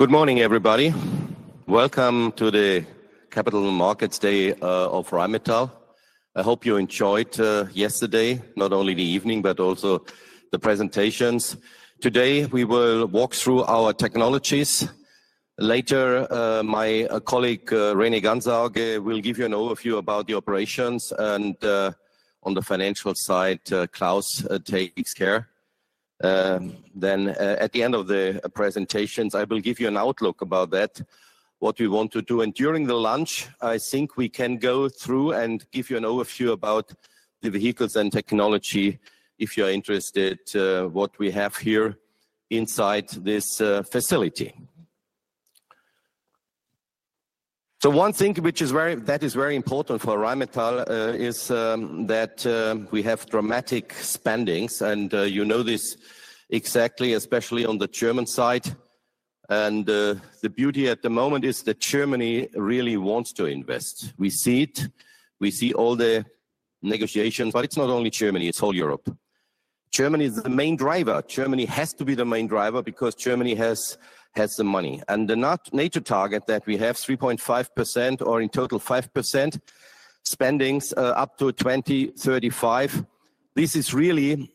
Good morning, everybody. Welcome to the Capital Markets Day of Rheinmetall. I hope you enjoyed yesterday, not only the evening but also the presentations. Today, we will walk through our technologies. Later, my colleague René Gansauge will give you an overview about the operations, and on the financial side, Klaus takes care. At the end of the presentations, I will give you an outlook about that, what we want to do. During the lunch, I think we can go through and give you an overview about the vehicles and technology, if you're interested, what we have here inside this facility. One thing which is very important for Rheinmetall is that we have dramatic spendings, and you know this exactly, especially on the German side. The beauty at the moment is that Germany really wants to invest. We see it. We see all the negotiations. It is not only Germany; it is all Europe. Germany is the main driver. Germany has to be the main driver because Germany has the money. The net target that we have, 3.5% or in total 5% spendings, up to 2035, this is really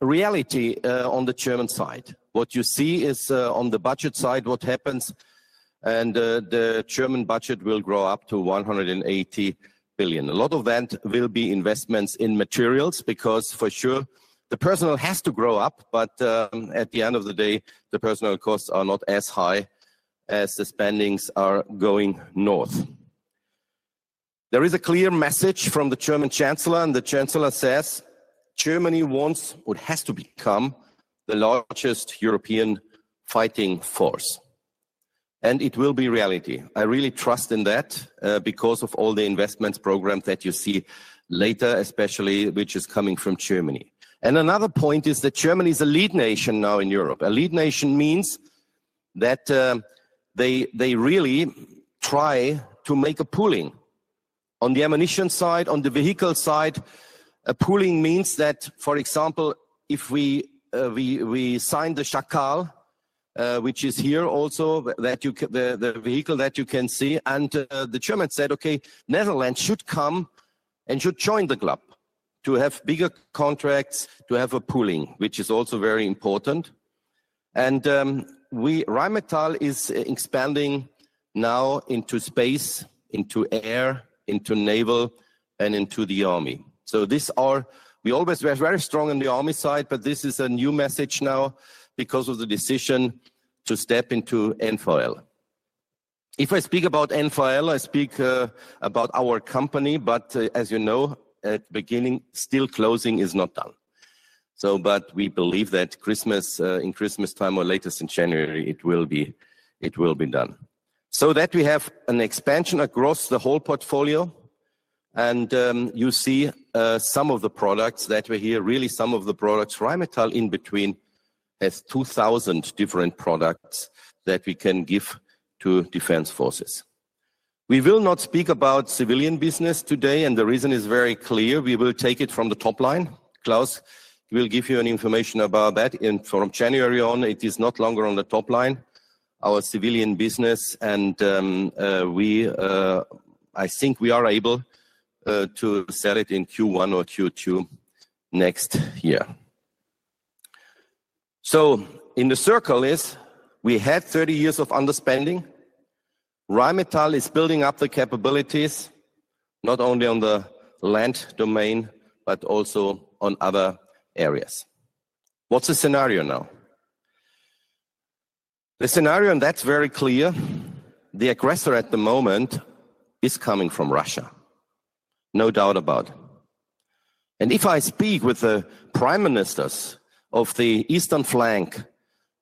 reality on the German side. What you see is on the budget side what happens, and the German budget will grow up to 180 billion. A lot of that will be investments in materials because, for sure, the personnel has to grow up, but at the end of the day, the personnel costs are not as high as the spendings are going north. There is a clear message from the German Chancellor, and the Chancellor says Germany wants or has to become the largest European fighting force. It will be reality. I really trust in that because of all the investment programs that you see later, especially which is coming from Germany. Another point is that Germany is a lead nation now in Europe. A lead nation means that they really try to make a pooling on the ammunition side, on the vehicle side. A pooling means that, for example, if we sign the Chacal, which is here also, the vehicle that you can see, and the Germans said, "Okay, Netherlands should come and should join the club to have bigger contracts, to have a pooling," which is also very important. Rheinmetall is expanding now into space, into air, into naval, and into the army. We always were very strong on the army side, but this is a new message now because of the decision to step into NVL. If I speak about NVL, I speak about our company, but as you know, at the beginning, still closing is not done. We believe that in Christmas time or latest in January, it will be done. That we have an expansion across the whole portfolio, and you see some of the products that we hear, really some of the products Rheinmetall in between has 2,000 different products that we can give to defense forces. We will not speak about civilian business today, and the reason is very clear. We will take it from the top line. Klaus will give you information about that. From January on, it is not longer on the top line, our civilian business, and I think we are able to set it in Q1 or Q2 next year. In the circle is we had 30 years of understanding. Rheinmetall is building up the capabilities not only on the land domain but also on other areas. What's the scenario now? The scenario, and that's very clear, the aggressor at the moment is coming from Russia, no doubt about it. If I speak with the prime ministers of the eastern flank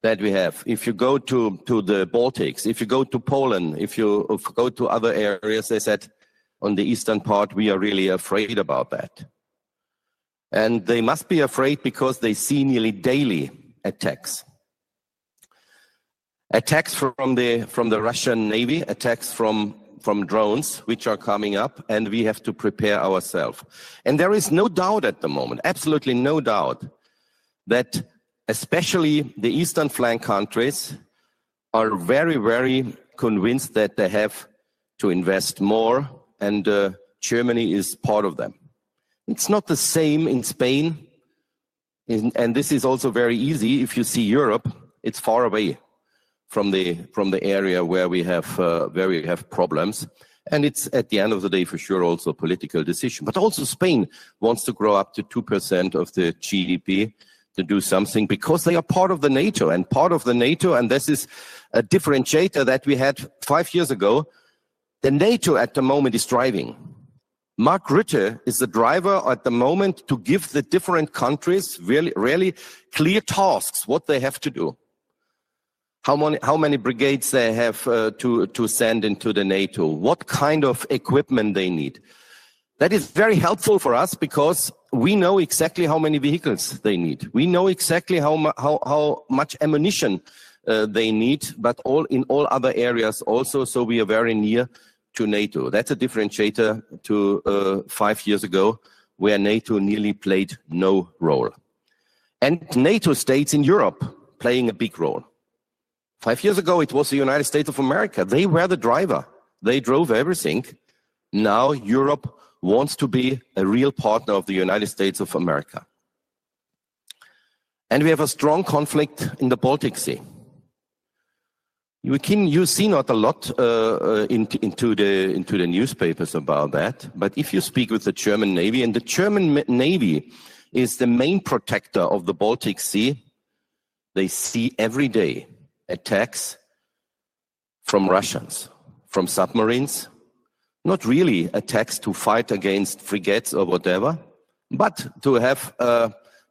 that we have, if you go to the Baltics, if you go to Poland, if you go to other areas, they said on the eastern part, we are really afraid about that. They must be afraid because they see nearly daily attacks. Attacks from the Russian Navy, attacks from drones, which are coming up, and we have to prepare ourselves. There is no doubt at the moment, absolutely no doubt, that especially the eastern flank countries are very, very convinced that they have to invest more, and Germany is part of them. It's not the same in Spain, and this is also very easy. If you see Europe, it's far away from the area where we have problems. It's, at the end of the day, for sure, also a political decision. Also, Spain wants to grow up to 2% of the GDP to do something because they are part of NATO, and part of NATO, and this is a differentiator that we had five years ago. NATO at the moment is driving. Mark Rutte is the driver at the moment to give the different countries really clear tasks, what they have to do, how many brigades they have to send into NATO, what kind of equipment they need. That is very helpful for us because we know exactly how many vehicles they need. We know exactly how much ammunition they need, but in all other areas also, so we are very near to NATO. That's a differentiator to five years ago where NATO nearly played no role. NATO states in Europe are playing a big role. Five years ago, it was the United States of America. They were the driver. They drove everything. Now Europe wants to be a real partner of the United States of America. We have a strong conflict in the Baltic Sea. You see not a lot in the newspapers about that, but if you speak with the German Navy, and the German Navy is the main protector of the Baltic Sea, they see every day attacks from Russians, from submarines, not really attacks to fight against frigates or whatever, but to have,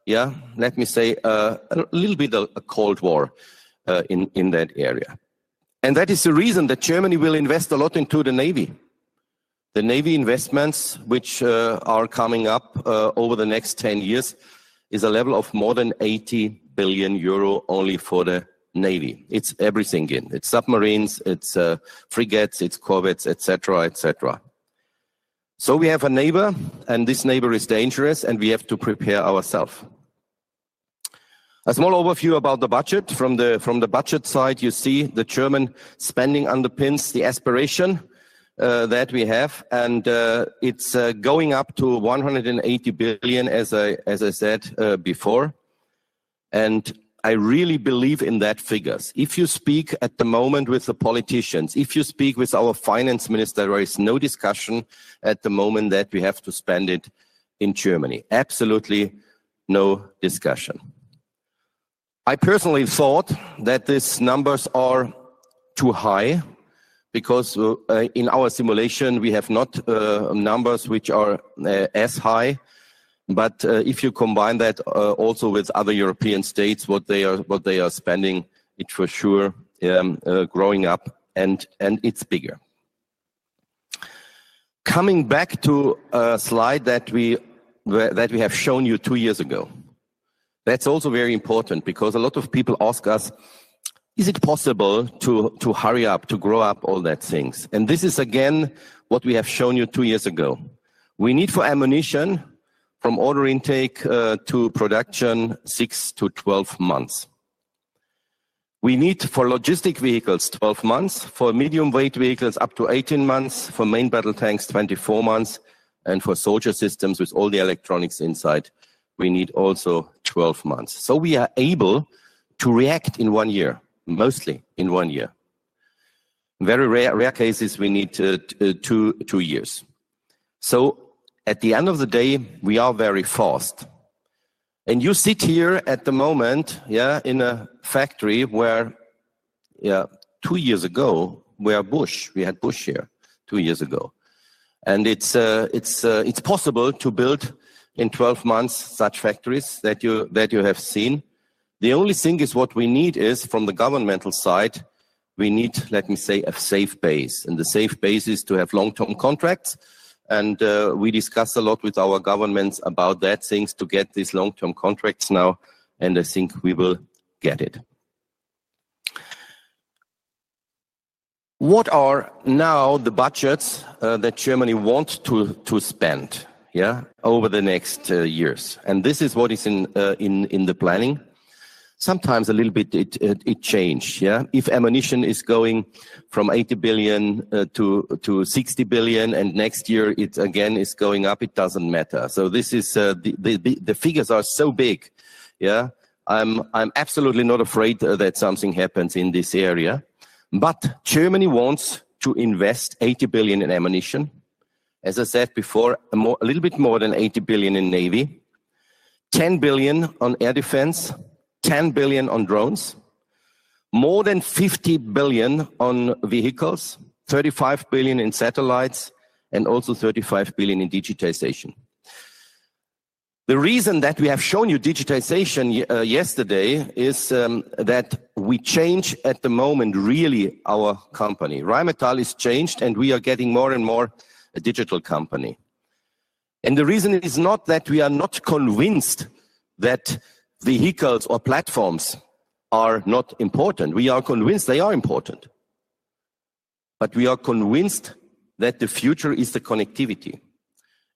yeah, let me say, a little bit of a cold war in that area. That is the reason that Germany will invest a lot into the Navy. The Navy investments, which are coming up over the next 10 years, is a level of more than 80 billion euro only for the Navy. It's everything in. It's submarines, it's frigates, it's corvettes, etc., etc. We have a neighbor, and this neighbor is dangerous, and we have to prepare ourselves. A small overview about the budget. From the budget side, you see the German spending underpins the aspiration that we have, and it's going up to 180 billion, as I said before. I really believe in that figures. If you speak at the moment with the politicians, if you speak with our finance minister, there is no discussion at the moment that we have to spend it in Germany. Absolutely no discussion. I personally thought that these numbers are too high because in our simulation, we have not numbers which are as high, but if you combine that also with other European states, what they are spending, it's for sure growing up, and it's bigger. Coming back to a slide that we have shown you two years ago, that's also very important because a lot of people ask us, "Is it possible to hurry up, to grow up all that things?" This is, again, what we have shown you two years ago. We need for ammunition from order intake to production six to 12 months. We need for logistic vehicles 12 months, for medium-weight vehicles up to 18 months, for main battle tanks 24 months, and for soldier systems with all the electronics inside, we need also 12 months. We are able to react in one year, mostly in one year. In very rare cases, we need two years. At the end of the day, we are very fast. You sit here at the moment in a factory where, two years ago, we had Bush here, two years ago. It is possible to build in 12 months such factories that you have seen. The only thing we need from the governmental side is, let me say, a safe base. The safe base is to have long-term contracts, and we discuss a lot with our governments about that to get these long-term contracts now, and I think we will get it. What are now the budgets that Germany wants to spend over the next years? This is what is in the planning. Sometimes a little bit it changed, yeah. If ammunition is going from 80 billion to 60 billion and next year it again is going up, it does not matter. The figures are so big, yeah. I'm absolutely not afraid that something happens in this area. Germany wants to invest 80 billion in ammunition, as I said before, a little bit more than 80 billion in Navy, 10 billion on air defense, 10 billion on drones, more than 50 billion on vehicles, 35 billion in satellites, and also 35 billion in digitization. The reason that we have shown you digitization yesterday is that we change at the moment really our company. Rheinmetall is changed, and we are getting more and more a digital company. The reason is not that we are not convinced that vehicles or platforms are not important. We are convinced they are important, but we are convinced that the future is the connectivity.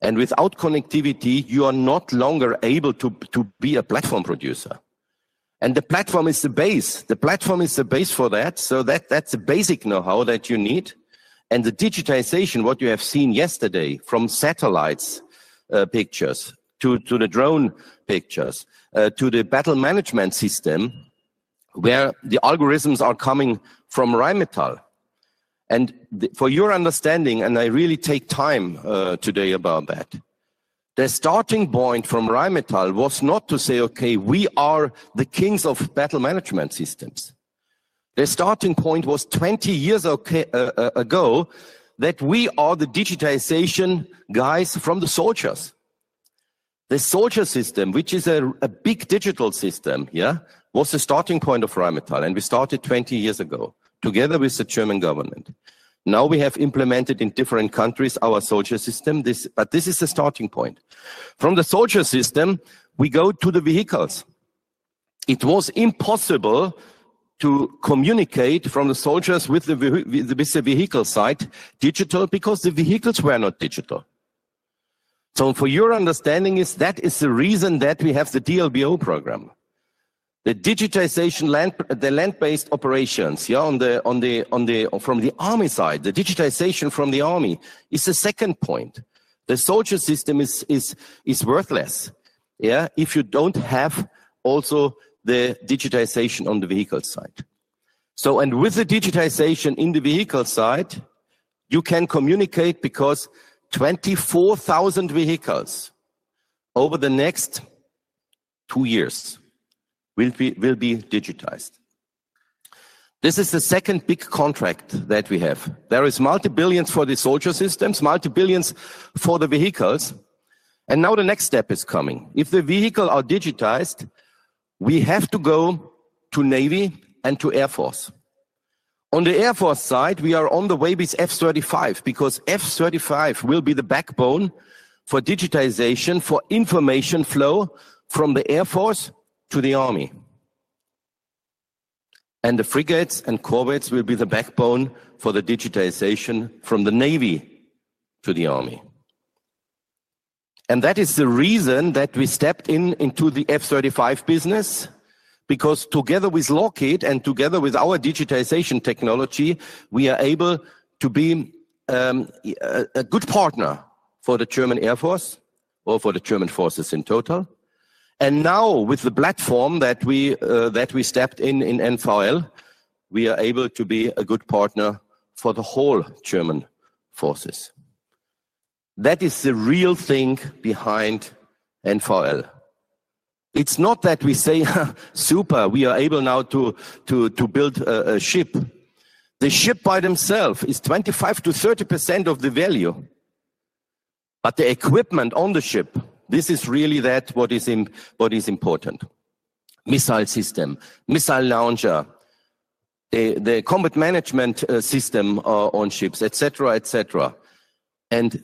Without connectivity, you are not longer able to be a platform producer. The platform is the base. The platform is the base for that, so that is a basic know-how that you need. The digitization, what you have seen yesterday from satellites pictures to the drone pictures to the battle management system where the algorithms are coming from Rheinmetall. For your understanding, and I really take time today about that, the starting point from Rheinmetall was not to say, "Okay, we are the kings of battle management systems." The starting point was 20 years ago that we are the digitization guys from the soldiers. The soldier system, which is a big digital system, yeah, was the starting point of Rheinmetall, and we started 20 years ago together with the German government. Now we have implemented in different countries our soldier system, but this is the starting point. From the soldier system, we go to the vehicles. It was impossible to communicate from the soldiers with the vehicle side digital because the vehicles were not digital. For your understanding, that is the reason that we have the DLBO program. The digitization, the land-based operations, from the army side, the digitization from the army is the second point. The soldier system is worthless, if you do not have also the digitization on the vehicle side. With the digitization in the vehicle side, you can communicate because 24,000 vehicles over the next two years will be digitized. This is the second big contract that we have. There is multi-billions for the soldier systems, multi-billions for the vehicles. Now the next step is coming. If the vehicles are digitized, we have to go to Navy and to Air Force. On the Air Force side, we are on the way with F-35 because F-35 will be the backbone for digitization, for information flow from the Air Force to the army. The frigates and corvettes will be the backbone for the digitization from the Navy to the army. That is the reason that we stepped into the F-35 business because together with Lockheed and together with our digitization technology, we are able to be a good partner for the German Air Force or for the German forces in total. Now with the platform that we stepped in NVL, we are able to be a good partner for the whole German forces. That is the real thing behind NVL. It's not that we say, "Super, we are able now to build a ship." The ship by themself is 25%-30% of the value, but the equipment on the ship, this is really what is important. Missile system, missile launcher, the combat management system on ships, etc., etc.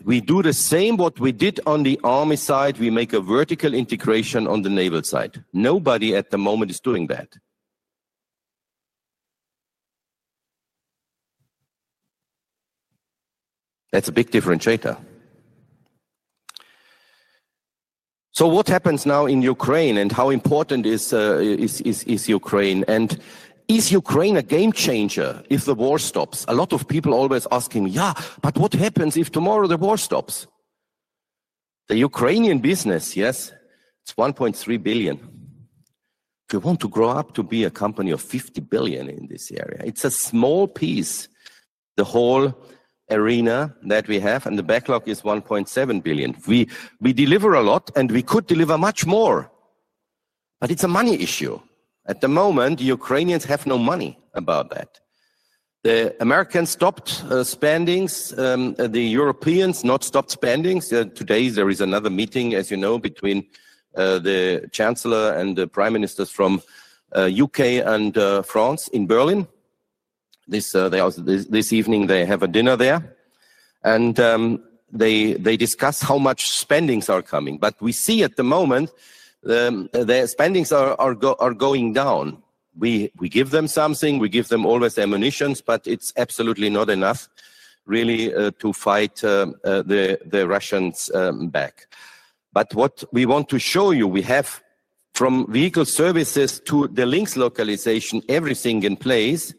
We do the same what we did on the army side. We make a vertical integration on the naval side. Nobody at the moment is doing that. That's a big differentiator. What happens now in Ukraine and how important is Ukraine? Is Ukraine a game changer if the war stops? A lot of people always ask him, "Yeah, but what happens if tomorrow the war stops?" The Ukrainian business, yes, it's 1.3 billion. We want to grow up to be a company of 50 billion in this area. It's a small piece, the whole arena that we have, and the backlog is 1.7 billion. We deliver a lot, and we could deliver much more, but it's a money issue. At the moment, the Ukrainians have no money about that. The Americans stopped spending, the Europeans not stopped spending. Today, there is another meeting, as you know, between the chancellor and the prime ministers from the U.K. and France in Berlin. This evening, they have a dinner there, and they discuss how much spendings are coming. We see at the moment their spendings are going down. We give them something, we give them always ammunitions, but it's absolutely not enough really to fight the Russians back. What we want to show you, we have from vehicle services to the Lynx localization, everything in place,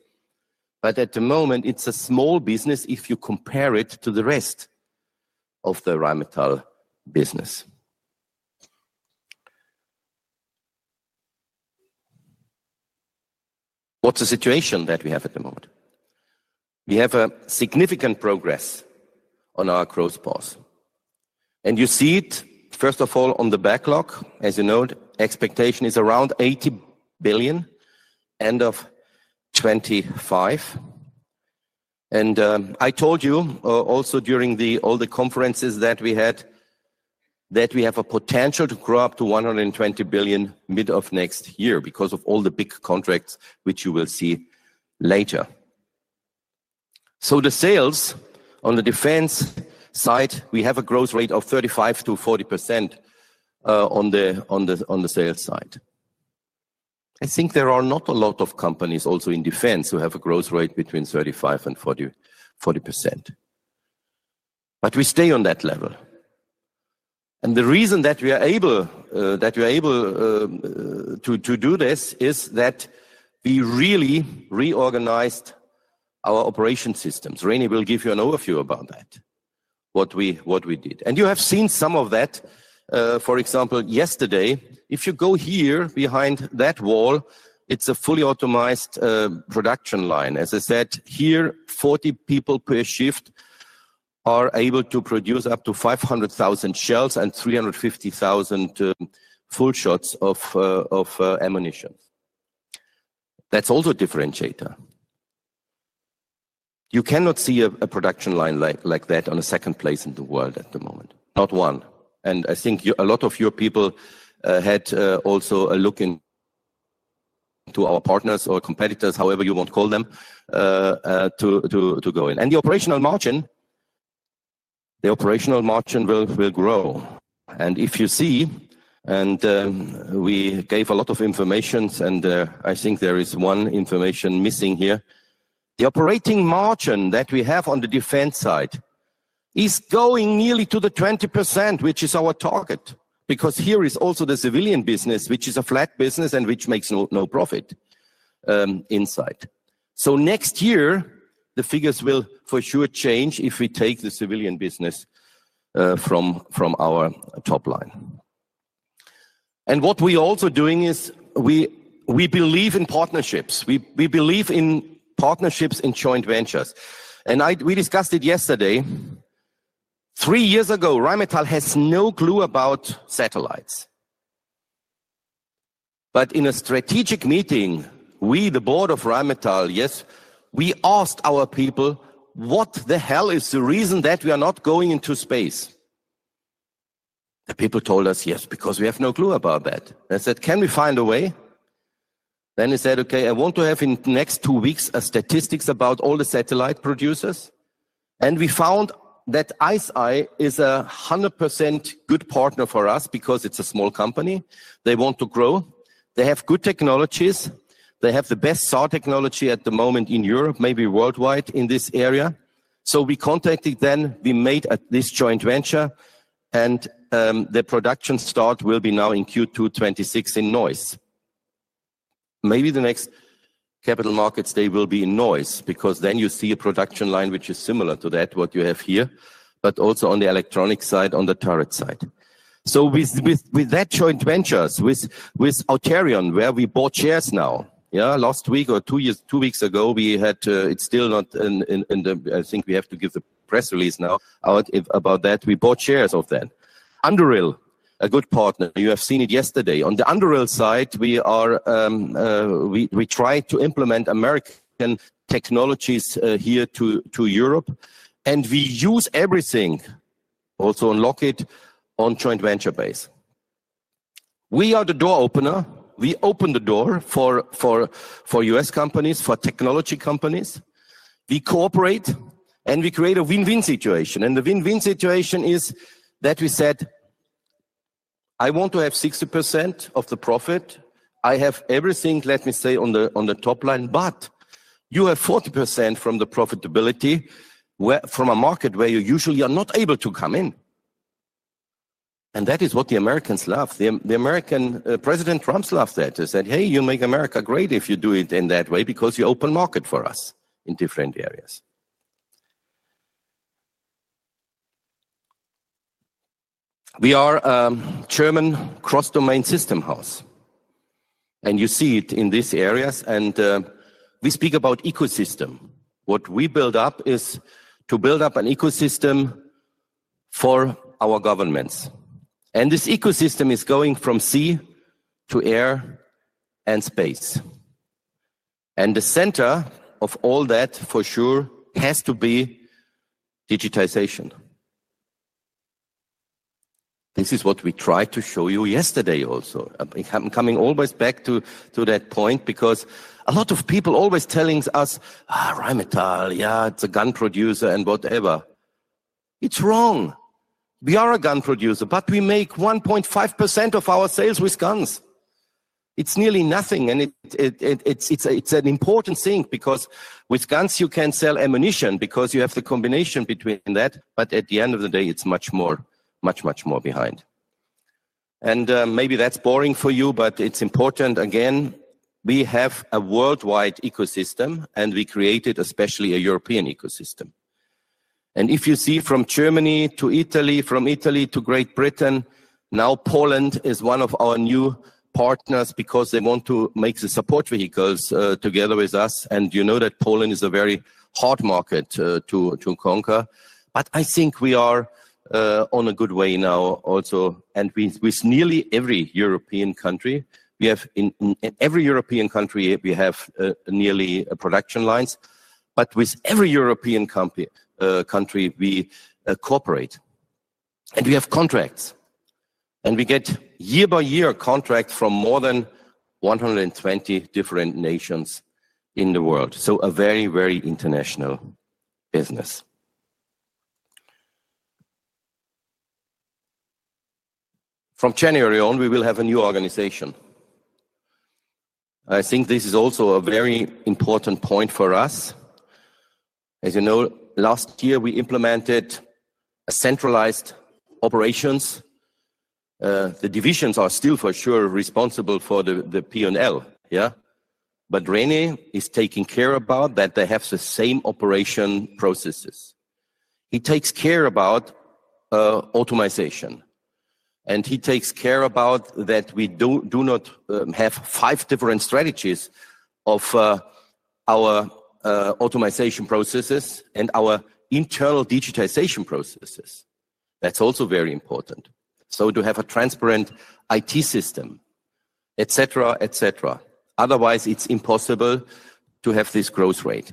but at the moment, it's a small business if you compare it to the rest of the Rheinmetall business. What's the situation that we have at the moment? We have significant progress on our cross path. You see it, first of all, on the backlog, as you know, expectation is around 80 billion end of 2025. I told you also during all the conferences that we had that we have a potential to grow up to 120 billion mid of next year because of all the big contracts which you will see later. The sales on the defense side, we have a growth rate of 35%-40% on the sales side. I think there are not a lot of companies also in defense who have a growth rate between 35% and 40%. We stay on that level. The reason that we are able to do this is that we really reorganized our operation systems. René will give you an overview about that, what we did. You have seen some of that, for example, yesterday, if you go here behind that wall, it is a fully automatized production line. As I said, here, 40 people per shift are able to produce up to 500,000 shells and 350,000 full shots of ammunition. That is also a differentiator. You cannot see a production line like that in a second place in the world at the moment, not one. I think a lot of your people had also a look into our partners or competitors, however you want to call them, to go in. The operational margin, the operational margin will grow. If you see, and we gave a lot of information, I think there is one information missing here, the operating margin that we have on the defense side is going nearly to the 20%, which is our target, because here is also the civilian business, which is a flat business and which makes no profit inside. Next year, the figures will for sure change if we take the civilian business from our top line. What we are also doing is we believe in partnerships. We believe in partnerships and joint ventures. We discussed it yesterday. Three years ago, Rheinmetall has no clue about satellites. In a strategic meeting, we, the board of Rheinmetall, yes, we asked our people, "What the hell is the reason that we are not going into space?" People told us, "Yes, because we have no clue about that." I said, "Can we find a way?" He said, "Okay, I want to have in the next two weeks statistics about all the satellite producers." We found that ICEYE is a 100% good partner for us because it's a small company. They want to grow. They have good technologies. They have the best SAR technology at the moment in Europe, maybe worldwide in this area. We contacted them. We made this joint venture, and the production start will be now in Q2 2026 in Neuss. Maybe the next capital markets day will be in Neuss because then you see a production line which is similar to that, what you have here, but also on the electronic side, on the turret side. With that joint venture with Auterion, where we bought shares now, yeah, last week or two weeks ago, we had it's still not in the I think we have to give the press release now about that. We bought shares of that. Underhill, a good partner. You have seen it yesterday. On the Underhill side, we tried to implement American technologies here to Europe, and we use everything also on Lockheed on joint venture base. We are the door opener. We open the door for US companies, for technology companies. We cooperate, and we create a win-win situation. The win-win situation is that we said, "I want to have 60% of the profit. I have everything, let me say, on the top line, but you have 40% from the profitability from a market where you usually are not able to come in." That is what the Americans love. The American President Trump loves that. He said, "Hey, you make America great if you do it in that way because you open market for us in different areas." We are a German cross-domain system house, and you see it in these areas. We speak about ecosystem. What we build up is to build up an ecosystem for our governments. This ecosystem is going from sea to air and space. The center of all that for sure has to be digitization. This is what we tried to show you yesterday also. I'm coming always back to that point because a lot of people always telling us, "Rheinmetall, yeah, it's a gun producer and whatever." It's wrong. We are a gun producer, but we make 1.5% of our sales with guns. It's nearly nothing, and it's an important thing because with guns, you can sell ammunition because you have the combination between that. At the end of the day, it's much more, much, much more behind. Maybe that's boring for you, but it's important. Again, we have a worldwide ecosystem, and we created especially a European ecosystem. If you see from Germany to Italy, from Italy to Great Britain, now Poland is one of our new partners because they want to make the support vehicles together with us. You know that Poland is a very hard market to conquer. I think we are on a good way now also. With nearly every European country, we have in every European country, we have nearly production lines. With every European country, we cooperate. We have contracts. We get year-by-year contracts from more than 120 different nations in the world. A very, very international business. From January on, we will have a new organization. I think this is also a very important point for us. As you know, last year, we implemented centralized operations. The divisions are still for sure responsible for the P&L, yeah? René is taking care about that they have the same operation processes. He takes care about automation. He takes care about that we do not have five different strategies of our automation processes and our internal digitization processes. That is also very important. To have a transparent IT system, etc., etc. Otherwise, it's impossible to have this growth rate.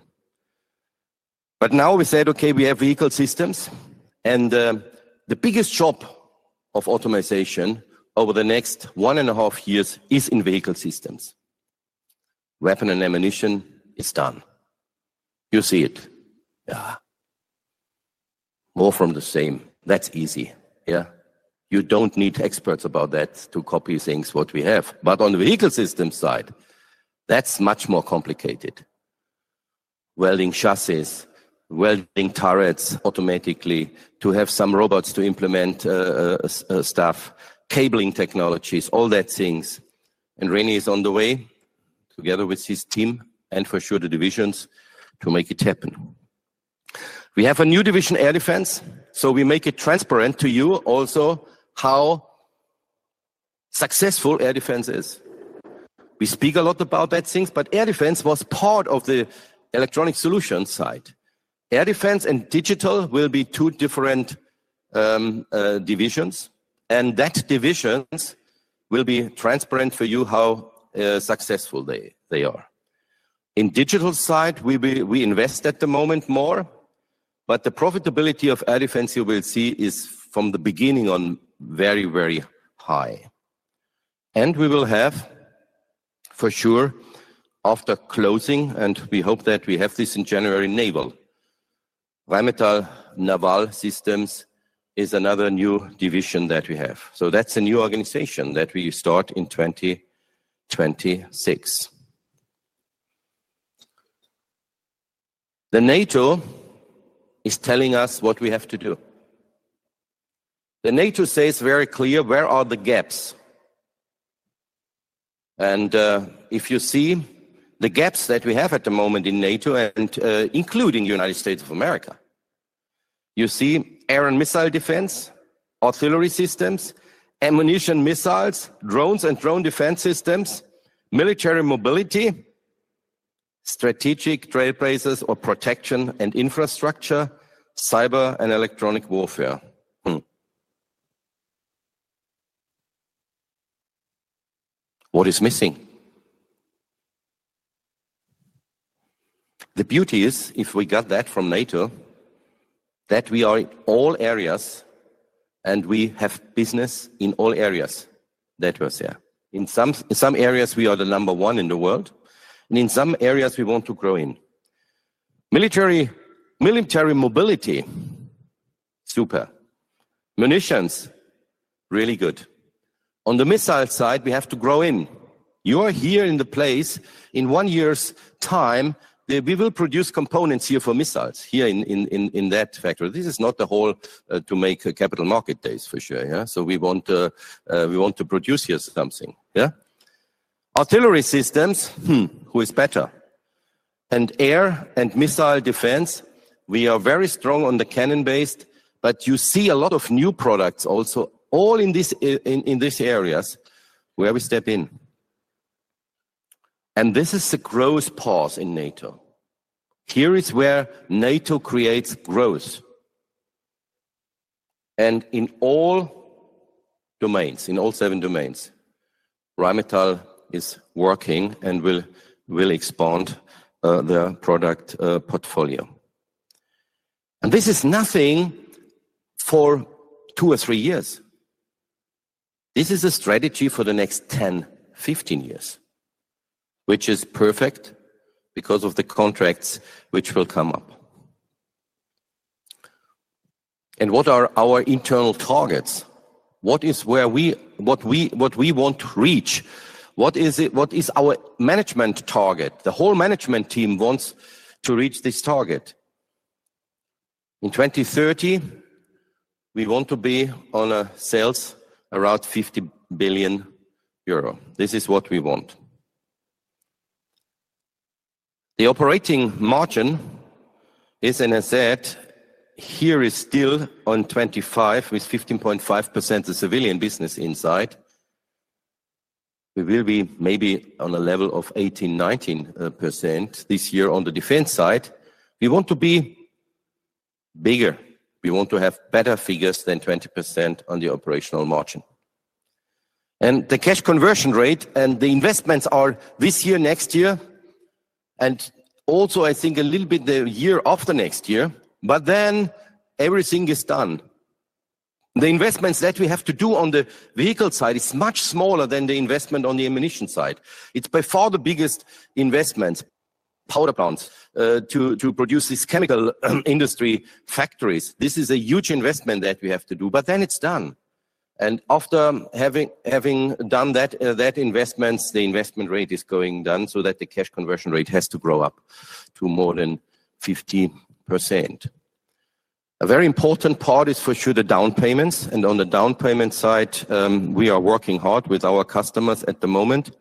Now we said, "Okay, we have vehicle systems." The biggest job of automation over the next one and a half years is in vehicle systems. Weapon and ammunition is done. You see it. Yeah. More from the same. That's easy, yeah? You don't need experts about that to copy things what we have. On the vehicle system side, that's much more complicated. Welding chassis, welding turrets automatically to have some robots to implement stuff, cabling technologies, all that things. René is on the way together with his team and for sure the divisions to make it happen. We have a new division, Air Defense. We make it transparent to you also how successful Air Defense is. We speak a lot about that things, but Air Defense was part of the electronic solution side. Air Defense and digital will be two different divisions. That divisions will be transparent for you how successful they are. In digital side, we invest at the moment more, but the profitability of Air Defense you will see is from the beginning on very, very high. We will have for sure after closing, and we hope that we have this in January, Naval. Rheinmetall Naval Systems is another new division that we have. That is a new organization that we start in 2026. The NATO is telling us what we have to do. The NATO says very clear where are the gaps. If you see the gaps that we have at the moment in NATO, and including the United States of America, you see air and missile defense, artillery systems, ammunition, missiles, drones, and drone defense systems, military mobility, strategic trailblazers or protection and infrastructure, cyber and electronic warfare. What is missing? The beauty is if we got that from NATO, that we are all areas and we have business in all areas that we are here. In some areas, we are the number one in the world. In some areas, we want to grow in. Military mobility, super. Munitions, really good. On the missile side, we have to grow in. You are here in the place in one year's time. We will produce components here for missiles here in that factory. This is not the whole to make capital market days for sure, yeah? We want to produce here something, yeah? Artillery systems, who is better? Air and missile defense, we are very strong on the cannon-based, but you see a lot of new products also all in these areas where we step in. This is the growth path in NATO. Here is where NATO creates growth. In all domains, in all seven domains, Rheinmetall is working and will expand the product portfolio. This is nothing for two or three years. This is a strategy for the next 10-15 years, which is perfect because of the contracts which will come up. What are our internal targets? What is where we what we want to reach? What is our management target? The whole management team wants to reach this target. In 2030, we want to be on a sales around 50 billion euro. This is what we want. The operating margin is, and as I said, here is still on 25 with 15.5% of civilian business inside. We will be maybe on a level of 18-19% this year on the defense side. We want to be bigger. We want to have better figures than 20% on the operational margin. The cash conversion rate and the investments are this year, next year, and also I think a little bit the year after next year, but then everything is done. The investments that we have to do on the vehicle side is much smaller than the investment on the ammunition side. It's by far the biggest investment. Power plants to produce this chemical industry factories. This is a huge investment that we have to do, but then it's done. After having done that investments, the investment rate is going down so that the cash conversion rate has to grow up to more than 15%. A very important part is for sure the down payments. On the down payment side, we are working hard with our customers at the moment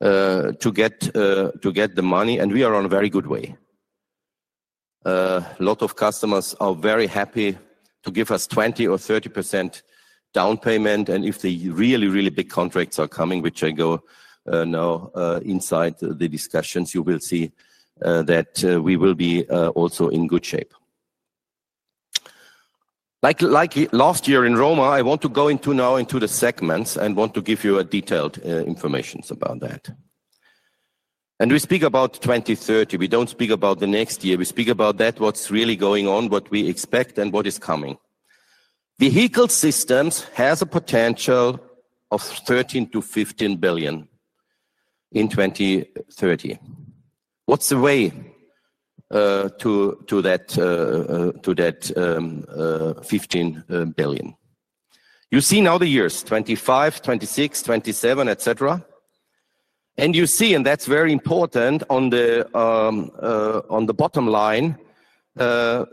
to get the money, and we are on a very good way. A lot of customers are very happy to give us 20% or 30% down payment. If the really, really big contracts are coming, which I go now inside the discussions, you will see that we will be also in good shape. Like last year in Rome, I want to go now into the segments and want to give you detailed information about that. We speak about 2030. We do not speak about the next year. We speak about that, what's really going on, what we expect, and what is coming. Vehicle systems has a potential of 13 billion-15 billion in 2030. What's the way to that 15 billion? You see now the years 2025, 2026, 2027, etc. You see, and that's very important on the bottom line. The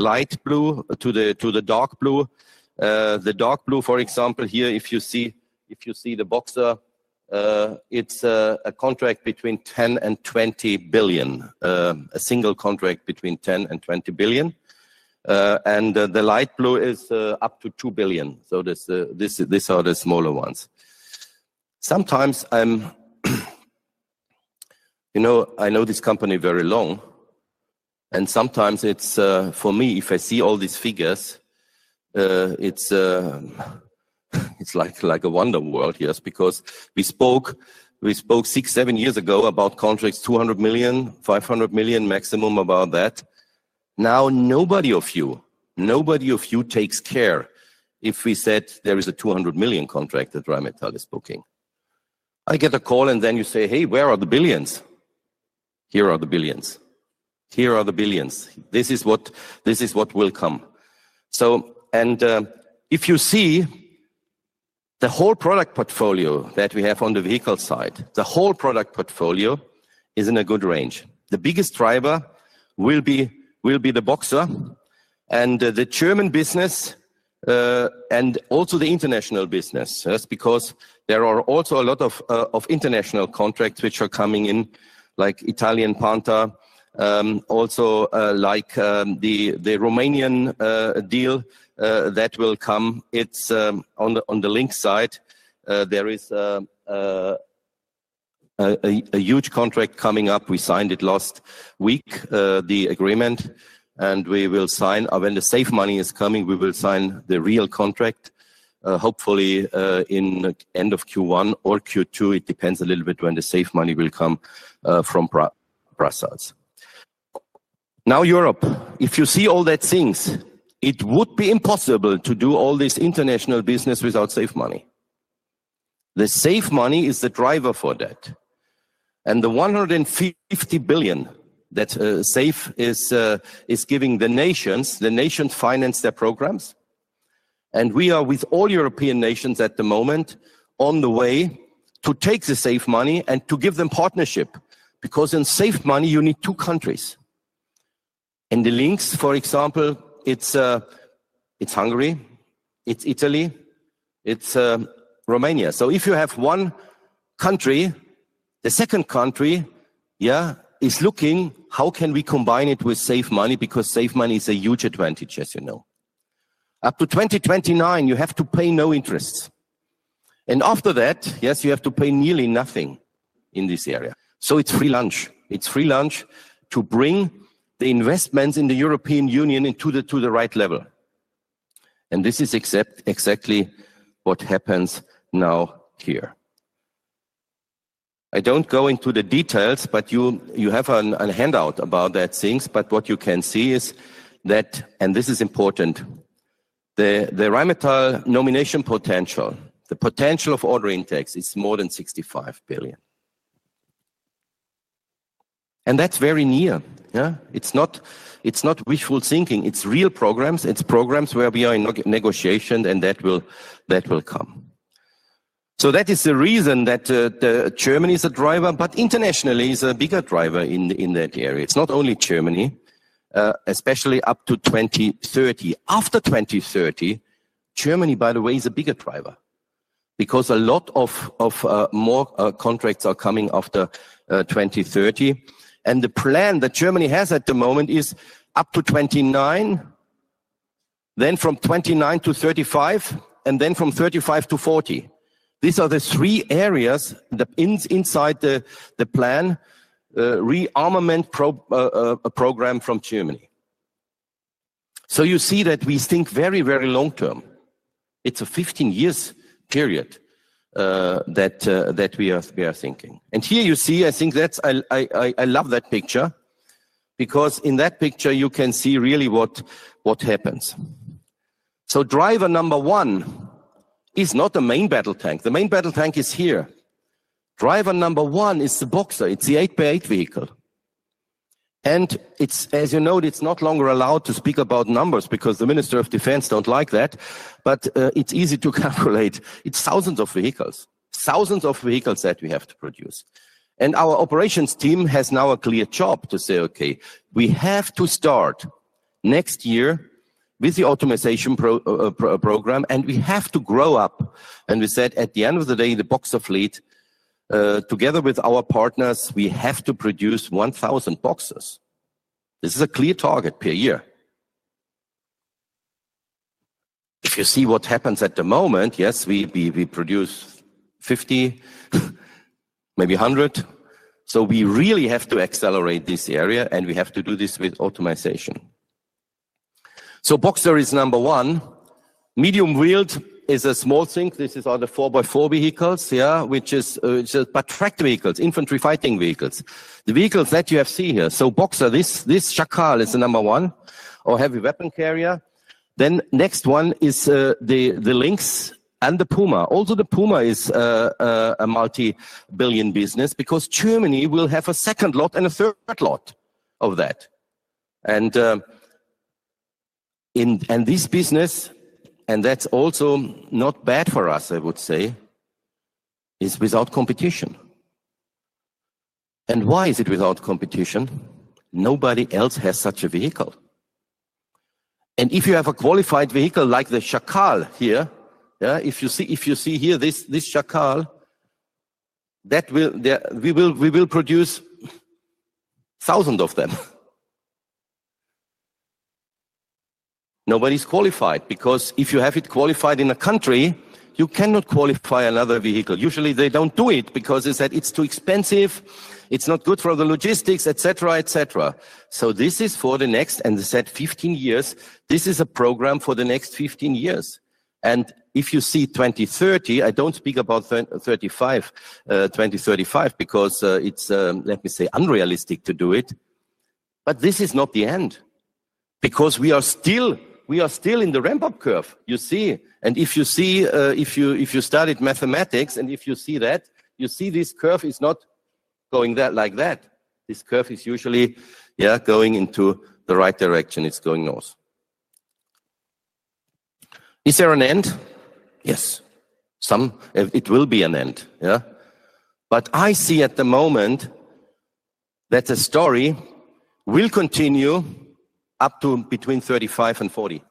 light blue to the dark blue, the dark blue, for example, here, if you see the Boxer, it's a contract between 10 billion and 20 billion, a single contract between 10 billion and 20 billion. The light blue is up to 2 billion. These are the smaller ones. Sometimes I know this company very long, and sometimes it's for me, if I see all these figures, it's like a wonder world here because we spoke six, seven years ago about contracts, 200 million, 500 million, maximum about that. Now, nobody of you, nobody of you takes care if we said there is a 200 million contract that Rheinmetall is booking. I get a call, and then you say, "Hey, where are the billions?" Here are the billions. Here are the billions. This is what will come. If you see the whole product portfolio that we have on the vehicle side, the whole product portfolio is in a good range. The biggest driver will be the Boxer and the German business and also the international business because there are also a lot of international contracts which are coming in, like Italian Panther, also like the Romanian deal that will come. It's on the Lynx side. There is a huge contract coming up. We signed it last week, the agreement, and we will sign when the SAFE money is coming, we will sign the real contract, hopefully in end of Q1 or Q2. It depends a little bit when the SAFE money will come from Brussels. Now, Europe, if you see all that things, it would be impossible to do all this international business without SAFE money. The SAFE money is the driver for that. And the 150 billion that SAFE is giving the nations, the nations finance their programs. We are with all European nations at the moment on the way to take the SAFE money and to give them partnership because in SAFE money, you need two countries. The Lynx, for example, it's Hungary, it's Italy, it's Romania. If you have one country, the second country, yeah, is looking how can we combine it with safe money because safe money is a huge advantage, as you know. Up to 2029, you have to pay no interest. After that, yes, you have to pay nearly nothing in this area. It is free lunch. It is free lunch to bring the investments in the European Union into the right level. This is exactly what happens now here. I do not go into the details, but you have a handout about that things. What you can see is that, and this is important, the Rheinmetall nomination potential, the potential of order index is more than 65 billion. That is very near. It is not wishful thinking. It is real programs. It is programs where we are in negotiation, and that will come. That is the reason that Germany is a driver, but internationally, it's a bigger driver in that area. It's not only Germany, especially up to 2030. After 2030, Germany, by the way, is a bigger driver because a lot more contracts are coming after 2030. The plan that Germany has at the moment is up to 2029, then from 2029 to 2035, and then from 2035 to 2040. These are the three areas inside the plan, rearmament program from Germany. You see that we think very, very long term. It's a 15-year period that we are thinking. Here you see, I think that's, I love that picture because in that picture, you can see really what happens. Driver number one is not the main battle tank. The main battle tank is here. Driver number one is the Boxer. It's the 8x8 vehicle. As you know, it's not longer allowed to speak about numbers because the Minister of Defense doesn't like that, but it's easy to calculate. It's thousands of vehicles, thousands of vehicles that we have to produce. Our operations team has now a clear job to say, "Okay, we have to start next year with the automation program, and we have to grow up." We said at the end of the day, the Boxer fleet, together with our partners, we have to produce 1,000 Boxers. This is a clear target per year. If you see what happens at the moment, yes, we produce 50, maybe 100. We really have to accelerate this area, and we have to do this with automation. Boxer is number one. Medium wheeled is a small thing. This is other 4x4 vehicles, which is but tracked vehicles, infantry fighting vehicles. The vehicles that you have seen here. Boxer, this Chacal is the number one or heavy weapon carrier. Next one is the Lynx and the Puma. Also, the Puma is a multi-billion business because Germany will have a second lot and a third lot of that. This business, and that's also not bad for us, I would say, is without competition. Why is it without competition? Nobody else has such a vehicle. If you have a qualified vehicle like the Chacal here, yeah, if you see here, this Chacal, we will produce thousands of them. Nobody's qualified because if you have it qualified in a country, you cannot qualify another vehicle. Usually, they do not do it because they said it's too expensive. It's not good for the logistics, etc., etc. This is for the next, as I said, 15 years. This is a program for the next 15 years. If you see 2030, I do not speak about 2035 because it is, let me say, unrealistic to do it. This is not the end because we are still in the ramp-up curve, you see. If you see, if you studied mathematics, and if you see that, you see this curve is not going like that. This curve is usually, yeah, going into the right direction. It is going north. Is there an end? Yes. It will be an end, yeah? I see at the moment that the story will continue up to between 35 and 40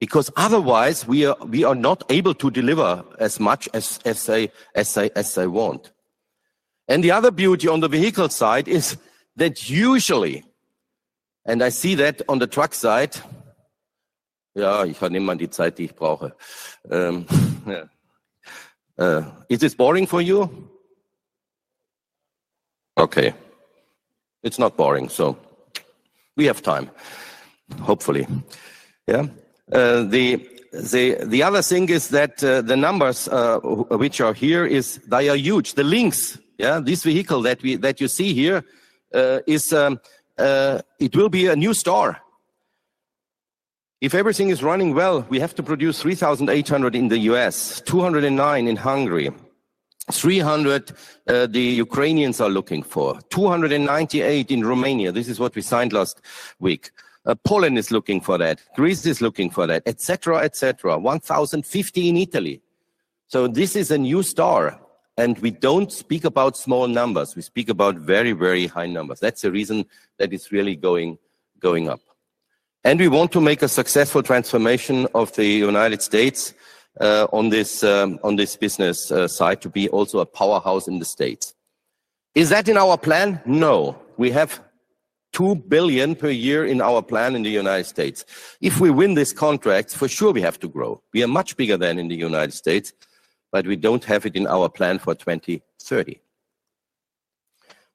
because otherwise, we are not able to deliver as much as I want. The other beauty on the vehicle side is that usually, and I see that on the truck side, yeah, Ich habe niemand die Zeit, die ich brauche. Is this boring for you? Okay. It's not boring, so we have time, hopefully, yeah? The other thing is that the numbers which are here, they are huge. The Lynx, yeah, this vehicle that you see here, it will be a new star. If everything is running well, we have to produce 3,800 in the U.S., 209 in Hungary, 300 the Ukrainians are looking for, 298 in Romania. This is what we signed last week. Poland is looking for that. Greece is looking for that, etc., etc. 1,050 in Italy. This is a new star. We do not speak about small numbers. We speak about very, very high numbers. That is the reason that it is really going up. We want to make a successful transformation of the United States on this business side to be also a powerhouse in the States. Is that in our plan? No. We have $2 billion per year in our plan in the U.S. If we win this contract, for sure, we have to grow. We are much bigger than in the U.S., but we do not have it in our plan for 2030.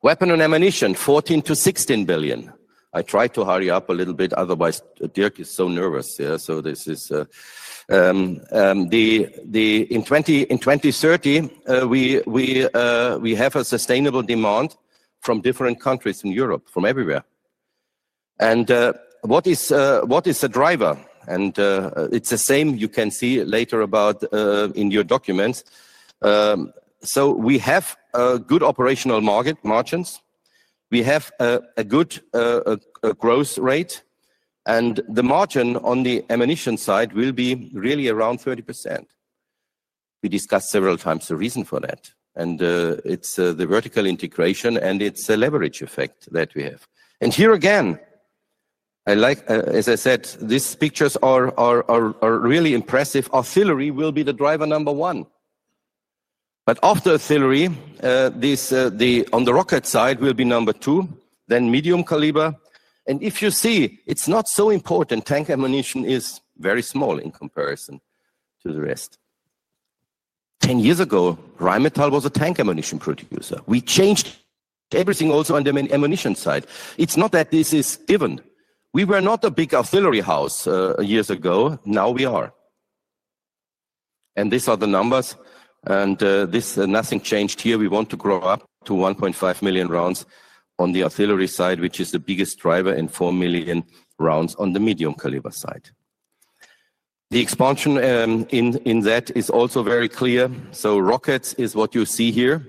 Weapon and ammunition, 14 billion-16 billion. I tried to hurry up a little bit, otherwise Dirk is so nervous, yeah? This is in 2030, we have a sustainable demand from different countries in Europe, from everywhere. What is the driver? It is the same you can see later about in your documents. We have good operational margins. We have a good growth rate. The margin on the ammunition side will be really around 30%. We discussed several times the reason for that. It is the vertical integration, and it is a leverage effect that we have. Here again, as I said, these pictures are really impressive. Artillery will be the driver number one. After artillery, on the rocket side, will be number two, then medium caliber. If you see, it is not so important. Tank ammunition is very small in comparison to the rest. Ten years ago, Rheinmetall was a tank ammunition producer. We changed everything also on the ammunition side. It is not that this is given. We were not a big artillery house years ago. Now we are. These are the numbers. Nothing changed here. We want to grow up to 1.5 million rounds on the artillery side, which is the biggest driver, and 4 million rounds on the medium caliber side. The expansion in that is also very clear. Rockets is what you see here,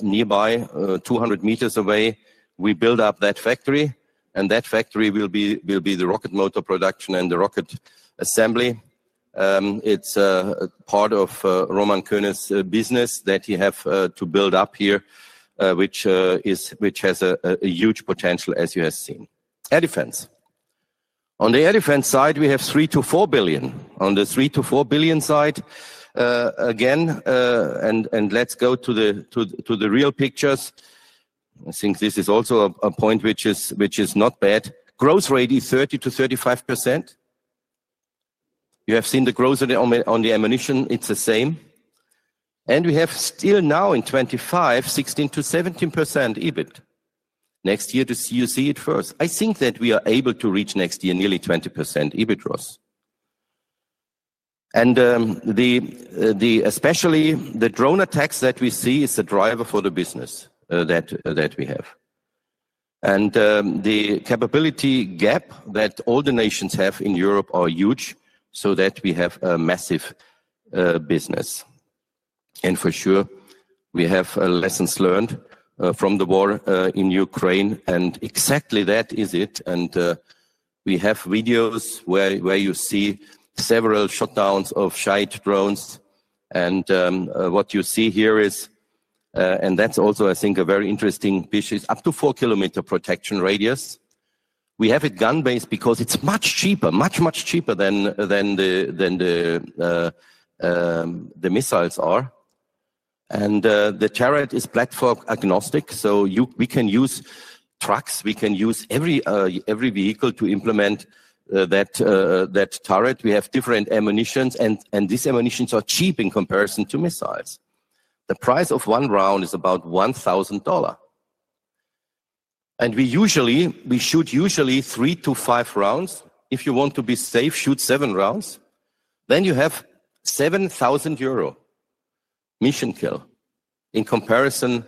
nearby, 200 m away. We build up that factory. That factory will be the rocket motor production and the rocket assembly. It is part of Roman Kerner's business that he has to build up here, which has a huge potential, as you have seen. Air defense. On the air defense side, we have 3 billion-4 billion. On the 3 billion-4 billion side, again, and let's go to the real pictures. I think this is also a point which is not bad. Growth rate is 30%-35%. You have seen the growth on the ammunition. It is the same. We have still now in 2025, 16%-17% EBIT. Next year, you see it first. I think that we are able to reach next year nearly 20% EBITDA. Especially the drone attacks that we see is the driver for the business that we have. The capability gap that all the nations have in Europe are huge, so that we have a massive business. For sure, we have lessons learned from the war in Ukraine. Exactly that is it. We have videos where you see several shutdowns of Shahid drones. What you see here is, and that is also, I think, a very interesting piece, up to 4 km protection radius. We have it gun-based because it is much cheaper, much, much cheaper than the missiles are. The turret is platform agnostic. We can use trucks. We can use every vehicle to implement that turret. We have different ammunitions, and these ammunitions are cheap in comparison to missiles. The price of one round is about $1,000. We shoot usually 3-5 rounds. If you want to be safe, shoot 7 rounds. You have 7,000 euro mission kill in comparison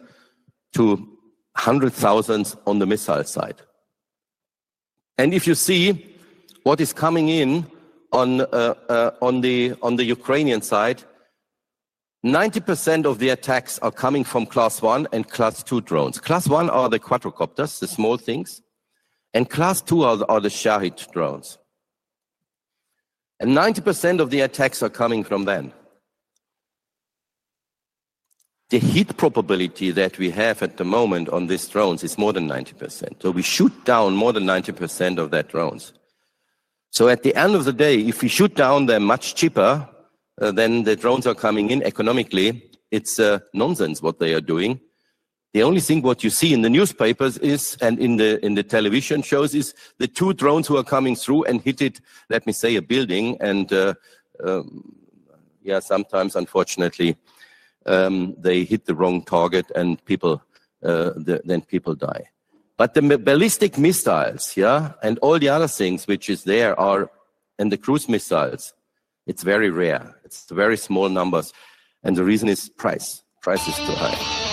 to 100,000 on the missile side. If you see what is coming in on the Ukrainian side, 90% of the attacks are coming from class 1 and class 2 drones. Class 1 are the quadcopters, the small things. Class 2 are the Shahid drones. 90% of the attacks are coming from them. The hit probability that we have at the moment on these drones is more than 90%. We shoot down more than 90% of those drones. At the end of the day, if we shoot them down, they are much cheaper than the drones that are coming in economically. It is nonsense what they are doing. The only thing you see in the newspapers and in the television shows is the two drones that are coming through and hit, let me say, a building. Yeah, sometimes, unfortunately, they hit the wrong target, and then people die. The ballistic missiles, yeah, and all the other things which are there and the cruise missiles, it's very rare. It's very small numbers. The reason is price. Price is too high.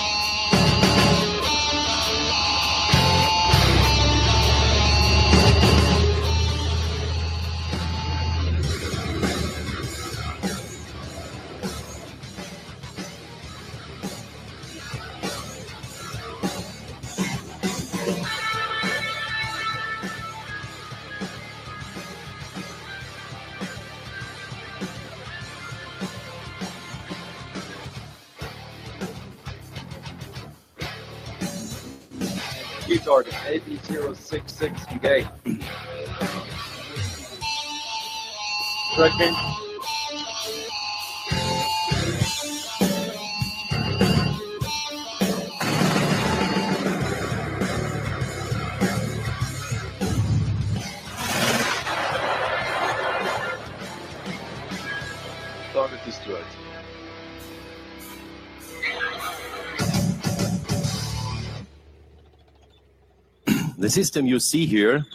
The system you see here,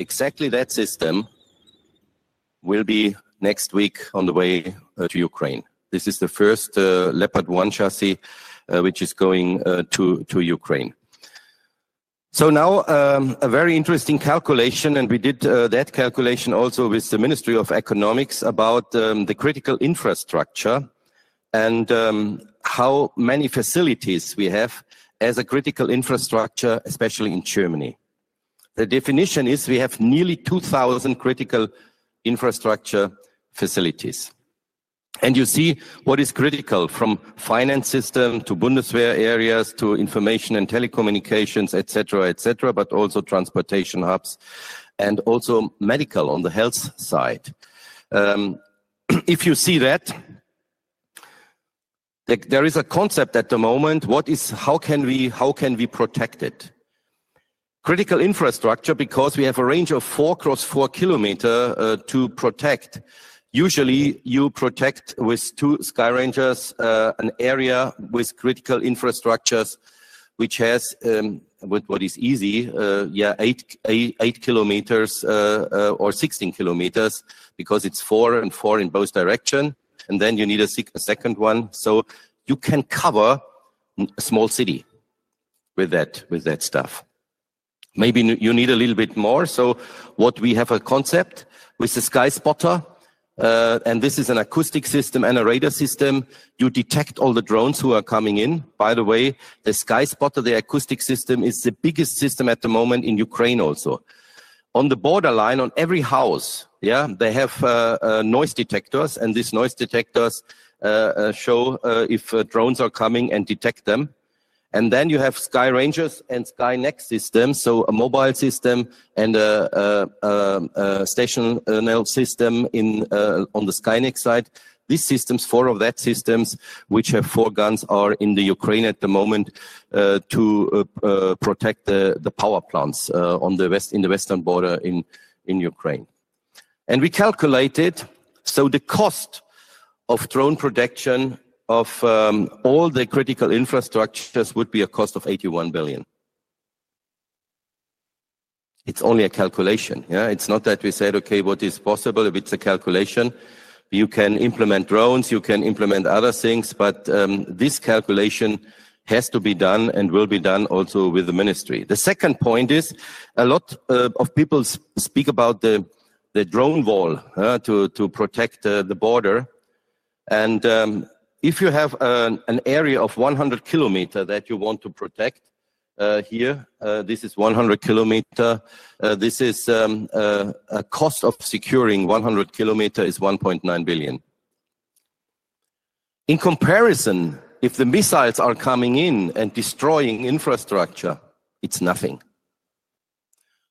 exactly that system, will be next week on the way to Ukraine. This is the first Leopard 1 chassis which is going to Ukraine. Now, a very interesting calculation. We did that calculation also with the Ministry of Economics about the critical infrastructure and how many facilities we have as a critical infrastructure, especially in Germany. The definition is we have nearly 2,000 critical infrastructure facilities. You see what is critical from finance system to Bundeswehr areas to information and telecommunications, etc., etc., but also transportation hubs and also medical on the health side. If you see that, there is a concept at the moment. How can we protect it? Critical infrastructure because we have a range of 4 x 4 km to protect. Usually, you protect with two Sky Rangers an area with critical infrastructures which has what is easy, yeah, 8 km or 16 km because it's 4 and 4 in both directions. You need a second one. You can cover a small city with that stuff. Maybe you need a little bit more. We have a concept with the Sky Spotter. This is an acoustic system and a radar system. You detect all the drones who are coming in. By the way, the Sky Spotter, the acoustic system, is the biggest system at the moment in Ukraine also. On the borderline, on every house, yeah, they have noise detectors. These noise detectors show if drones are coming and detect them. You have Sky Rangers and Sky Next system, so a mobile system and a station system on the Sky Next side. These systems, four of those systems which have four guns, are in Ukraine at the moment to protect the power plants in the western border in Ukraine. We calculated the cost of drone production of all the critical infrastructures would be a cost of 81 billion. It's only a calculation, yeah? It's not that we said, "Okay, what is possible?" It's a calculation. You can implement drones. You can implement other things. This calculation has to be done and will be done also with the ministry. The second point is a lot of people speak about the drone wall to protect the border. If you have an area of 100 km that you want to protect here, this is 100 km. The cost of securing 100 km is 1.9 billion. In comparison, if the missiles are coming in and destroying infrastructure, it's nothing.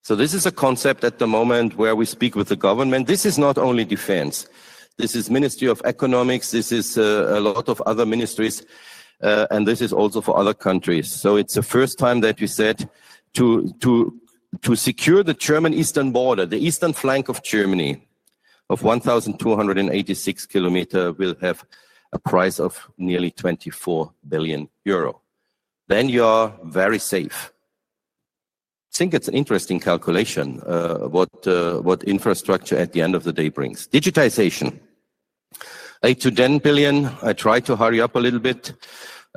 This is a concept at the moment where we speak with the government. This is not only defense. This is the Ministry of Economics. This is a lot of other ministries. This is also for other countries. It is the first time that we said to secure the German eastern border, the eastern flank of Germany of 1,286 km will have a price of nearly 24 billion euro. You are very safe. I think it's an interesting calculation what infrastructure at the end of the day brings. Digitization, 8 billion-10 billion. I tried to hurry up a little bit.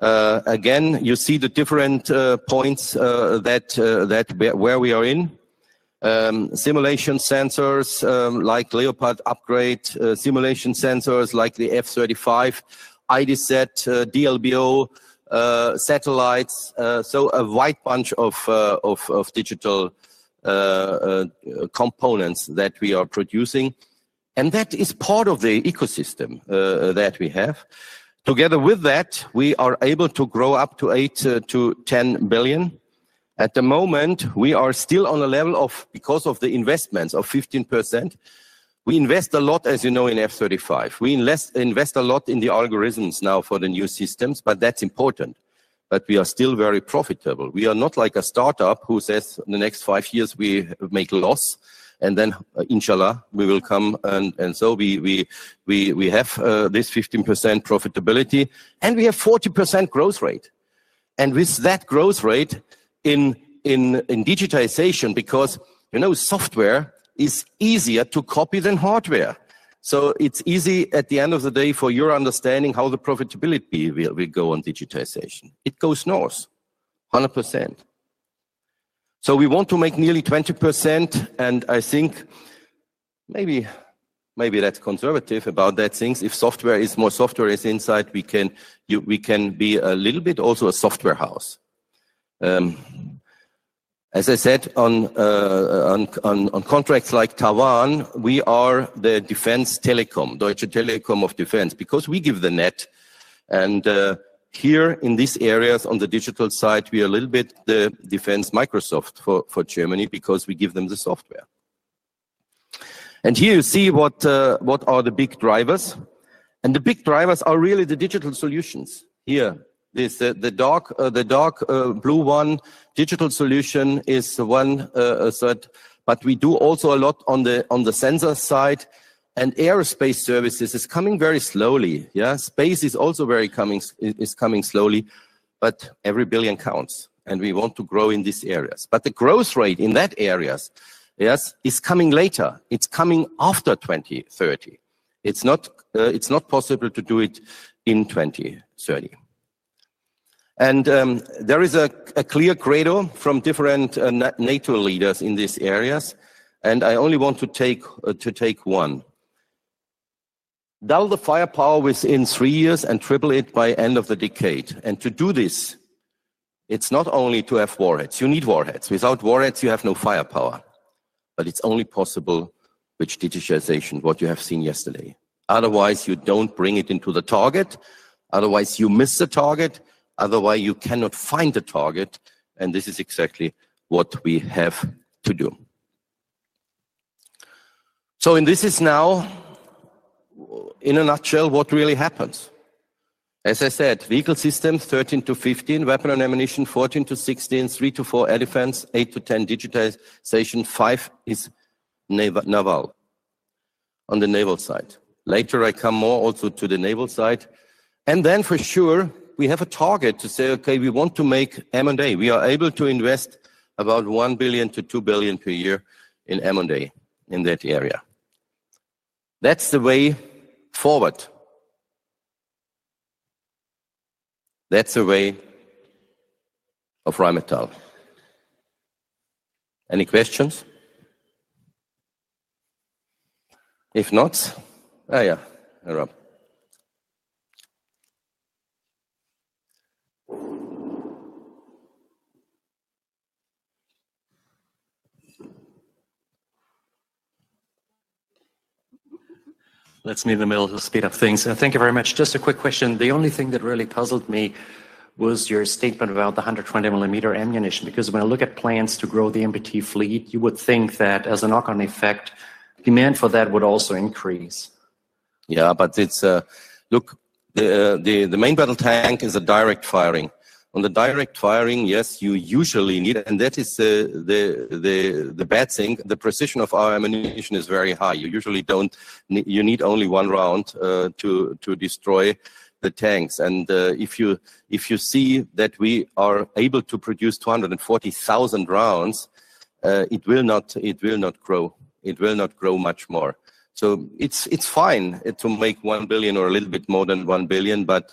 Again, you see the different points where we are in. Simulation sensors like Leopard upgrade, simulation sensors like the F-35, IDZ, DLBO satellites. A wide bunch of digital components that we are producing. That is part of the ecosystem that we have. Together with that, we are able to grow up to 8 billion-10 billion. At the moment, we are still on a level of, because of the investments, 15%. We invest a lot, as you know, in F-35. We invest a lot in the algorithms now for the new systems. That is important. We are still very profitable. We are not like a startup who says the next five years we make a loss. Inshallah, we will come. We have this 15% profitability. We have 40% growth rate. With that growth rate in digitization, because software is easier to copy than hardware, it is easy at the end of the day for your understanding how the profitability will go on digitization. It goes north, 100%. We want to make nearly 20%, and I think maybe that is conservative about that thing. If more software is inside, we can be a little bit also a software house. As I said, on contracts like Taiwan, we are the defense telecom, Deutsche Telekom of Defense, because we give the net. In these areas on the digital side, we are a little bit the defense Microsoft for Germany because we give them the software. Here you see what are the big drivers. The big drivers are really the digital solutions here. The dark blue one, digital solution, is the one that. We do also a lot on the sensor side. Aerospace services is coming very slowly. Space is also coming very slowly. Every billion counts. We want to grow in these areas. The growth rate in that area is coming later. It is coming after 2030. It is not possible to do it in 2030. There is a clear cradle from different NATO leaders in these areas. I only want to take one. Double the firepower within three years and triple it by end of the decade. To do this, it is not only to have warheads. You need warheads. Without warheads, you have no firepower. It is only possible with digitization, what you have seen yesterday. Otherwise, you do not bring it into the target. Otherwise, you miss the target. Otherwise, you cannot find the target. This is exactly what we have to do. This is now, in a nutshell, what really happens. As I said, vehicle systems 13-15, weapon and ammunition 14-16, 3-4 air defense, 8-10 digitization, 5 is naval on the naval side. Later, I come more also to the naval side. For sure, we have a target to say, "Okay, we want to make M&A." We are able to invest about 1 billion-2 billion per year in M&A in that area. That's the way forward. That's the way of Rheinmetall. Any questions? If not, yeah, I'm wrong. Let's meet in the middle to speed up things. Thank you very much. Just a quick question. The only thing that really puzzled me was your statement about the 120 ml ammunition. Because when I look at plans to grow the MBT fleet, you would think that as a knock-on effect, demand for that would also increase. Yeah, but look, the main battle tank is a direct firing. On the direct firing, yes, you usually need it. That is the bad thing. The precision of our ammunition is very high. You usually do not need only one round to destroy the tanks. If you see that we are able to produce 240,000 rounds, it will not grow. It will not grow much more. It is fine to make 1 billion or a little bit more than 1 billion. At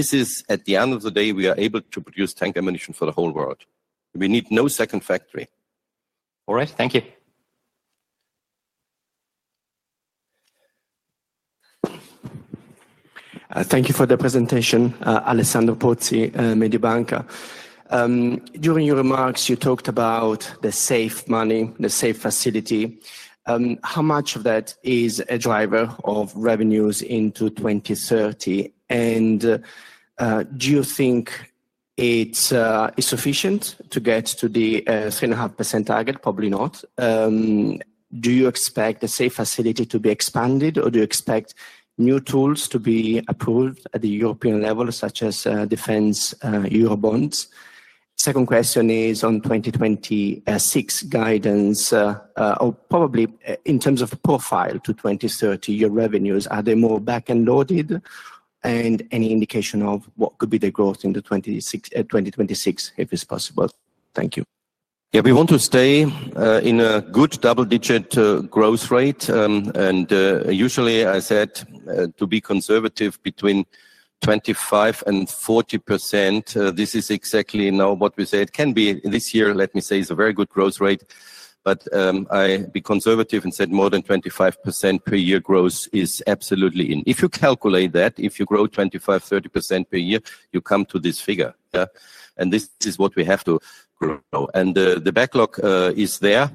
the end of the day, we are able to produce tank ammunition for the whole world. We need no second factory. All right. Thank you. Thank you for the presentation, Alessandro Pozzi, Mediobanca. During your remarks, you talked about the safe money, the safe facility. How much of that is a driver of revenues into 2030? Do you think it's sufficient to get to the 3.5% target? Probably not. Do you expect the safe facility to be expanded? Do you expect new tools to be approved at the European level, such as defense Eurobonds? Second question is on 2026 guidance. Probably in terms of profile to 2030, your revenues, are they more back and loaded? Any indication of what could be the growth in 2026, if it's possible? Thank you. Yeah, we want to stay in a good double-digit growth rate. Usually, I said to be conservative between 25%-40%. This is exactly now what we said. This year, let me say, is a very good growth rate. I'll be conservative and say more than 25% per year growth is absolutely in. If you calculate that, if you grow 25%-30% per year, you come to this figure. This is what we have to grow. The backlog is there.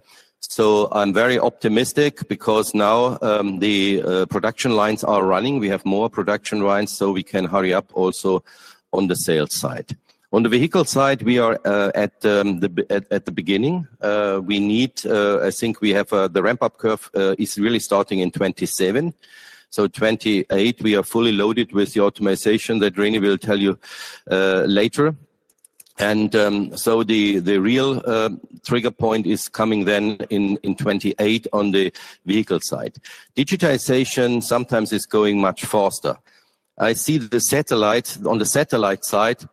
I'm very optimistic because now the production lines are running. We have more production lines, so we can hurry up also on the sales side. On the vehicle side, we are at the beginning. I think the ramp-up curve is really starting in 2027. In 2028, we are fully loaded with the optimization that René will tell you later. The real trigger point is coming then in 2028 on the vehicle side. Digitization sometimes is going much faster. I see on the satellite side,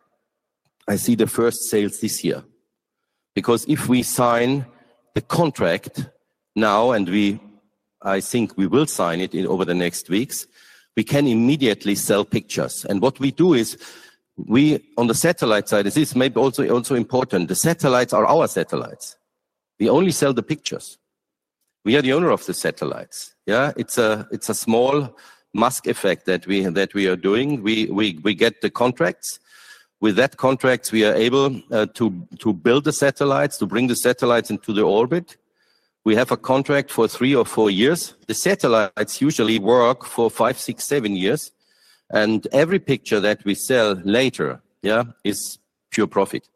I see the first sales this year. Because if we sign the contract now, and I think we will sign it over the next weeks, we can immediately sell pictures. What we do is, on the satellite side, this is maybe also important. The satellites are our satellites. We only sell the pictures. We are the owner of the satellites. Yeah, it's a small Musk effect that we are doing. We get the contracts. With that contract, we are able to build the satellites, to bring the satellites into the orbit. We have a contract for three or four years. The satellites usually work for five, six, seven years. Every picture that we sell later, yeah, is pure profit.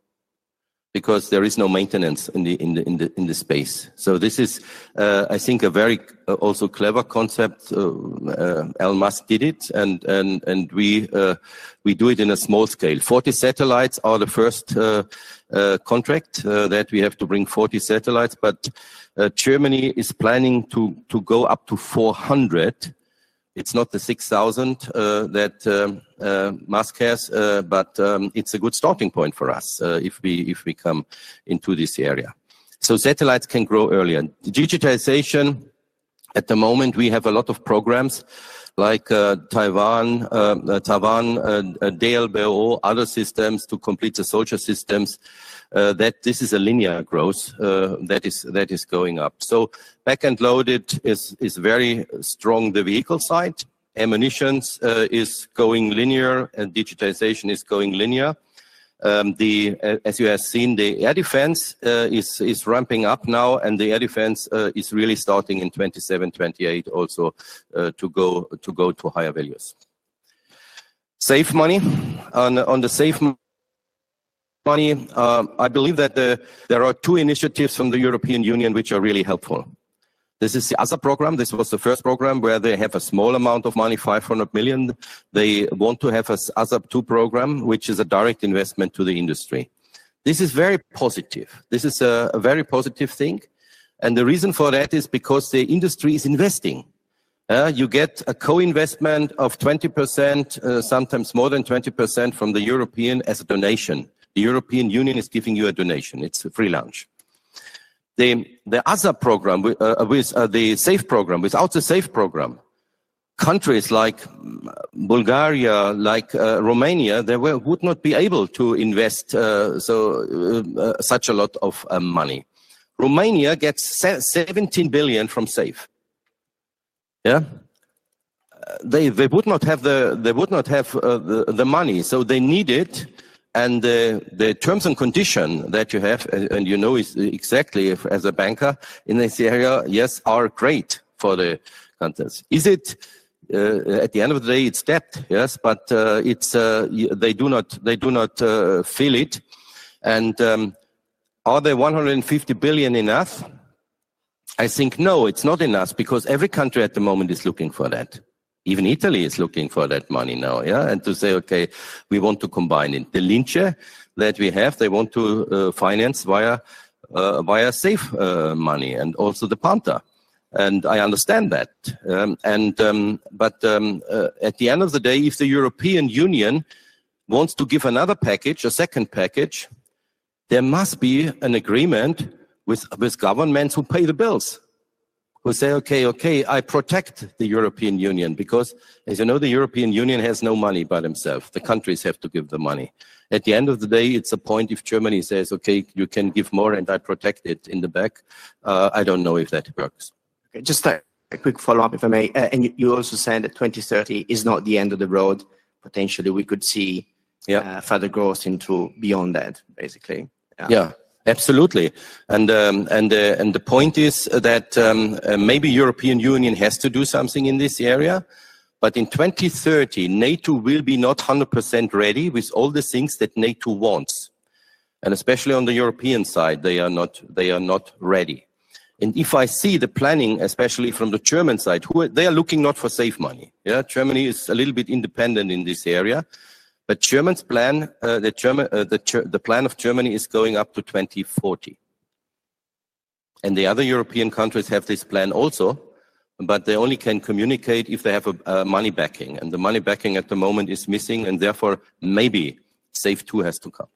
Because there is no maintenance in the space. This is, I think, a very also clever concept. Elon Musk did it. We do it in a small scale. 40 satellites are the first contract that we have to bring 40 satellites. Germany is planning to go up to 400. It is not the 6,000 that Musk has. It is a good starting point for us if we come into this area. Satellites can grow earlier. Digitization, at the moment, we have a lot of programs like Taiwan, DLBO, other systems to complete the social systems. This is a linear growth that is going up. Back and loaded is very strong. The vehicle side, ammunition is going linear, and digitization is going linear. As you have seen, the air defense is ramping up now. The air defense is really starting in 2027, 2028 also to go to higher values. Safe money. On the safe money, I believe that there are two initiatives from the European Union which are really helpful. This is the ASAP program. This was the first program where they have a small amount of money, 500 million. They want to have an ASAP 2 program, which is a direct investment to the industry. This is very positive. This is a very positive thing. The reason for that is because the industry is investing. You get a co-investment of 20%, sometimes more than 20% from the European as a donation. The European Union is giving you a donation. It's free lunch. The ASAP program, the safe program, without the safe program, countries like Bulgaria, like Romania, they would not be able to invest such a lot of money. Romania gets 17 billion from safe. Yeah? They would not have the money. They need it. The terms and conditions that you have, and you know exactly as a banker in this area, yes, are great for the countries. At the end of the day, it's debt, yes. Yes, they do not fill it. Are the 150 billion enough? I think no, it's not enough. Because every country at the moment is looking for that. Even Italy is looking for that money now, yeah? To say, "Okay, we want to combine it." The Lince that we have, they want to finance via safe money. Also the Panther. I understand that. At the end of the day, if the European Union wants to give another package, a second package, there must be an agreement with governments who pay the bills. Who say, "Okay, okay, I protect the European Union." As you know, the European Union has no money by themselves. The countries have to give the money. At the end of the day, it's a point if Germany says, "Okay, you can give more, and I protect it in the back." I don't know if that works. Okay. Just a quick follow-up, if I may. You also said that 2030 is not the end of the road. Potentially, we could see further growth into beyond that, basically. Yeah, absolutely. The point is that maybe the European Union has to do something in this area. In 2030, NATO will be not 100% ready with all the things that NATO wants. Especially on the European side, they are not ready. If I see the planning, especially from the German side, they are looking not for safe money. Germany is a little bit independent in this area. Germany's plan, the plan of Germany is going up to 2040. The other European countries have this plan also. They only can communicate if they have money backing. The money backing at the moment is missing. Therefore, maybe safe two has to come.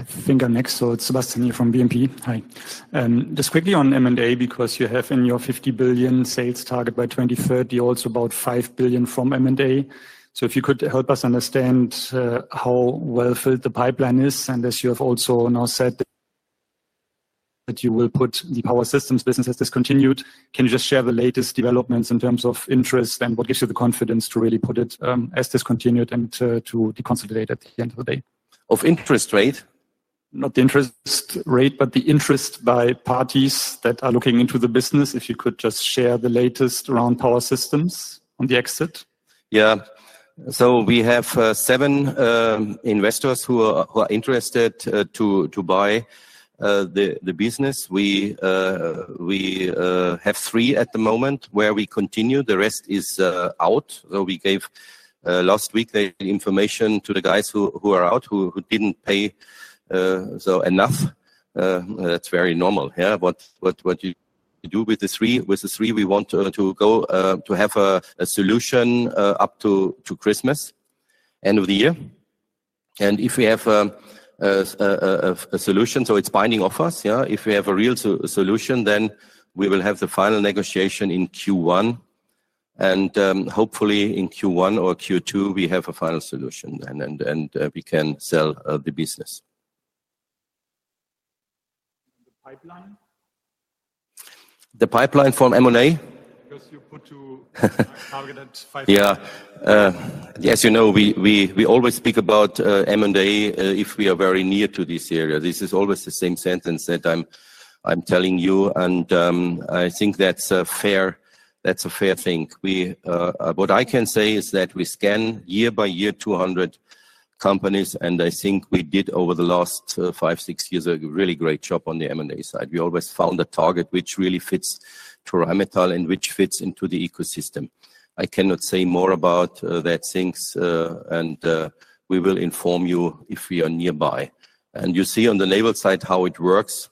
I think our next thought, Sebastian here from BNP. Hi. Just quickly on M&A, because you have in your 50 billion sales target by 2030, also about 5 billion from M&A. If you could help us understand how well-filled the pipeline is. As you have also now said that you will put the power systems business as discontinued, can you just share the latest developments in terms of interest and what gives you the confidence to really put it as discontinued and to deconsolidate at the end of the day? Of interest rate? Not the interest rate, but the interest by parties that are looking into the business. If you could just share the latest around power systems on the exit. Yeah. We have seven investors who are interested to buy the business. We have three at the moment where we continue. The rest is out. We gave last week the information to the guys who are out who did not pay enough. That is very normal, yeah? What you do with the three, we want to go to have a solution up to Christmas, end of the year. If we have a solution, it is binding offers, yeah? If we have a real solution, then we will have the final negotiation in Q1. Hopefully in Q1 or Q2, we have a final solution. We can sell the business. The pipeline? The pipeline from M&A? Because you put to targeted 500. Yeah. As you know, we always speak about M&A if we are very near to this area. This is always the same sentence that I'm telling you. I think that's a fair thing. What I can say is that we scan year by year 200 companies. I think we did over the last five, six years a really great job on the M&A side. We always found a target which really fits to Rheinmetall and which fits into the ecosystem. I cannot say more about that things. We will inform you if we are nearby. You see on the label side how it works.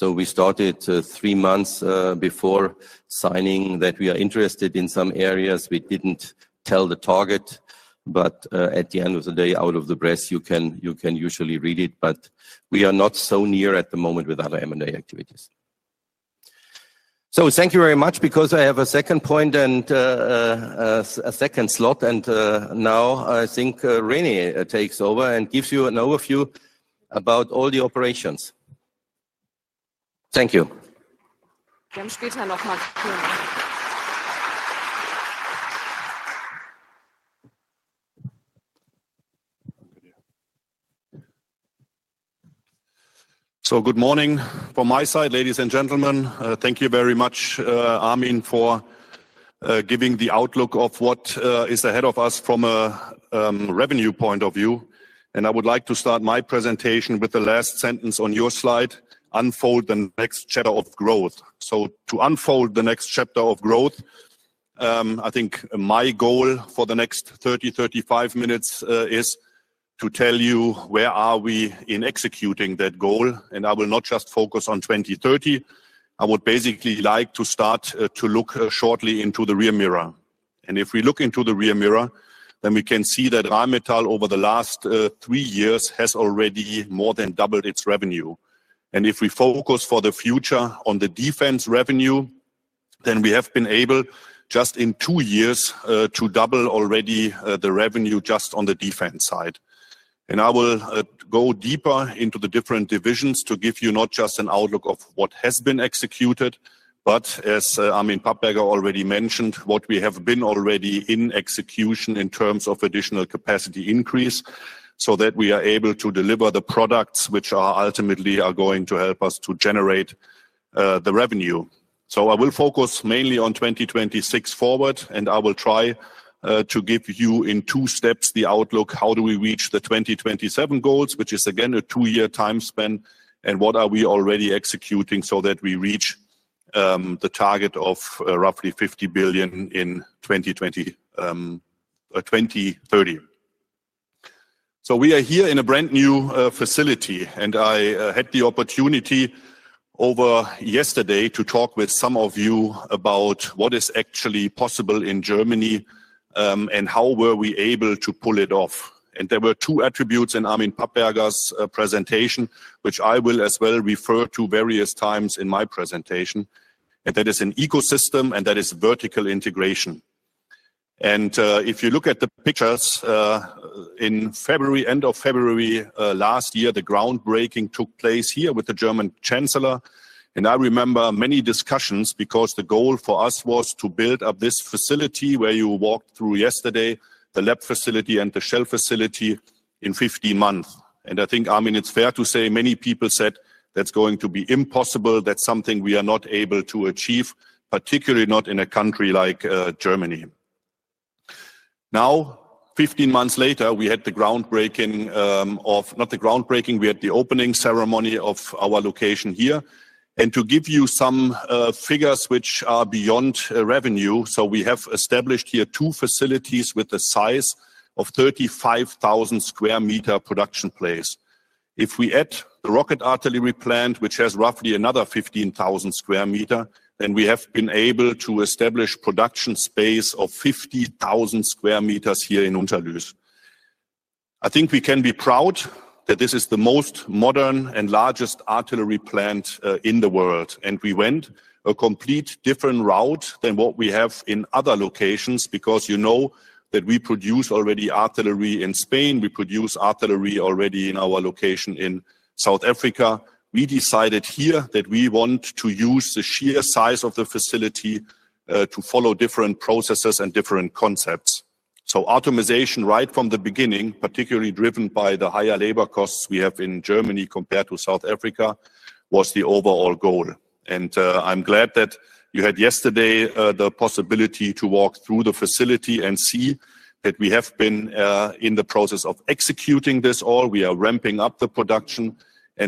We started three months before signing that we are interested in some areas. We didn't tell the target. At the end of the day, out of the press, you can usually read it. We are not so near at the moment with other M&A activities. Thank you very much because I have a second point and a second slot. I think René takes over and gives you an overview about all the operations. Thank you. Good morning from my side, ladies and gentlemen. Thank you very much, Armin, for giving the outlook of what is ahead of us from a revenue point of view. I would like to start my presentation with the last sentence on your slide, unfold the next shadow of growth. To unfold the next chapter of growth, I think my goal for the next 30-35 minutes is to tell you where are we in executing that goal. I will not just focus on 2030. I would basically like to start to look shortly into the rear mirror. If we look into the rear mirror, we can see that Rheinmetall over the last three years has already more than doubled its revenue. If we focus for the future on the defense revenue, we have been able just in two years to double already the revenue just on the defense side. I will go deeper into the different divisions to give you not just an outlook of what has been executed, but as Armin Papperger already mentioned, what we have been already in execution in terms of additional capacity increase so that we are able to deliver the products which ultimately are going to help us to generate the revenue. I will focus mainly on 2026 forward. I will try to give you in two steps the outlook. How do we reach the 2027 goals, which is again a two-year time span? What are we already executing so that we reach the target of roughly 50 billion in 2030? We are here in a brand new facility. I had the opportunity over yesterday to talk with some of you about what is actually possible in Germany and how we were able to pull it off. There were two attributes in Armin Papperger's presentation, which I will as well refer to various times in my presentation. That is an ecosystem and that is vertical integration. If you look at the pictures, in February, end of February last year, the groundbreaking took place here with the German Chancellor. I remember many discussions because the goal for us was to build up this facility where you walked through yesterday, the lab facility and the shell facility, in 15 months. I think, Armin, it's fair to say many people said that's going to be impossible. That's something we are not able to achieve, particularly not in a country like Germany. Now, 15 months later, we had the opening ceremony of our location here. To give you some figures which are beyond revenue, we have established here two facilities with a size of 35,000 sq m production place. If we add the rocket artillery plant, which has roughly another 15,000 sq m, then we have been able to establish production space of 50,000 sq m here in Unterlüß. I think we can be proud that this is the most modern and largest artillery plant in the world. We went a completely different route than what we have in other locations because you know that we produce already artillery in Spain. We produce artillery already in our location in South Africa. We decided here that we want to use the sheer size of the facility to follow different processes and different concepts. Optimization right from the beginning, particularly driven by the higher labor costs we have in Germany compared to South Africa, was the overall goal. I am glad that you had yesterday the possibility to walk through the facility and see that we have been in the process of executing this all. We are ramping up the production.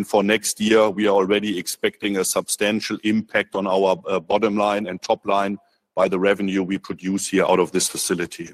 For next year, we are already expecting a substantial impact on our bottom line and top line by the revenue we produce here out of this facility.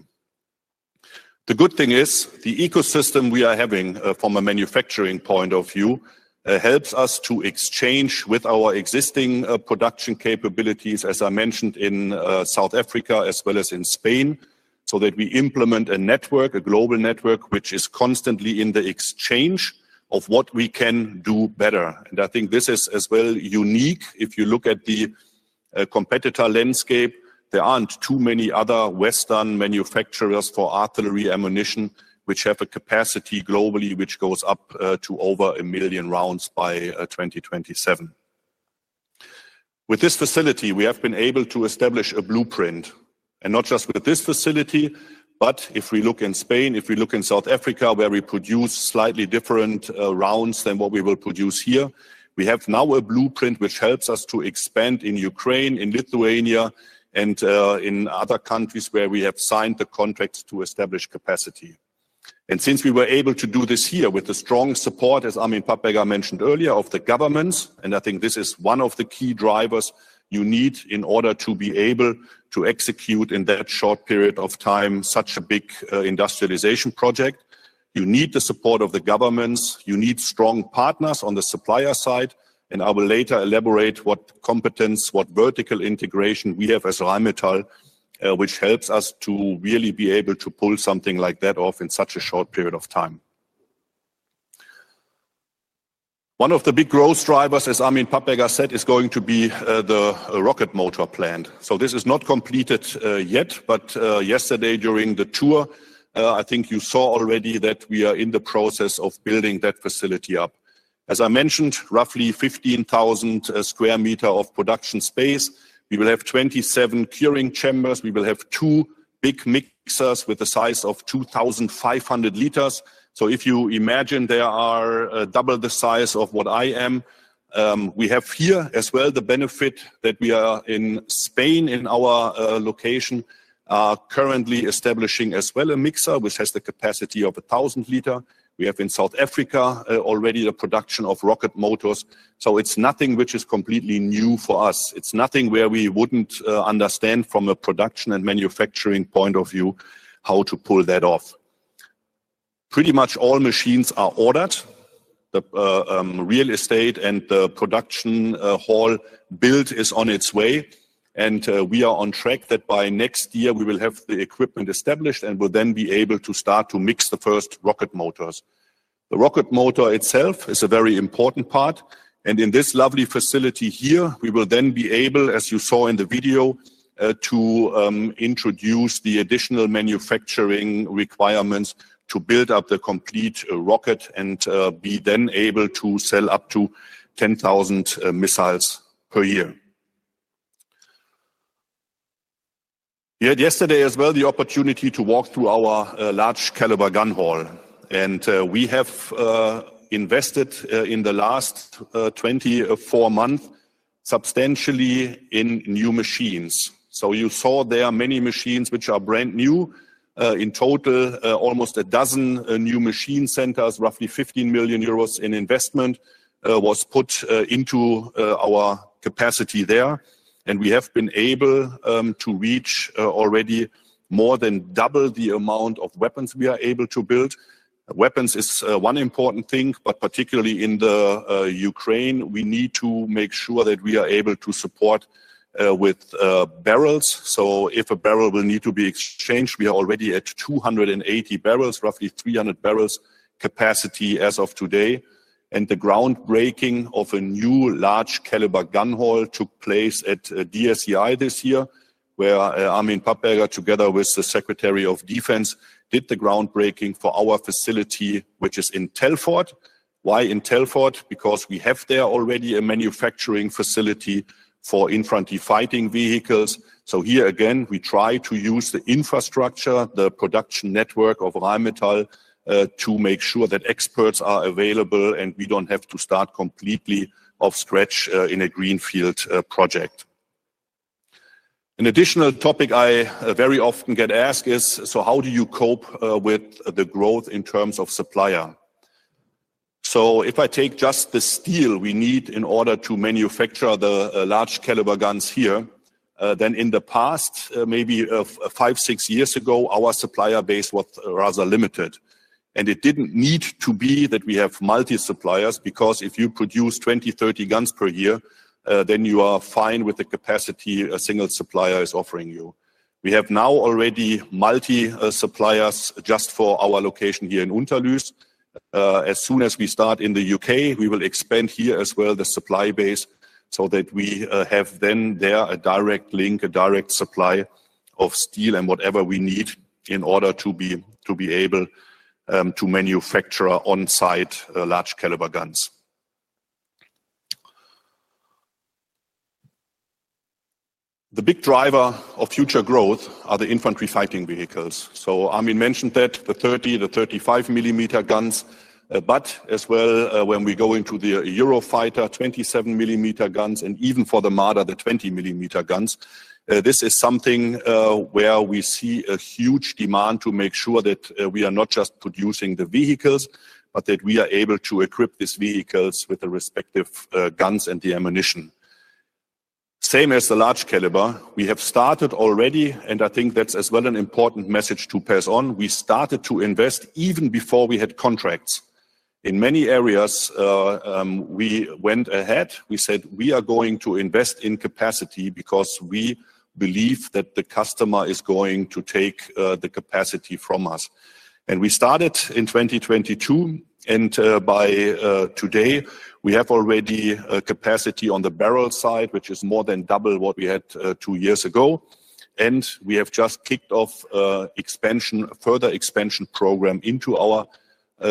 The good thing is the ecosystem we are having from a manufacturing point of view helps us to exchange with our existing production capabilities, as I mentioned in South Africa as well as in Spain, so that we implement a network, a global network, which is constantly in the exchange of what we can do better. I think this is as well unique. If you look at the competitor landscape, there are not too many other Western manufacturers for artillery ammunition which have a capacity globally which goes up to over 1 million rounds by 2027. With this facility, we have been able to establish a blueprint. Not just with this facility, but if we look in Spain, if we look in South Africa, where we produce slightly different rounds than what we will produce here, we have now a blueprint which helps us to expand in Ukraine, in Lithuania, and in other countries where we have signed the contracts to establish capacity. Since we were able to do this here with the strong support, as Armin Papperger mentioned earlier, of the governments, I think this is one of the key drivers you need in order to be able to execute in that short period of time such a big industrialization project. You need the support of the governments. You need strong partners on the supplier side. I will later elaborate what competence, what vertical integration we have as Rheinmetall, which helps us to really be able to pull something like that off in such a short period of time. One of the big growth drivers, as Armin Papperger said, is going to be the rocket motor plant. This is not completed yet. Yesterday during the tour, I think you saw already that we are in the process of building that facility up. As I mentioned, roughly 15,000 sq m of production space. We will have 27 curing chambers. We will have two big mixers with a size of 2,500 liters. If you imagine, they are double the size of what I am. We have here as well the benefit that we are in Spain in our location currently establishing as well a mixer which has the capacity of 1,000 liters. We have in South Africa already the production of rocket motors. It is nothing which is completely new for us. It is nothing where we would not understand from a production and manufacturing point of view how to pull that off. Pretty much all machines are ordered. The real estate and the production hall build is on its way. We are on track that by next year we will have the equipment established and will then be able to start to mix the first rocket motors. The rocket motor itself is a very important part. In this lovely facility here, we will then be able, as you saw in the video, to introduce the additional manufacturing requirements to build up the complete rocket and be then able to sell up to 10,000 missiles per year. We had yesterday as well the opportunity to walk through our large caliber gun hall. We have invested in the last 24 months substantially in new machines. You saw there are many machines which are brand new. In total, almost a dozen new machine centers, roughly 15 million euros in investment was put into our capacity there. We have been able to reach already more than double the amount of weapons we are able to build. Weapons is one important thing, but particularly in Ukraine, we need to make sure that we are able to support with bbl. If a barrel will need to be exchanged, we are already at 280 bbl, roughly 300 bbl capacity as of today. The groundbreaking of a new large caliber gun hall took place at DSEI this year, where Armin Papperger, together with the Secretary of Defense, did the groundbreaking for our facility, which is in Telford. Why in Telford? Because we have there already a manufacturing facility for infantry fighting vehicles. Here again, we try to use the infrastructure, the production network of Rheinmetall, to make sure that experts are available and we do not have to start completely off scratch in a greenfield project. An additional topic I very often get asked is, how do you cope with the growth in terms of supplier? If I take just the steel we need in order to manufacture the large caliber guns here, then in the past, maybe five or six years ago, our supplier base was rather limited. It did not need to be that we have multi-suppliers because if you produce 20-30 guns per year, then you are fine with the capacity a single supplier is offering you. We have now already multi-suppliers just for our location here in Unterlüß. As soon as we start in the U.K., we will expand here as well the supply base so that we have then there a direct link, a direct supply of steel and whatever we need in order to be able to manufacture on-site large caliber guns. The big driver of future growth are the infantry fighting vehicles. Armin mentioned that the 30, the 35 millimeter guns, but as well when we go into the Eurofighter, 27 millimeter guns, and even for the Marder, the 20 millimeter guns. This is something where we see a huge demand to make sure that we are not just producing the vehicles, but that we are able to equip these vehicles with the respective guns and the ammunition. Same as the large caliber, we have started already, and I think that's as well an important message to pass on. We started to invest even before we had contracts. In many areas, we went ahead. We said we are going to invest in capacity because we believe that the customer is going to take the capacity from us. We started in 2022. By today, we have already capacity on the barrel side, which is more than double what we had two years ago. We have just kicked off further expansion program into our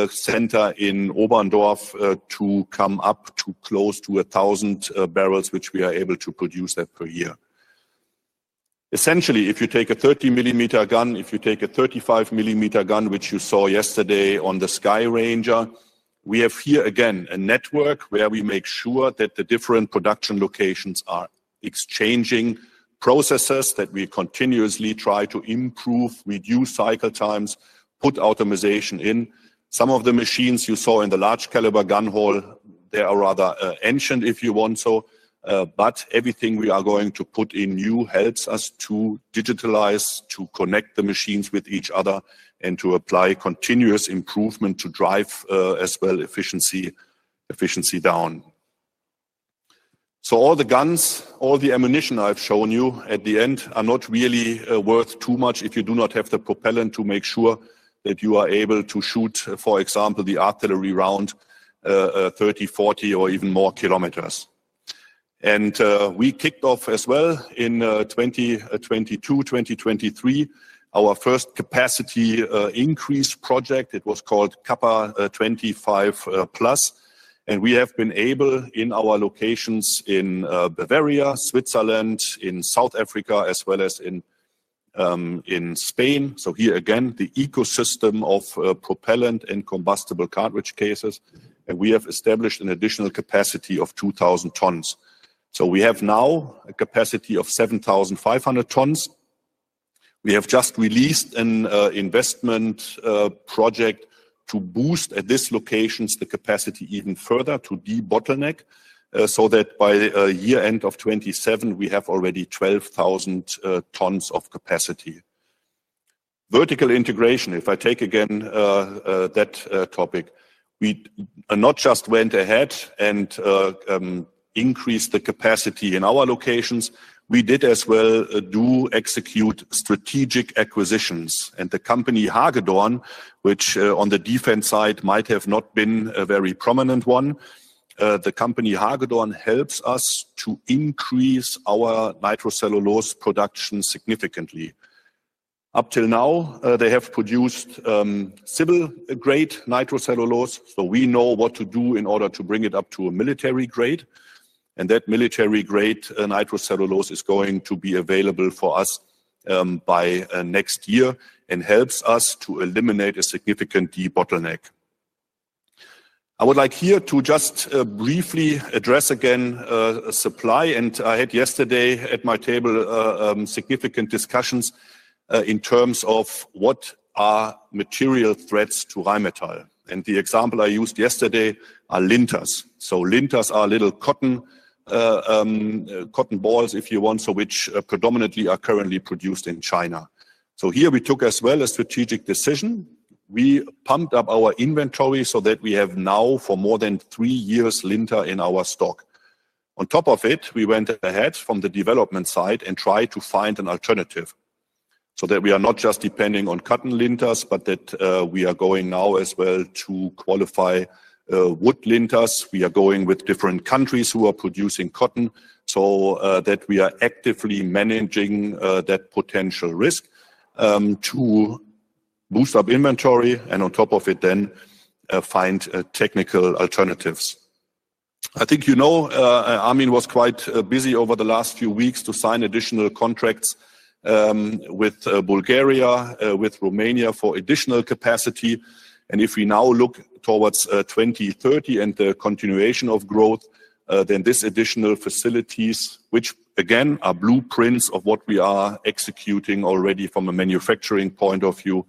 center in Oberndorf to come up to close to 1,000 bbl, which we are able to produce per year. Essentially, if you take a 30 millimeter gun, if you take a 35 millimeter gun, which you saw yesterday on the Sky Ranger, we have here again a network where we make sure that the different production locations are exchanging processes, that we continuously try to improve, reduce cycle times, put optimization in. Some of the machines you saw in the large caliber gun hall, they are rather ancient if you want so. Everything we are going to put in new helps us to digitalize, to connect the machines with each other, and to apply continuous improvement to drive as well efficiency down. All the guns, all the ammunition I have shown you at the end are not really worth too much if you do not have the propellant to make sure that you are able to shoot, for example, the artillery round 30, 40, or even more km. We kicked off as well in 2022, 2023, our first capacity increase project. It was called Kappa 25+. We have been able in our locations in Bavaria, Switzerland, in South Africa, as well as in Spain. Here again, the ecosystem of propellant and combustible cartridge cases. We have established an additional capacity of 2,000 tons. We have now a capacity of 7,500 tons. We have just released an investment project to boost at this location the capacity even further to de-bottleneck so that by year-end of 2027, we have already 12,000 tons of capacity. Vertical integration, if I take again that topic, we not just went ahead and increased the capacity in our locations. We did as well execute strategic acquisitions. The company Hagedorn, which on the defense side might have not been a very prominent one, the company Hagedorn helps us to increase our nitrocellulose production significantly. Up till now, they have produced civil-grade nitrocellulose. We know what to do in order to bring it up to a military grade. That military-grade nitrocellulose is going to be available for us by next year and helps us to eliminate a significant de-bottleneck. I would like here to just briefly address again supply. I had yesterday at my table significant discussions in terms of what are material threats to Rheinmetall. The example I used yesterday are linters. Linters are little cotton balls, if you want, which predominantly are currently produced in China. Here we took as well a strategic decision. We pumped up our inventory so that we have now for more than three years linter in our stock. On top of it, we went ahead from the development side and tried to find an alternative so that we are not just depending on cotton linters, but that we are going now as well to qualify wood linters. We are going with different countries who are producing cotton so that we are actively managing that potential risk to boost up inventory and on top of it then find technical alternatives. I think you know Armin was quite busy over the last few weeks to sign additional contracts with Bulgaria, with Romania for additional capacity. If we now look towards 2030 and the continuation of growth, then these additional facilities, which again are blueprints of what we are executing already from a manufacturing point of view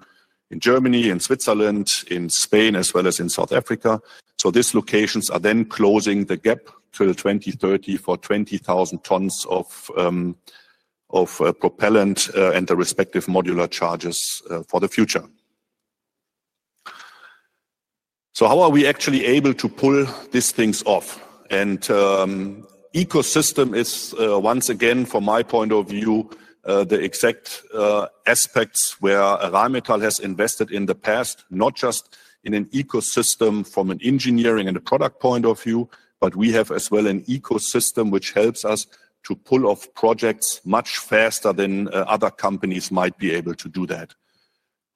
in Germany, in Switzerland, in Spain, as well as in South Africa, these locations are then closing the gap till 2030 for 20,000 tons of propellant and the respective modular charges for the future. How are we actually able to pull these things off? Ecosystem is once again, from my point of view, the exact aspects where Rheinmetall has invested in the past, not just in an ecosystem from an engineering and a product point of view, but we have as well an ecosystem which helps us to pull off projects much faster than other companies might be able to do that.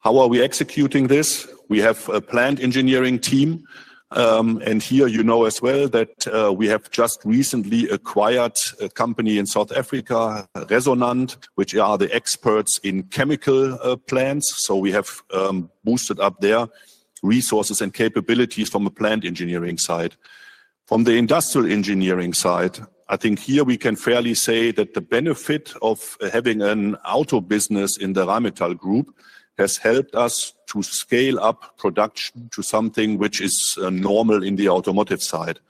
How are we executing this? We have a planned engineering team. And here you know as well that we have just recently acquired a company in South Africa, Resonant, which are the experts in chemical plants. So we have boosted up their resources and capabilities from a planned engineering side. From the industrial engineering side, I think here we can fairly say that the benefit of having an auto business in the Rheinmetall group has helped us to scale up production to something which is normal in the automotive side.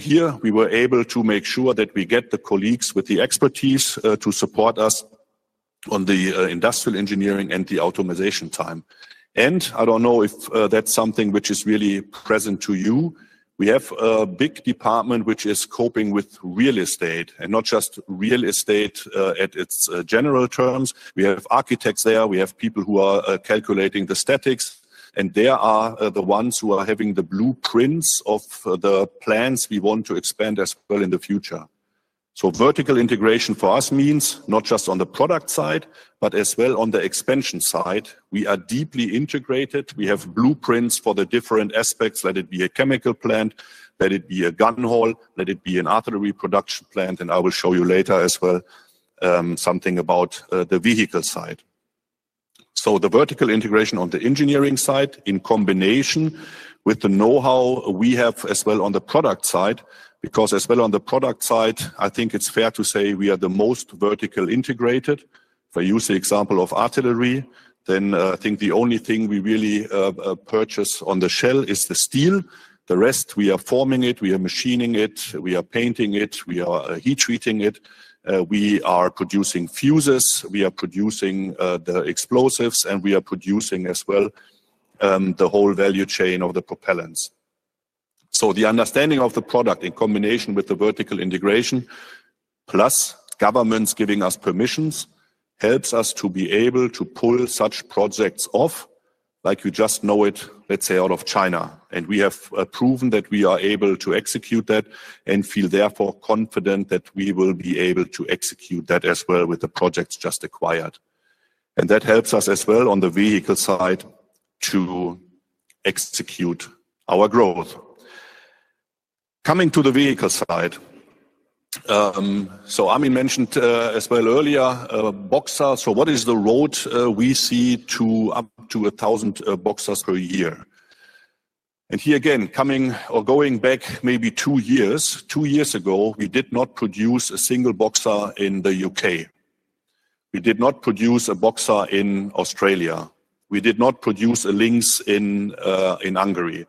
Here we were able to make sure that we get the colleagues with the expertise to support us on the industrial engineering and the optimization time. I do not know if that is something which is really present to you. We have a big department which is coping with real estate and not just real estate in its general terms. We have architects there. We have people who are calculating the statics. They are the ones who are having the blueprints of the plans we want to expand as well in the future. Vertical integration for us means not just on the product side, but as well on the expansion side. We are deeply integrated. We have blueprints for the different aspects, let it be a chemical plant, let it be a gun hall, let it be an artillery production plant. I will show you later as well something about the vehicle side. The vertical integration on the engineering side in combination with the know-how we have as well on the product side, because as well on the product side, I think it's fair to say we are the most vertically integrated. If I use the example of artillery, I think the only thing we really purchase on the shell is the steel. The rest, we are forming it, we are machining it, we are painting it, we are heat-treating it. We are producing fuses, we are producing the explosives, and we are producing as well the whole value chain of the propellants. The understanding of the product in combination with the vertical integration, plus governments giving us permissions, helps us to be able to pull such projects off, like you just know it, let's say out of China. We have proven that we are able to execute that and feel therefore confident that we will be able to execute that as well with the projects just acquired. That helps us as well on the vehicle side to execute our growth. Coming to the vehicle side, Armin mentioned as well earlier, boxers. What is the road we see to up to 1,000 boxers per year? Here again, going back maybe two years, two years ago, we did not produce a single Boxer in the U.K. We did not produce a Boxer in Australia. We did not produce a Lynx in Hungary.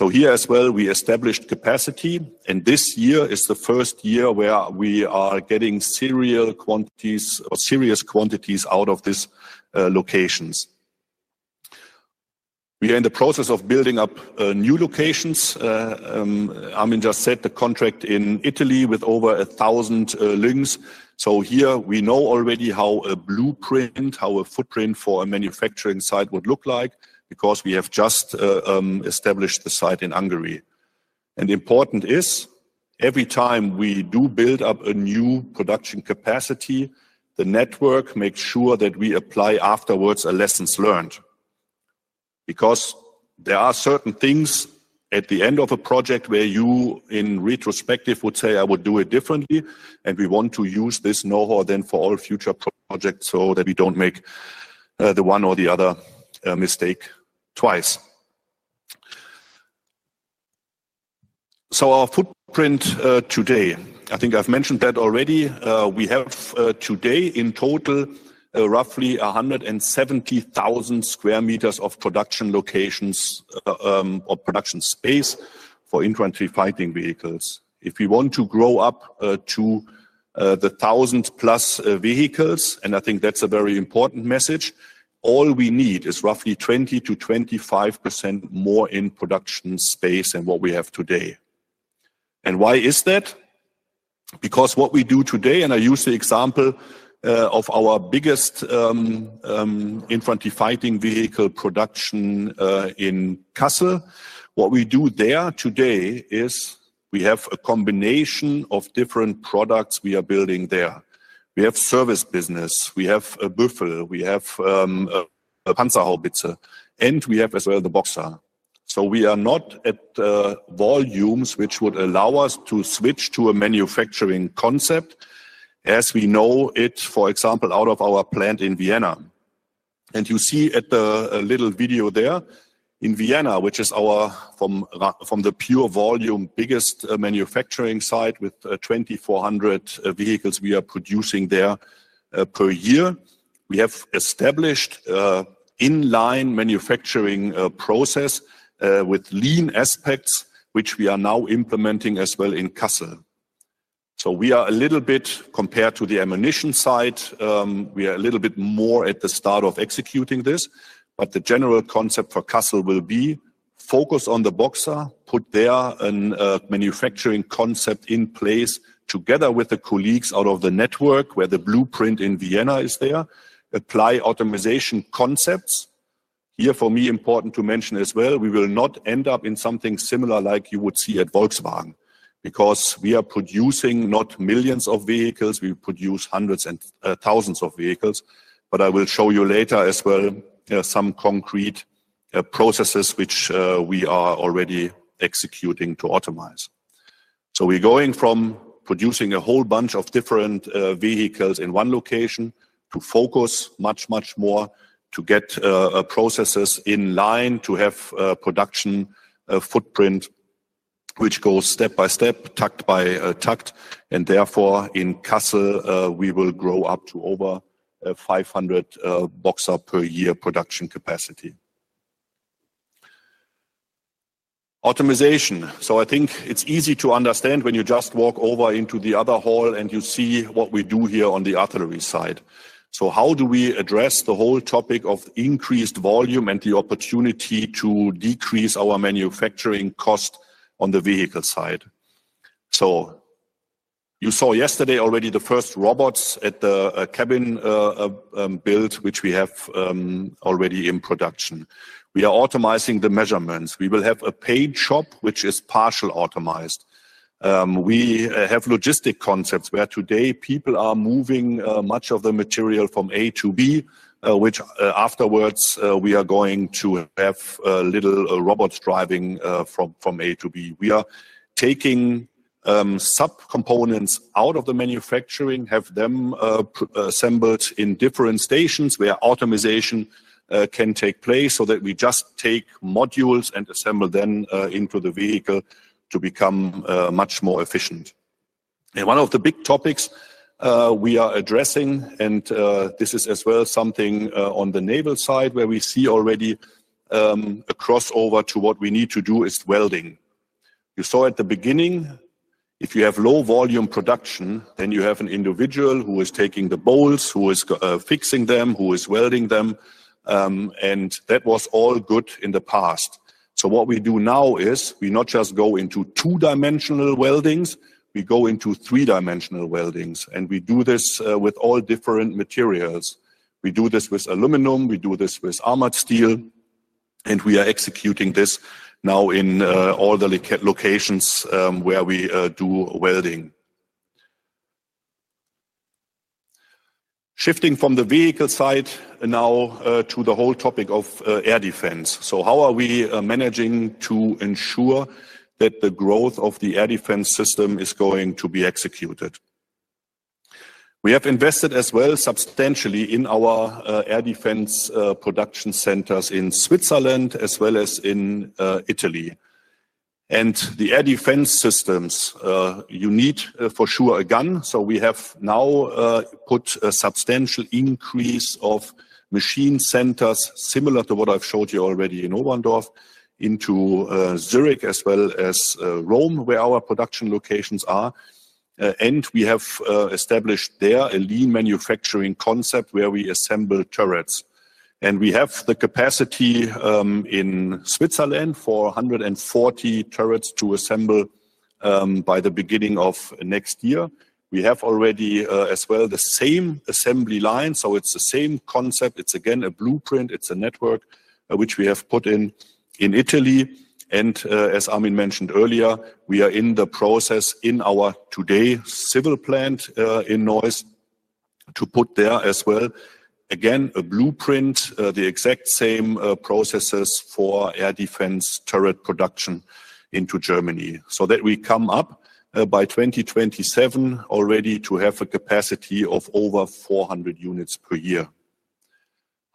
Here as well, we established capacity. This year is the first year where we are getting serial quantities or serious quantities out of these locations. We are in the process of building up new locations. Armin just said the contract in Italy with over 1,000 Lynx. Here we know already how a blueprint, how a footprint for a manufacturing site would look like because we have just established the site in Hungary. Important is every time we do build up a new production capacity, the network makes sure that we apply afterwards a lessons learned. Because there are certain things at the end of a project where you in retrospective would say, "I would do it differently," and we want to use this know-how then for all future projects so that we do not make the one or the other mistake twice. Our footprint today, I think I've mentioned that already. We have today in total roughly 170,000 sq m of production locations or production space for infantry fighting vehicles. If we want to grow up to the 1,000+ vehicles, and I think that's a very important message, all we need is roughly 20%-25% more in production space than what we have today. Why is that? Because what we do today, and I use the example of our biggest infantry fighting vehicle production in Kassel, what we do there today is we have a combination of different products we are building there. We have service business, we have a Büffel, we have a Panzerhaubitze, and we have as well the Boxer. We are not at volumes which would allow us to switch to a manufacturing concept as we know it, for example, out of our plant in Vienna. You see at the little video there in Vienna, which is from the pure volume biggest manufacturing site with 2,400 vehicles we are producing there per year, we have established inline manufacturing process with lean aspects, which we are now implementing as well in Kassel. We are a little bit, compared to the ammunition side, a little bit more at the start of executing this. The general concept for Kassel will be focus on the Boxer, put there a manufacturing concept in place together with the colleagues out of the network where the blueprint in Vienna is there, apply optimization concepts. Here for me, important to mention as well, we will not end up in something similar like you would see at Volkswagen because we are producing not millions of vehicles, we produce hundreds and thousands of vehicles. I will show you later as well some concrete processes which we are already executing to optimize. We are going from producing a whole bunch of different vehicles in one location to focus much, much more to get processes in line to have a production footprint which goes step by step, takt by takt. Therefore in Kassel, we will grow up to over 500 Boxer per year production capacity. Optimization. I think it is easy to understand when you just walk over into the other hall and you see what we do here on the artillery side. How do we address the whole topic of increased volume and the opportunity to decrease our manufacturing cost on the vehicle side? You saw yesterday already the first robots at the cabin build, which we have already in production. We are optimizing the measurements. We will have a paint shop, which is partially optimized. We have logistic concepts where today people are moving much of the material from A to B, which afterwards we are going to have little robots driving from A to B. We are taking subcomponents out of the manufacturing, have them assembled in different stations where optimization can take place so that we just take modules and assemble them into the vehicle to become much more efficient. One of the big topics we are addressing, and this is as well something on the naval side where we see already a crossover to what we need to do, is welding. You saw at the beginning, if you have low volume production, then you have an individual who is taking the bolts, who is fixing them, who is welding them. That was all good in the past. What we do now is we not just go into two-dimensional weldings, we go into three-dimensional weldings. We do this with all different materials. We do this with aluminum, we do this with armored steel, and we are executing this now in all the locations where we do welding. Shifting from the vehicle side now to the whole topic of air defense. How are we managing to ensure that the growth of the air defense system is going to be executed? We have invested as well substantially in our air defense production centers in Switzerland as well as in Italy. The air defense systems, you need for sure a gun. We have now put a substantial increase of machine centers similar to what I've showed you already in Oberndorf into Zurich as well as Rome where our production locations are. We have established there a lean manufacturing concept where we assemble turrets. We have the capacity in Switzerland for 140 turrets to assemble by the beginning of next year. We have already as well the same assembly line. It's the same concept. It's again a blueprint. It's a network which we have put in Italy. As Armin mentioned earlier, we are in the process in our today civil plant in Neuss to put there as well again a blueprint, the exact same processes for air defense turret production into Germany so that we come up by 2027 already to have a capacity of over 400 units per year.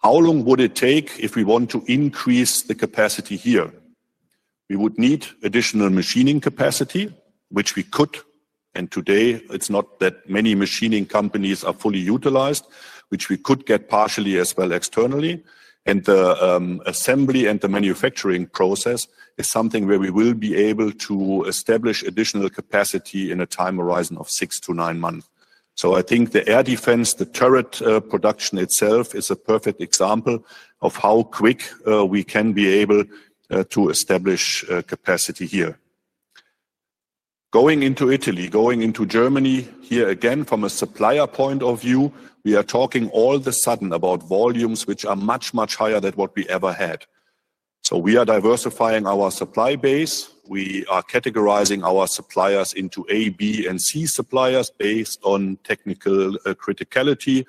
How long would it take if we want to increase the capacity here? We would need additional machining capacity, which we could. Today it's not that many machining companies are fully utilized, which we could get partially as well externally. The assembly and the manufacturing process is something where we will be able to establish additional capacity in a time horizon of six to nine months. I think the air defense, the turret production itself is a perfect example of how quick we can be able to establish capacity here. Going into Italy, going into Germany here again from a supplier point of view, we are talking all of a sudden about volumes which are much, much higher than what we ever had. We are diversifying our supply base. We are categorizing our suppliers into A, B, and C suppliers based on technical criticality.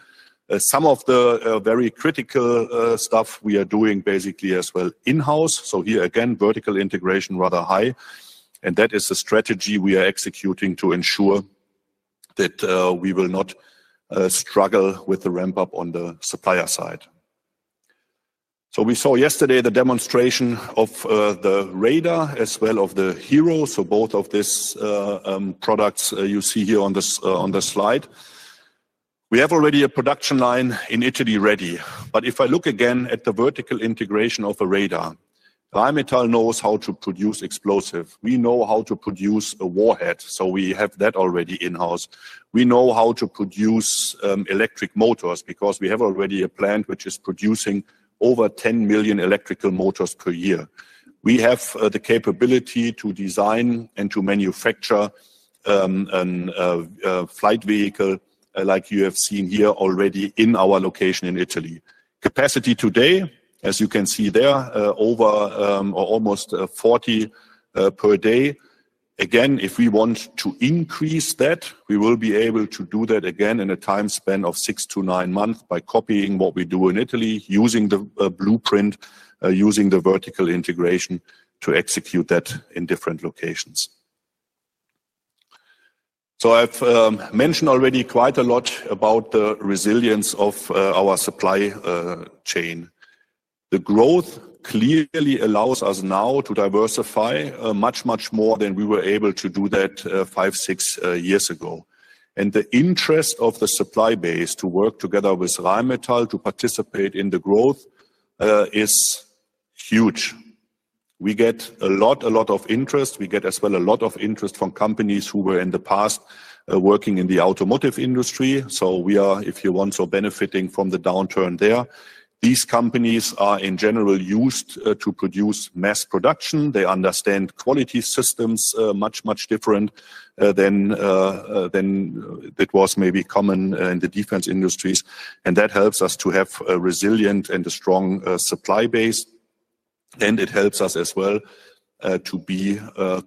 Some of the very critical stuff we are doing basically as well in-house. Here again, vertical integration rather high. That is the strategy we are executing to ensure that we will not struggle with the ramp-up on the supplier side. We saw yesterday the demonstration of the radar as well of the Hero. Both of these products you see here on the slide. We have already a production line in Italy ready. If I look again at the vertical integration of a radar, Rheinmetall knows how to produce explosives. We know how to produce a warhead. We have that already in-house. We know how to produce electric motors because we have already a plant which is producing over 10 million electric motors per year. We have the capability to design and to manufacture a flight vehicle like you have seen here already in our location in Italy. Capacity today, as you can see there, over or almost 40 per day. If we want to increase that, we will be able to do that again in a time span of six to nine months by copying what we do in Italy, using the blueprint, using the vertical integration to execute that in different locations. I have mentioned already quite a lot about the resilience of our supply chain. The growth clearly allows us now to diversify much, much more than we were able to do that five, six years ago. The interest of the supply base to work together with Rheinmetall to participate in the growth is huge. We get a lot, a lot of interest. We get as well a lot of interest from companies who were in the past working in the automotive industry. We are, if you want, so benefiting from the downturn there. These companies are in general used to produce mass production. They understand quality systems much, much different than it was maybe common in the defense industries. That helps us to have a resilient and a strong supply base. It helps us as well to be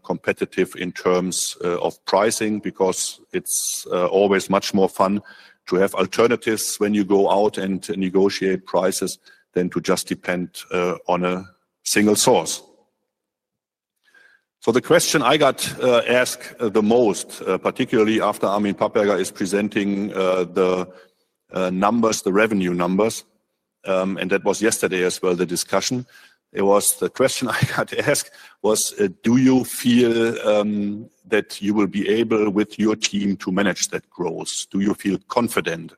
competitive in terms of pricing because it is always much more fun to have alternatives when you go out and negotiate prices than to just depend on a single source. The question I got asked the most, particularly after Armin Papperger is presenting the numbers, the revenue numbers, and that was yesterday as well the discussion, it was the question I got asked was, "Do you feel that you will be able with your team to manage that growth? Do you feel confident?"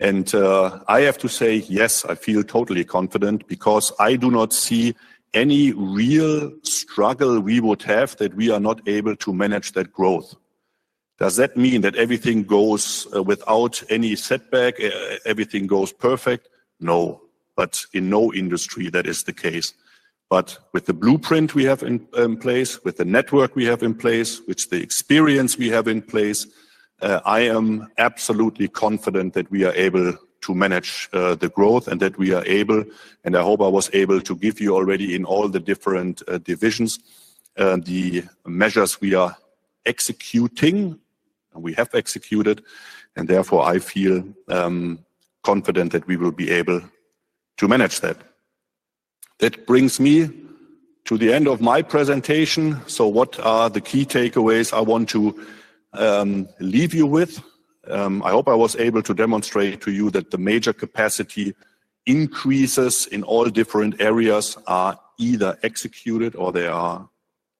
I have to say, yes, I feel totally confident because I do not see any real struggle we would have that we are not able to manage that growth. Does that mean that everything goes without any setback, everything goes perfect? No. In no industry that is the case. With the blueprint we have in place, with the network we have in place, with the experience we have in place, I am absolutely confident that we are able to manage the growth and that we are able, and I hope I was able to give you already in all the different divisions the measures we are executing and we have executed. Therefore I feel confident that we will be able to manage that. That brings me to the end of my presentation. What are the key takeaways I want to leave you with? I hope I was able to demonstrate to you that the major capacity increases in all different areas are either executed or they are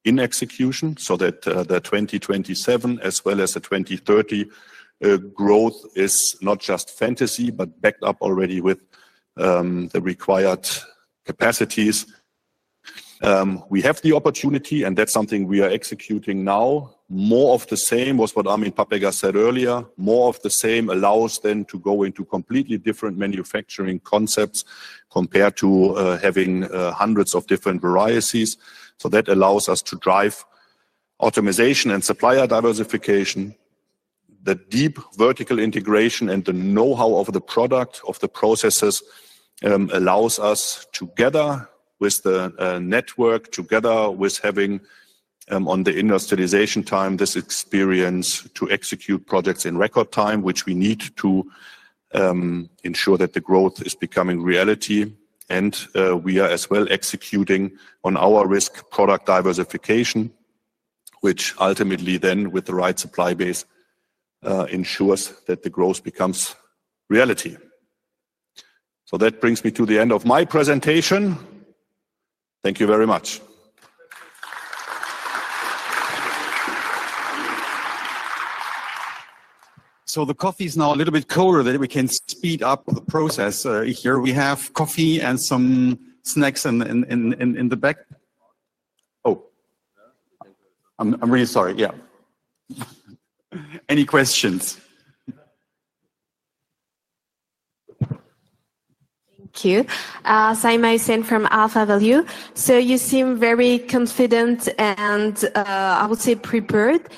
in execution so that the 2027 as well as the 2030 growth is not just fantasy, but backed up already with the required capacities. We have the opportunity, and that's something we are executing now. More of the same was what Armin Papperger said earlier. More of the same allows them to go into completely different manufacturing concepts compared to having hundreds of different varieties. That allows us to drive optimization and supplier diversification. The deep vertical integration and the know-how of the product, of the processes allows us together with the network, together with having on the industrialization time this experience to execute projects in record time, which we need to ensure that the growth is becoming reality. We are as well executing on our risk product diversification, which ultimately then with the right supply base ensures that the growth becomes reality. That brings me to the end of my presentation. Thank you very much. The coffee is now a little bit colder that we can speed up the process. Here we have coffee and some snacks in the back. Oh, I'm really sorry. Yeah. Any questions? Thank you. Saïma Hussain from AlphaValue. You seem very confident and I would say prepared.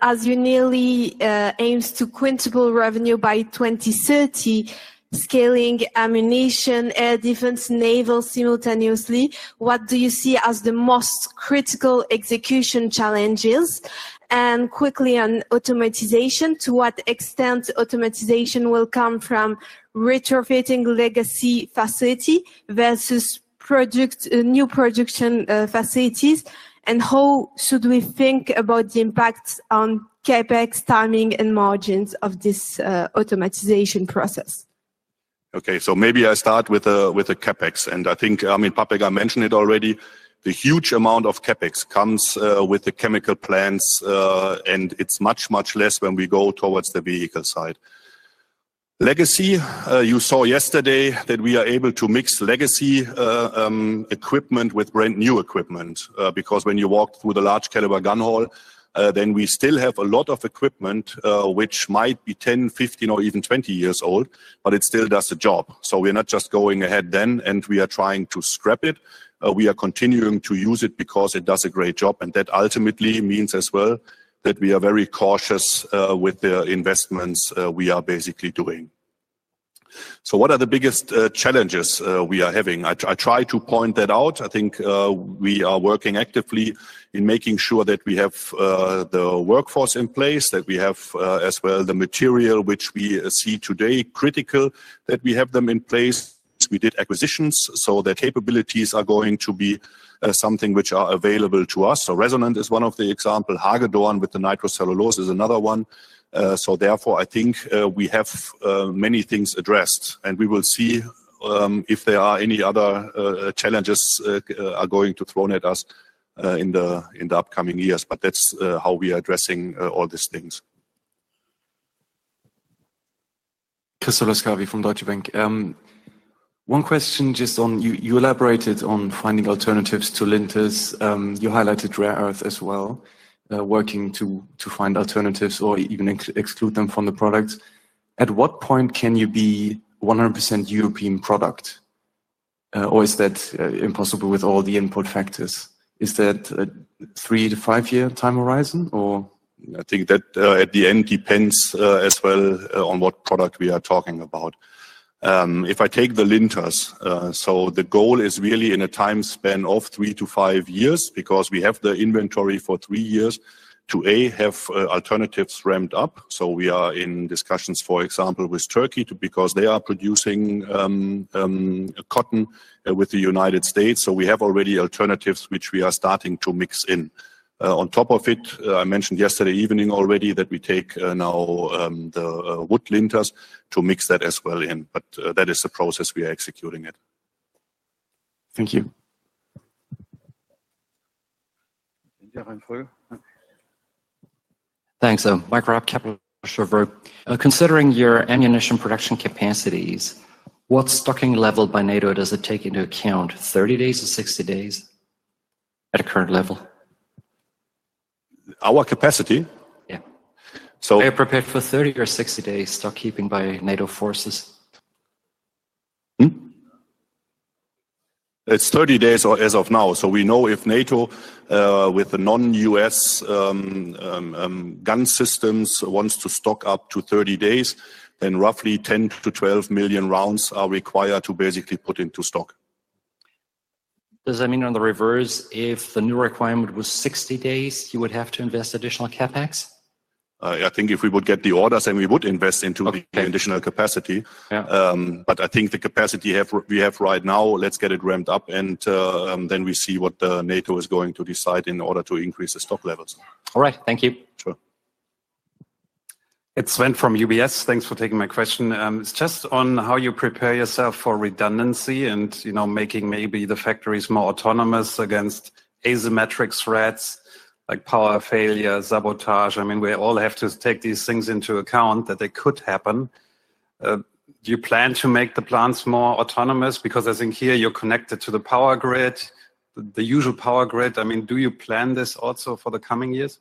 As you nearly aim to quintuple revenue by 2030, scaling ammunition, air defense, naval simultaneously, what do you see as the most critical execution challenges? Quickly on automatization, to what extent will automatization come from retrofitting legacy facility versus new production facilities? How should we think about the impact on CapEx, timing, and margins of this automatization process? Okay. Maybe I start with the CapEx. I think Armin Papperger mentioned it already. The huge amount of CapEx comes with the chemical plants, and it is much, much less when we go towards the vehicle side. Legacy, you saw yesterday that we are able to mix legacy equipment with brand new equipment because when you walk through the large-caliber gun hall, we still have a lot of equipment which might be 10, 15, or even 20 years old, but it still does the job. We are not just going ahead and trying to scrap it. We are continuing to use it because it does a great job. That ultimately means as well that we are very cautious with the investments we are basically doing. What are the biggest challenges we are having? I try to point that out. I think we are working actively in making sure that we have the workforce in place, that we have as well the material which we see today critical that we have them in place. We did acquisitions. The capabilities are going to be something which are available to us. Resonant is one of the examples. Hagedorn with the nitrocellulose is another one. I think we have many things addressed. We will see if there are any other challenges are going to be thrown at us in the upcoming years. That is how we are addressing all these things. Christopher Starke from Deutsche Bank. One question just on you elaborated on finding alternatives to linters. You highlighted rare earth as well, working to find alternatives or even exclude them from the products. At what point can you be 100% European product? Or is that impossible with all the input factors? Is that a three- to five-year time horizon or? I think that at the end depends as well on what product we are talking about. If I take the linters, so the goal is really in a time span of three to five years because we have the inventory for three years to A, have alternatives ramped up. We are in discussions, for example, with Turkey because they are producing cotton with the United States. We have already alternatives which we are starting to mix in. On top of it, I mentioned yesterday evening already that we take now the wood linters to mix that as well in. That is the process we are executing it. Thank you. Thanks. Micheal Raab Kepler Cheuvreux. Considering your ammunition production capacities, what stocking level by NATO does it take into account? 30 days or 60 days at a current level? Our capacity? Yeah. Are you prepared for 30 or 60 days stockkeeping by NATO forces? It's 30 days as of now. We know if NATO with the non-U.S. gun systems wants to stock up to 30 days, then roughly 10 million-12 million rounds are required to basically put into stock. Does that mean on the reverse, if the new requirement was 60 days, you would have to invest additional CapEx? I think if we would get the orders, then we would invest into the additional capacity. I think the capacity we have right now, let's get it ramped up and then we see what NATO is going to decide in order to increase the stock levels. All right. Thank you. Sure. It's Sven from UBS. Thanks for taking my question. It's just on how you prepare yourself for redundancy and making maybe the factories more autonomous against asymmetric threats like power failure, sabotage. I mean, we all have to take these things into account that they could happen. Do you plan to make the plants more autonomous? Because I think here you're connected to the power grid, the usual power grid. I mean, do you plan this also for the coming years?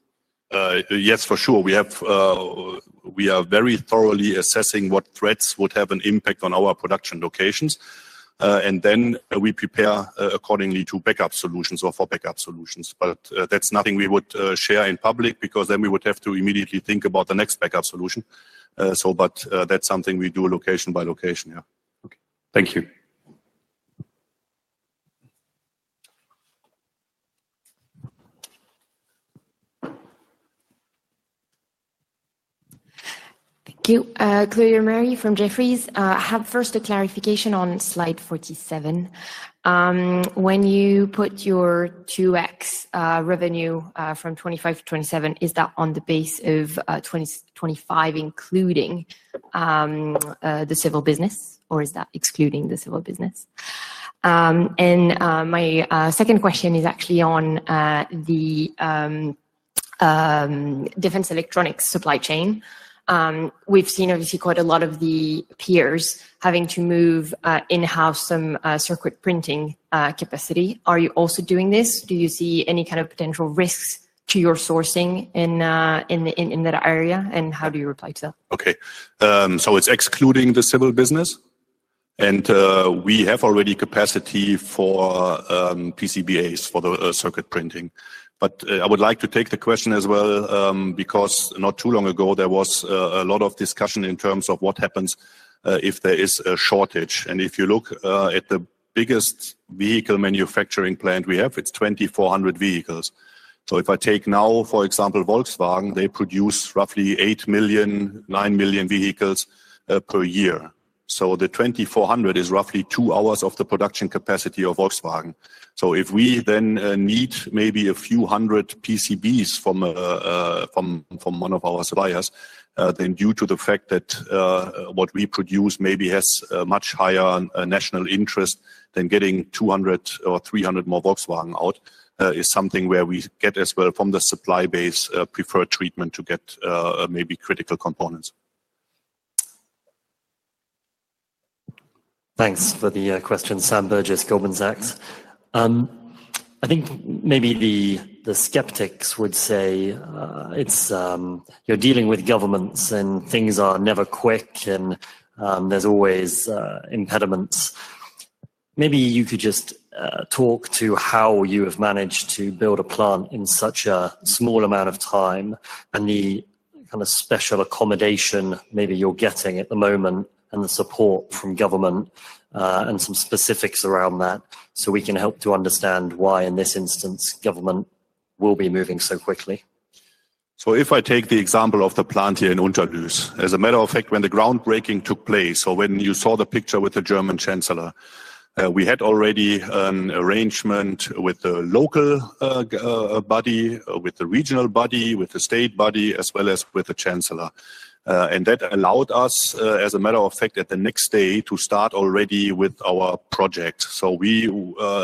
Yes, for sure. We are very thoroughly assessing what threats would have an impact on our production locations. We prepare accordingly to backup solutions or for backup solutions. That is nothing we would share in public because then we would have to immediately think about the next backup solution. That is something we do location by location. Yeah. Okay. Thank you. Thank you. [Claudia Mary] from Jefferies. I have first a clarification on slide 47. When you put your 2X revenue from 2025 to 2027, is that on the base of 2025 including the civil business or is that excluding the civil business? My second question is actually on the defense electronics supply chain. We've seen obviously quite a lot of the peers having to move in-house some circuit printing capacity. Are you also doing this? Do you see any kind of potential risks to your sourcing in that area? How do you reply to that? Okay. It is excluding the civil business. We have already capacity for PCBAs for the circuit printing. I would like to take the question as well because not too long ago, there was a lot of discussion in terms of what happens if there is a shortage. If you look at the biggest vehicle manufacturing plant we have, it is 2,400 vehicles. If I take now, for example, Volkswagen, they produce roughly 8 million-9 million vehicles per year. The 2,400 is roughly two hours of the production capacity of Volkswagen. If we then need maybe a few hundred PCBAs from one of our suppliers, then due to the fact that what we produce maybe has a much higher national interest, then getting 200 or 300 more Volkswagen out is something where we get as well from the supply base preferred treatment to get maybe critical components. Thanks for the question, Sam Burgess, Goldman Sachs. I think maybe the skeptics would say you're dealing with governments and things are never quick and there's always impediments. Maybe you could just talk to how you have managed to build a plant in such a small amount of time and the kind of special accommodation maybe you're getting at the moment and the support from government and some specifics around that so we can help to understand why in this instance government will be moving so quickly. If I take the example of the plant here in Unterlüß, as a matter of fact, when the groundbreaking took place or when you saw the picture with the German chancellor, we had already an arrangement with the local body, with the regional body, with the state body, as well as with the chancellor. That allowed us, as a matter of fact, the next day to start already with our project. We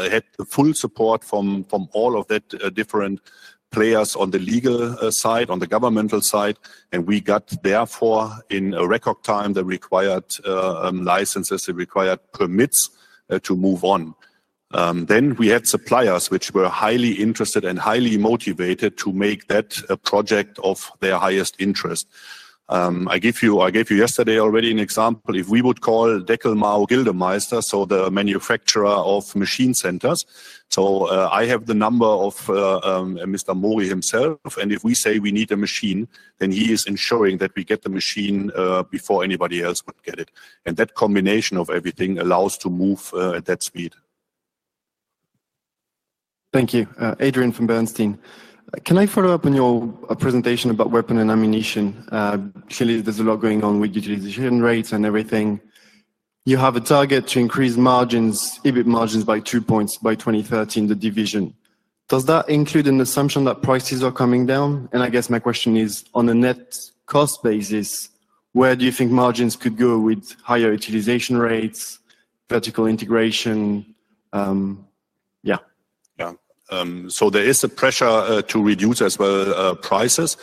had the full support from all of those different players on the legal side, on the governmental side. We got therefore in record time the required licenses, the required permits to move on. We had suppliers which were highly interested and highly motivated to make that a project of their highest interest. I gave you yesterday already an example. If we would call Deckel-Maho-Gildemeister, so the manufacturer of machine centers. I have the number of Mr. Mori himself. If we say we need a machine, then he is ensuring that we get the machine before anybody else would get it. That combination of everything allows to move at that speed. Thank you. Adrien from Bernstein. Can I follow up on your presentation about weapon and ammunition? Clearly, there's a lot going on with utilization rates and everything. You have a target to increase margins, EBIT margins by two percentage points by 2030 in the division. Does that include an assumption that prices are coming down? I guess my question is on a net cost basis, where do you think margins could go with higher utilization rates, vertical integration? Yeah. Yeah. There is a pressure to reduce as well prices.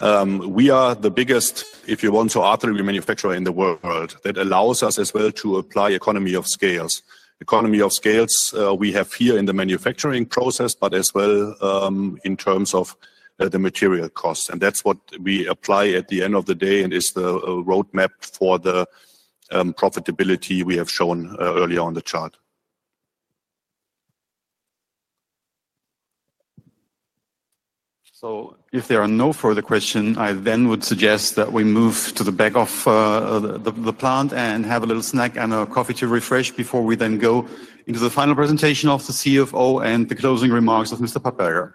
We are the biggest, if you want to, artillery manufacturer in the world. That allows us as well to apply economy of scales. Economy of scales we have here in the manufacturing process, but as well in terms of the material costs. That is what we apply at the end of the day and is the roadmap for the profitability we have shown earlier on the chart. If there are no further questions, I then would suggest that we move to the back of the plant and have a little snack and a coffee to refresh before we then go into the final presentation of the CFO and the closing remarks of Mr. Papperger.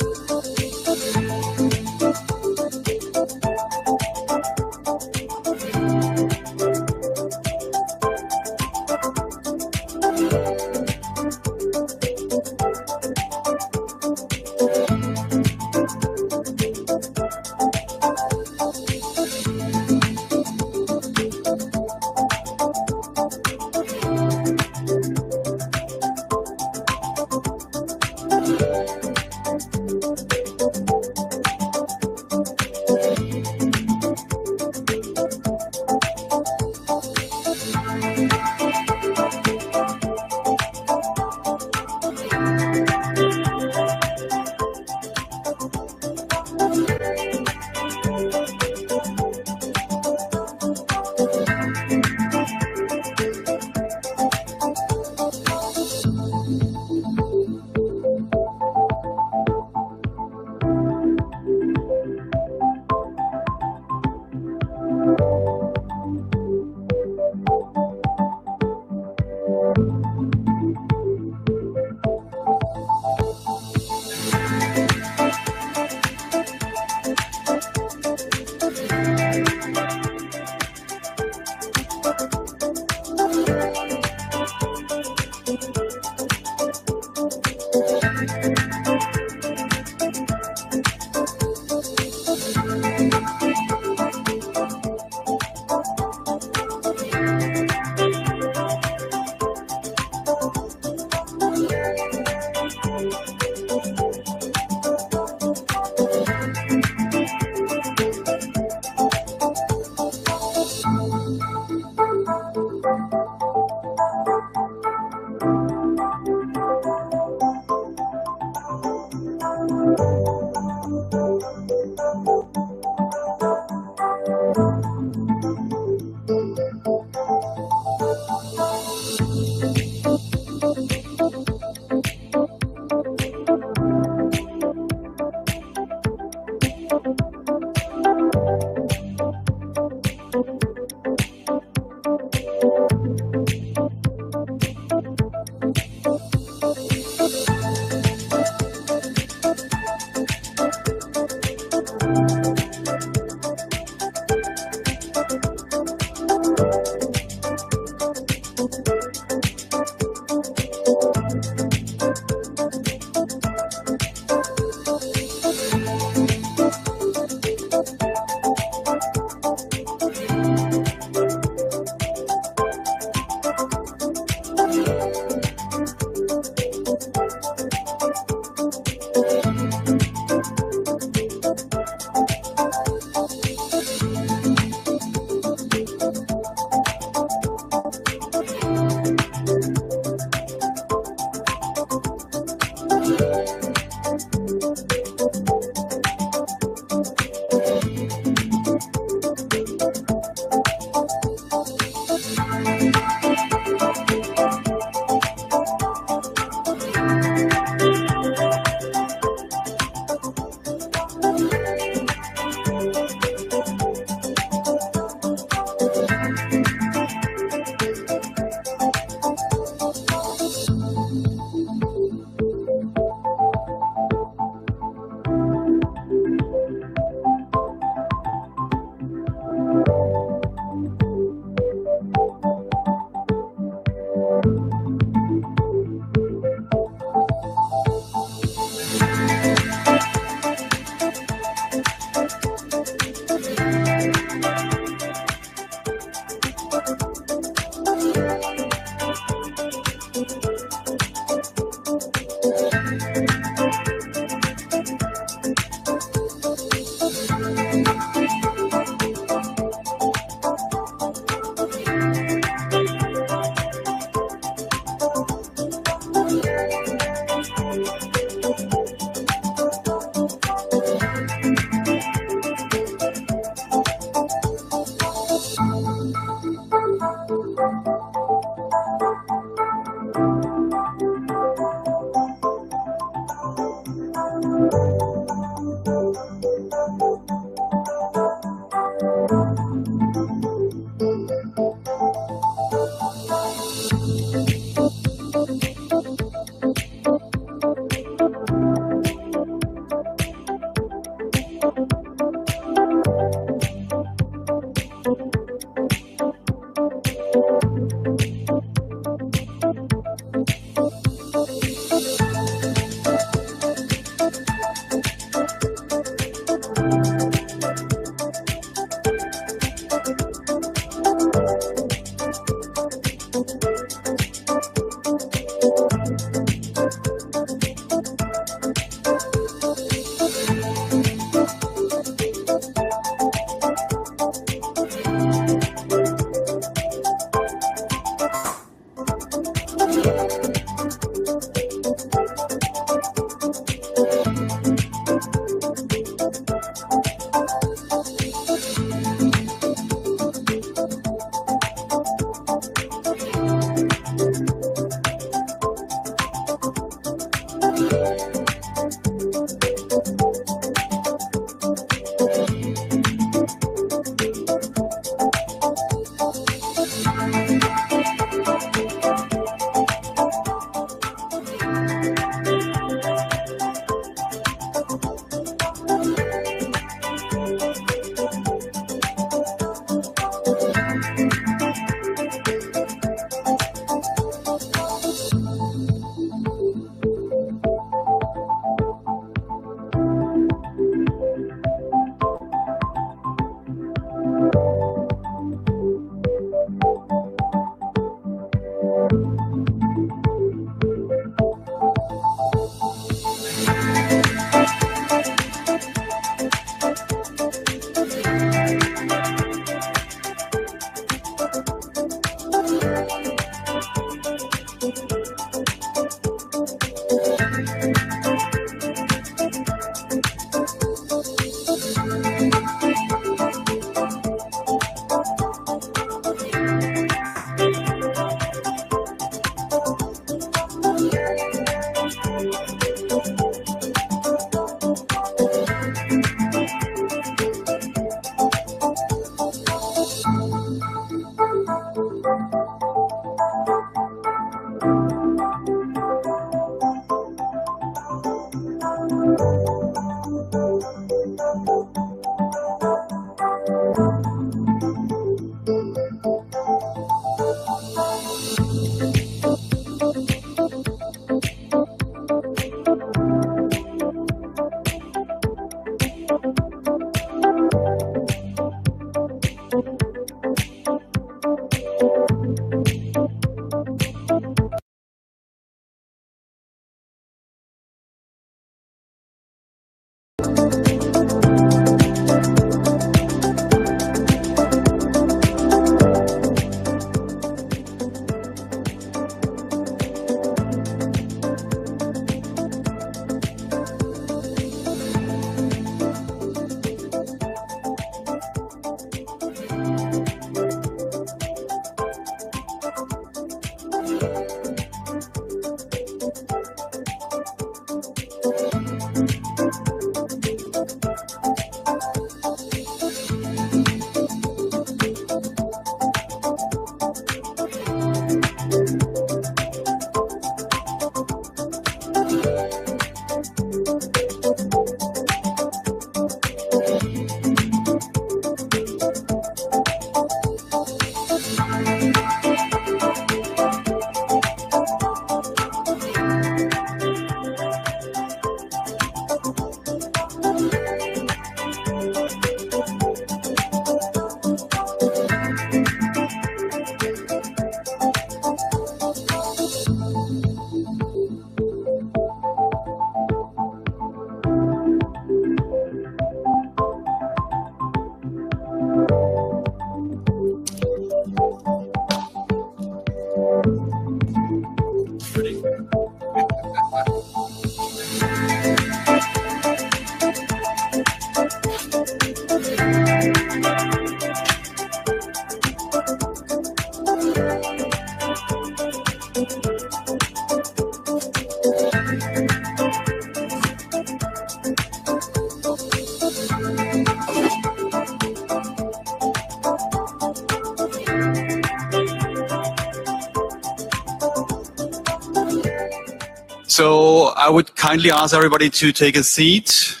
I would kindly ask everybody to take a seat.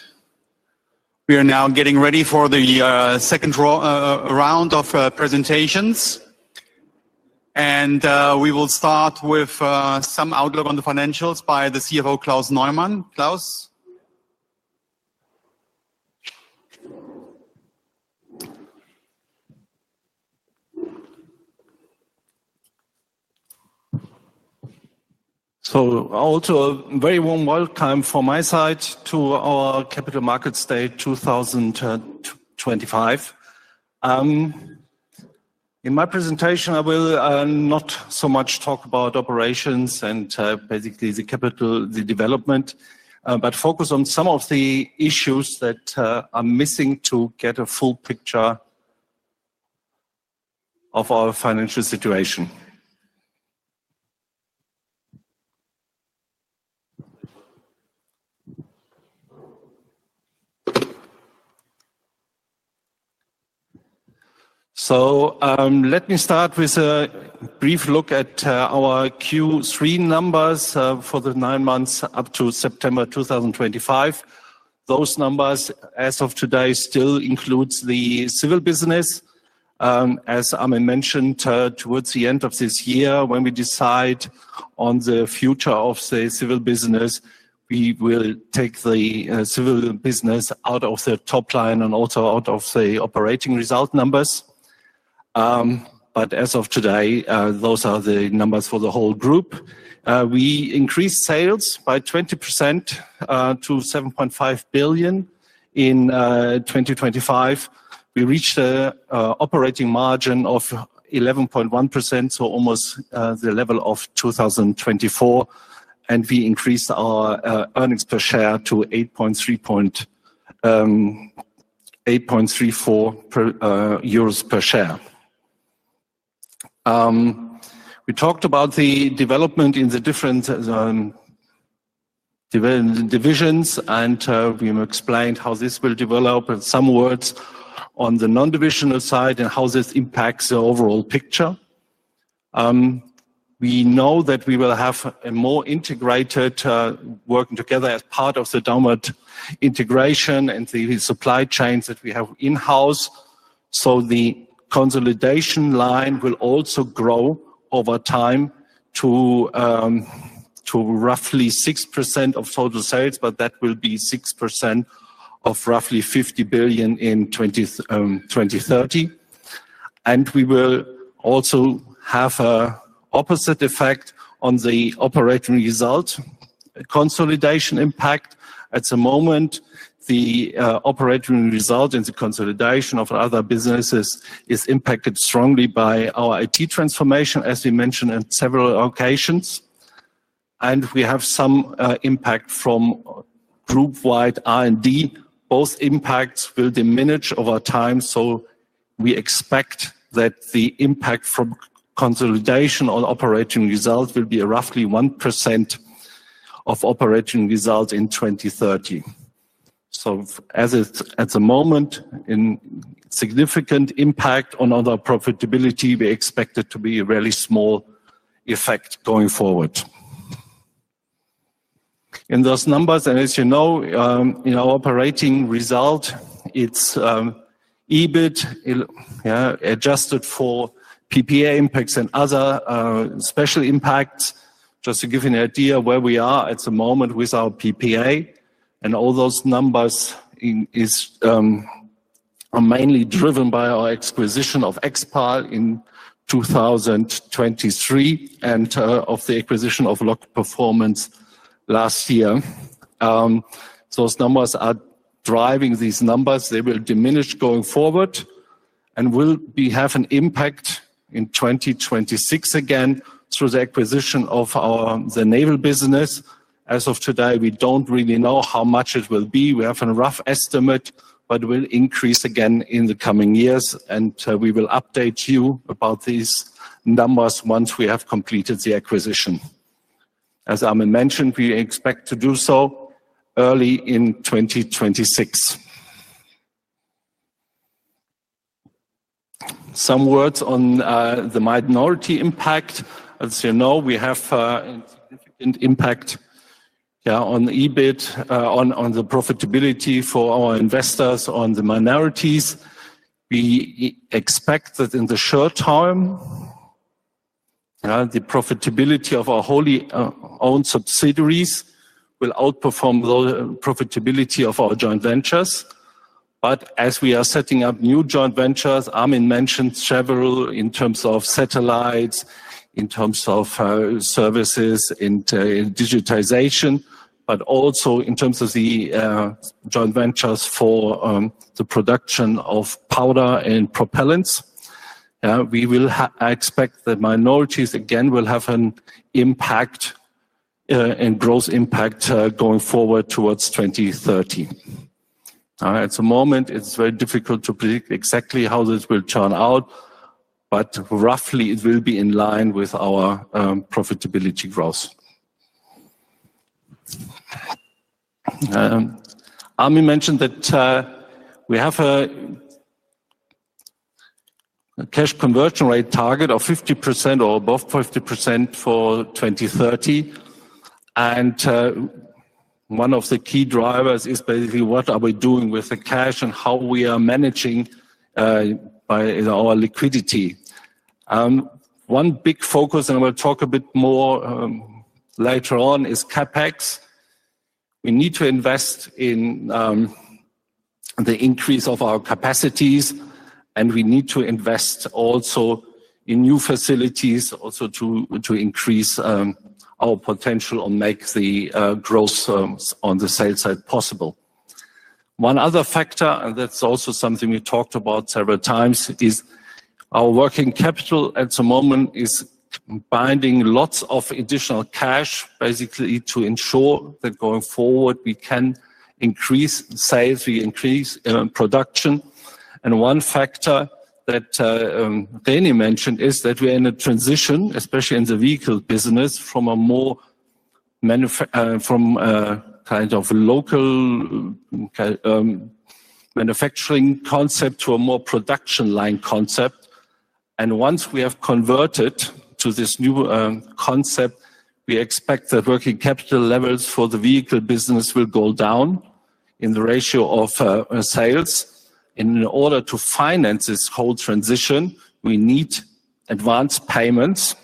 We are now getting ready for the second round of presentations. We will start with some outlook on the financials by the CFO, Klaus Neumann. Klaus? Also a very warm welcome from my side to our Capital Markets Day 2025. In my presentation, I will not so much talk about operations and basically the capital, the development, but focus on some of the issues that are missing to get a full picture of our financial situation. Let me start with a brief look at our Q3 numbers for the nine months up to September 2025. Those numbers, as of today, still include the civil business. As Armin mentioned, towards the end of this year, when we decide on the future of the civil business, we will take the civil business out of the top line and also out of the operating result numbers. As of today, those are the numbers for the whole group. We increased sales by 20% to 7.5 billion in 2025. We reached an operating margin of 11.1%, so almost the level of 2024. We increased our earnings per share to 8.34 euros per share. We talked about the development in the different divisions, and we explained how this will develop in some words on the non-divisional side and how this impacts the overall picture. We know that we will have a more integrated work together as part of the downward integration and the supply chains that we have in-house. The consolidation line will also grow over time to roughly 6% of total sales, but that will be 6% of roughly 50 billion in 2030. We will also have an opposite effect on the operating result consolidation impact. At the moment, the operating result and the consolidation of other businesses is impacted strongly by our IT transformation, as we mentioned on several occasions. We have some impact from group-wide R&D. Those impacts will diminish over time. We expect that the impact from consolidation on operating result will be roughly 1% of operating result in 2030. As of the moment, in significant impact on other profitability, we expect it to be a really small effect going forward. In those numbers, and as you know, in our operating result, it's EBIT adjusted for PPA impacts and other special impacts. Just to give you an idea where we are at the moment with our PPA. All those numbers are mainly driven by our acquisition of Expal in 2023 and of the acquisition of Locked Performance last year. Those numbers are driving these numbers. They will diminish going forward and will have an impact in 2026 again through the acquisition of the naval business. As of today, we don't really know how much it will be. We have a rough estimate, but it will increase again in the coming years. We will update you about these numbers once we have completed the acquisition. As Armin mentioned, we expect to do so early in 2026. Some words on the minority impact. As you know, we have a significant impact on EBIT, on the profitability for our investors, on the minorities. We expect that in the short term, the profitability of our wholly owned subsidiaries will outperform the profitability of our joint ventures. As we are setting up new joint ventures, Armin mentioned several in terms of satellites, in terms of services, in digitization, but also in terms of the joint ventures for the production of powder and propellants. We will expect that minorities, again, will have an impact and gross impact going forward towards 2030. At the moment, it is very difficult to predict exactly how this will turn out, but roughly it will be in line with our profitability growth. Armin mentioned that we have a cash conversion rate target of 50% or above 50% for 2030. One of the key drivers is basically what are we doing with the cash and how we are managing our liquidity. One big focus, and we'll talk a bit more later on, is CapEx. We need to invest in the increase of our capacities, and we need to invest also in new facilities also to increase our potential and make the growth on the sales side possible. One other factor, and that's also something we talked about several times, is our working capital at the moment is binding lots of additional cash, basically to ensure that going forward we can increase sales, we increase production. One factor that Danny mentioned is that we're in a transition, especially in the vehicle business, from a more kind of local manufacturing concept to a more production line concept. Once we have converted to this new concept, we expect that working capital levels for the vehicle business will go down in the ratio of sales. In order to finance this whole transition, we need advance payments.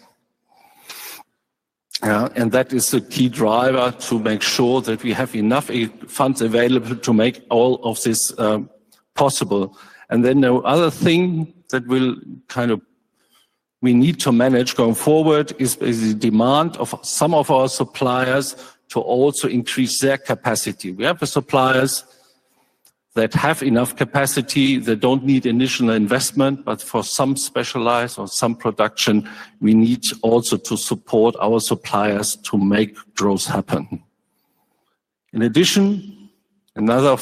That is the key driver to make sure that we have enough funds available to make all of this possible. The other thing that we need to manage going forward is basically the demand of some of our suppliers to also increase their capacity. We have suppliers that have enough capacity that do not need additional investment, but for some specialized or some production, we need also to support our suppliers to make growth happen. In addition, another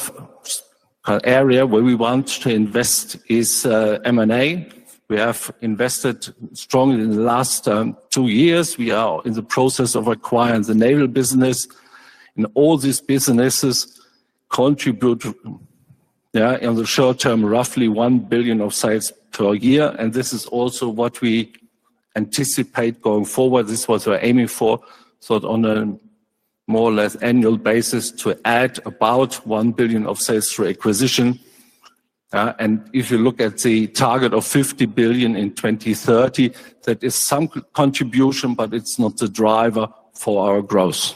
area where we want to invest is M&A. We have invested strongly in the last two years. We are in the process of acquiring the naval business. All these businesses contribute in the short term roughly 1 billion of sales per year. This is also what we anticipate going forward. This is what we're aiming for. On a more or less annual basis, to add about 1 billion of sales through acquisition. If you look at the target of 50 billion in 2030, that is some contribution, but it's not the driver for our growth.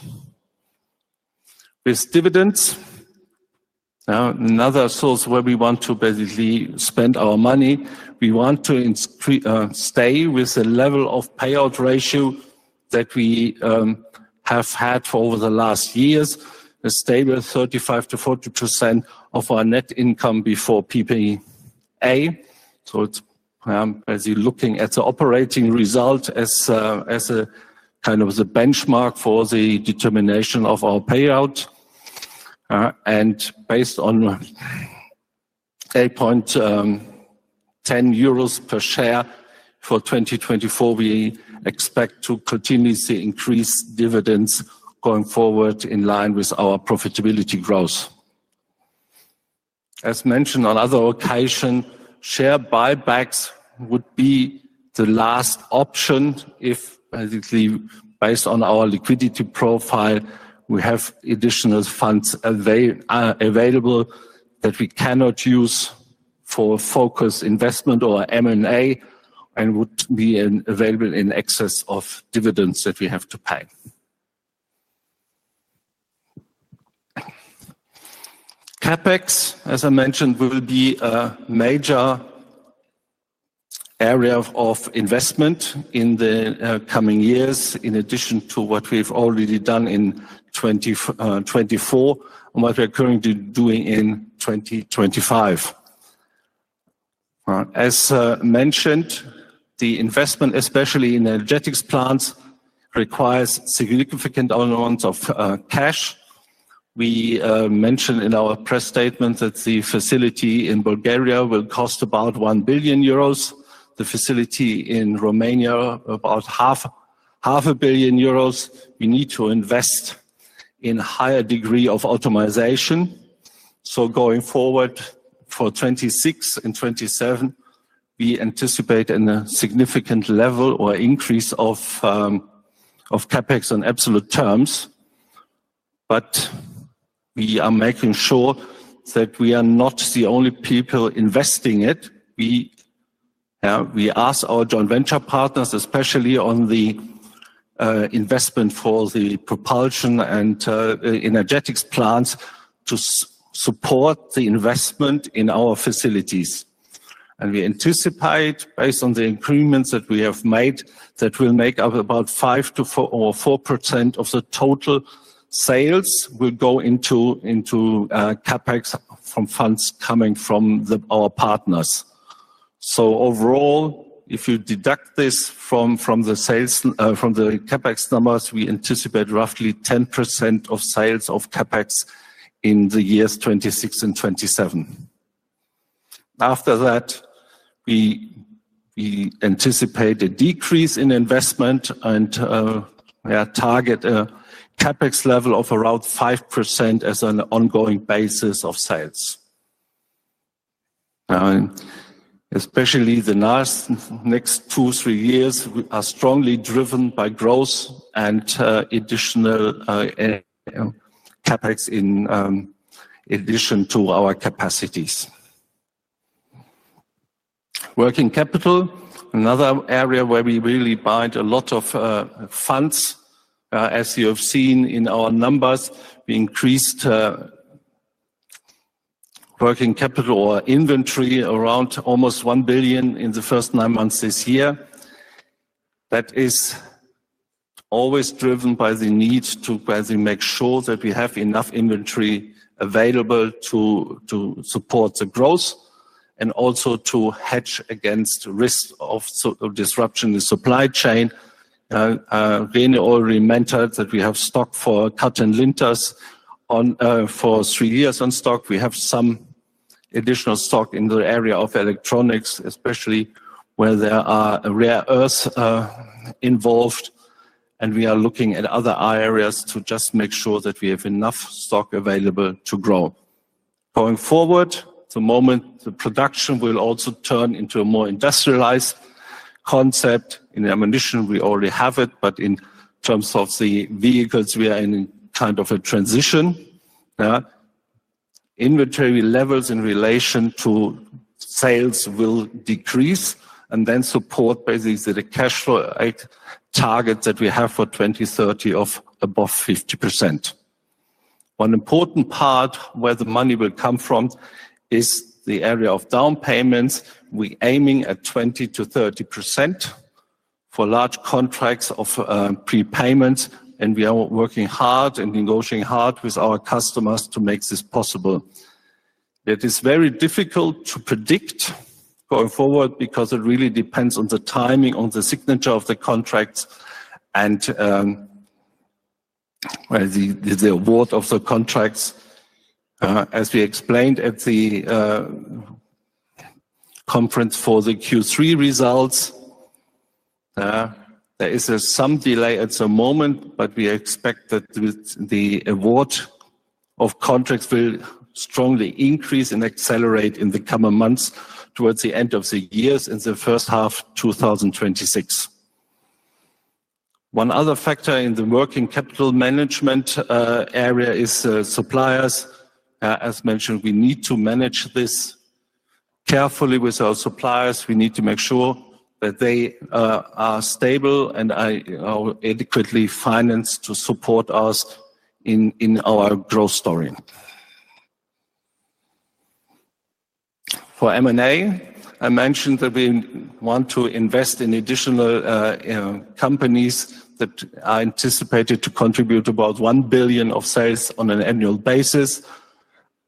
With dividends, another source where we want to basically spend our money, we want to stay with a level of payout ratio that we have had for over the last years, a stable 35%-40% of our net income before PPA. It's basically looking at the operating result as a kind of the benchmark for the determination of our payout. Based on 8.10 euros per share for 2024, we expect to continue to increase dividends going forward in line with our profitability growth. As mentioned on other occasions, share buybacks would be the last option if basically based on our liquidity profile, we have additional funds available that we cannot use for focus investment or M&A and would be available in excess of dividends that we have to pay. CapEx, as I mentioned, will be a major area of investment in the coming years in addition to what we have already done in 2024 and what we are currently doing in 2025. As mentioned, the investment, especially in energetics plants, requires significant amounts of cash. We mentioned in our press statement that the facility in Bulgaria will cost about 1 billion euros. The facility in Romania, about 500 million euros. We need to invest in a higher degree of optimization. Going forward for 2026 and 2027, we anticipate a significant level or increase of CapEx on absolute terms. We are making sure that we are not the only people investing it. We ask our joint venture partners, especially on the investment for the propulsion and energetics plants, to support the investment in our facilities. We anticipate, based on the increments that we have made, that we'll make up about 5%-4% of the total sales will go into CapEx from funds coming from our partners. Overall, if you deduct this from the CapEx numbers, we anticipate roughly 10% of sales of CapEx in the years 2026 and 2027. After that, we anticipate a decrease in investment and target a CapEx level of around 5% as an ongoing basis of sales. Especially the next two, three years are strongly driven by growth and additional CapEx in addition to our capacities. Working capital, another area where we really bind a lot of funds. As you have seen in our numbers, we increased working capital or inventory around almost 1 billion in the first nine months this year. That is always driven by the need to make sure that we have enough inventory available to support the growth and also to hedge against risk of disruption in the supply chain. René already mentioned that we have stock for cotton and linters for three years on stock. We have some additional stock in the area of electronics, especially where there are rare earths involved. We are looking at other areas to just make sure that we have enough stock available to grow. Going forward, at the moment, the production will also turn into a more industrialized concept. In ammunition, we already have it, but in terms of the vehicles, we are in kind of a transition. Inventory levels in relation to sales will decrease and then support basically the cash flow target that we have for 2030 of above 50%. One important part where the money will come from is the area of down payments. We're aiming at 20%-30% for large contracts of prepayments, and we are working hard and negotiating hard with our customers to make this possible. It is very difficult to predict going forward because it really depends on the timing, on the signature of the contracts and the award of the contracts. As we explained at the conference for the Q3 results, there is some delay at the moment, but we expect that the award of contracts will strongly increase and accelerate in the coming months towards the end of the years in the first half of 2026. One other factor in the working capital management area is suppliers. As mentioned, we need to manage this carefully with our suppliers. We need to make sure that they are stable and are adequately financed to support us in our growth story. For M&A, I mentioned that we want to invest in additional companies that are anticipated to contribute about 1 billion of sales on an annual basis.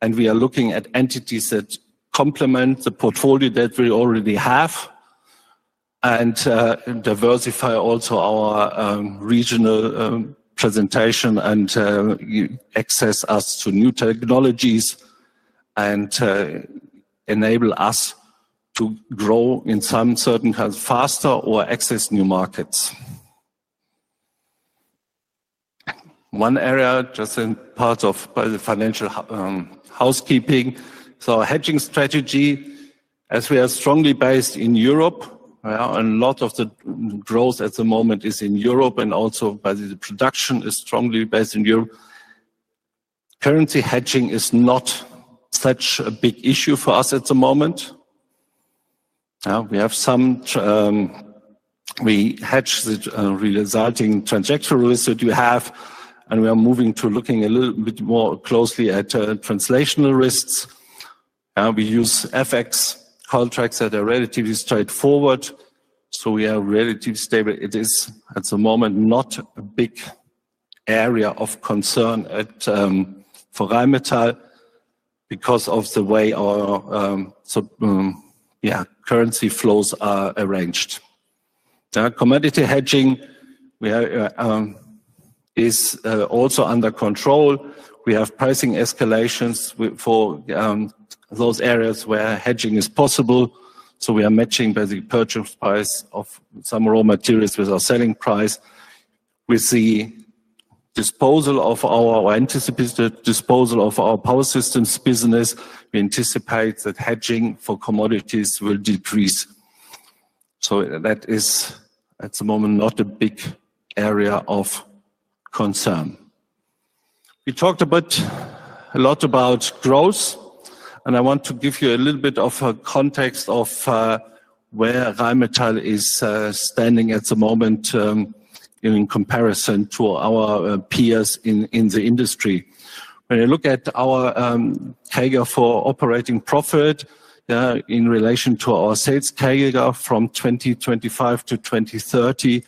We are looking at entities that complement the portfolio that we already have and diversify also our regional presentation and access us to new technologies and enable us to grow in some certain kind of faster or access new markets. One area, just in part of financial housekeeping, is hedging strategy. As we are strongly based in Europe, a lot of the growth at the moment is in Europe and also the production is strongly based in Europe. Currency hedging is not such a big issue for us at the moment. We hedge the resulting trajectory risk that you have, and we are moving to looking a little bit more closely at translational risks. We use FX contracts that are relatively straightforward, so we are relatively stable. It is at the moment not a big area of concern at Rheinmetall because of the way our currency flows are arranged. Commodity hedging is also under control. We have pricing escalations for those areas where hedging is possible. We are matching basically purchase price of some raw materials with our selling price. With the disposal of our anticipated disposal of our power systems business, we anticipate that hedging for commodities will decrease. That is at the moment not a big area of concern. We talked a lot about growth, and I want to give you a little bit of a context of where Rheinmetall is standing at the moment in comparison to our peers in the industry. When you look at our carrier for operating profit in relation to our sales carrier from 2025 to 2030,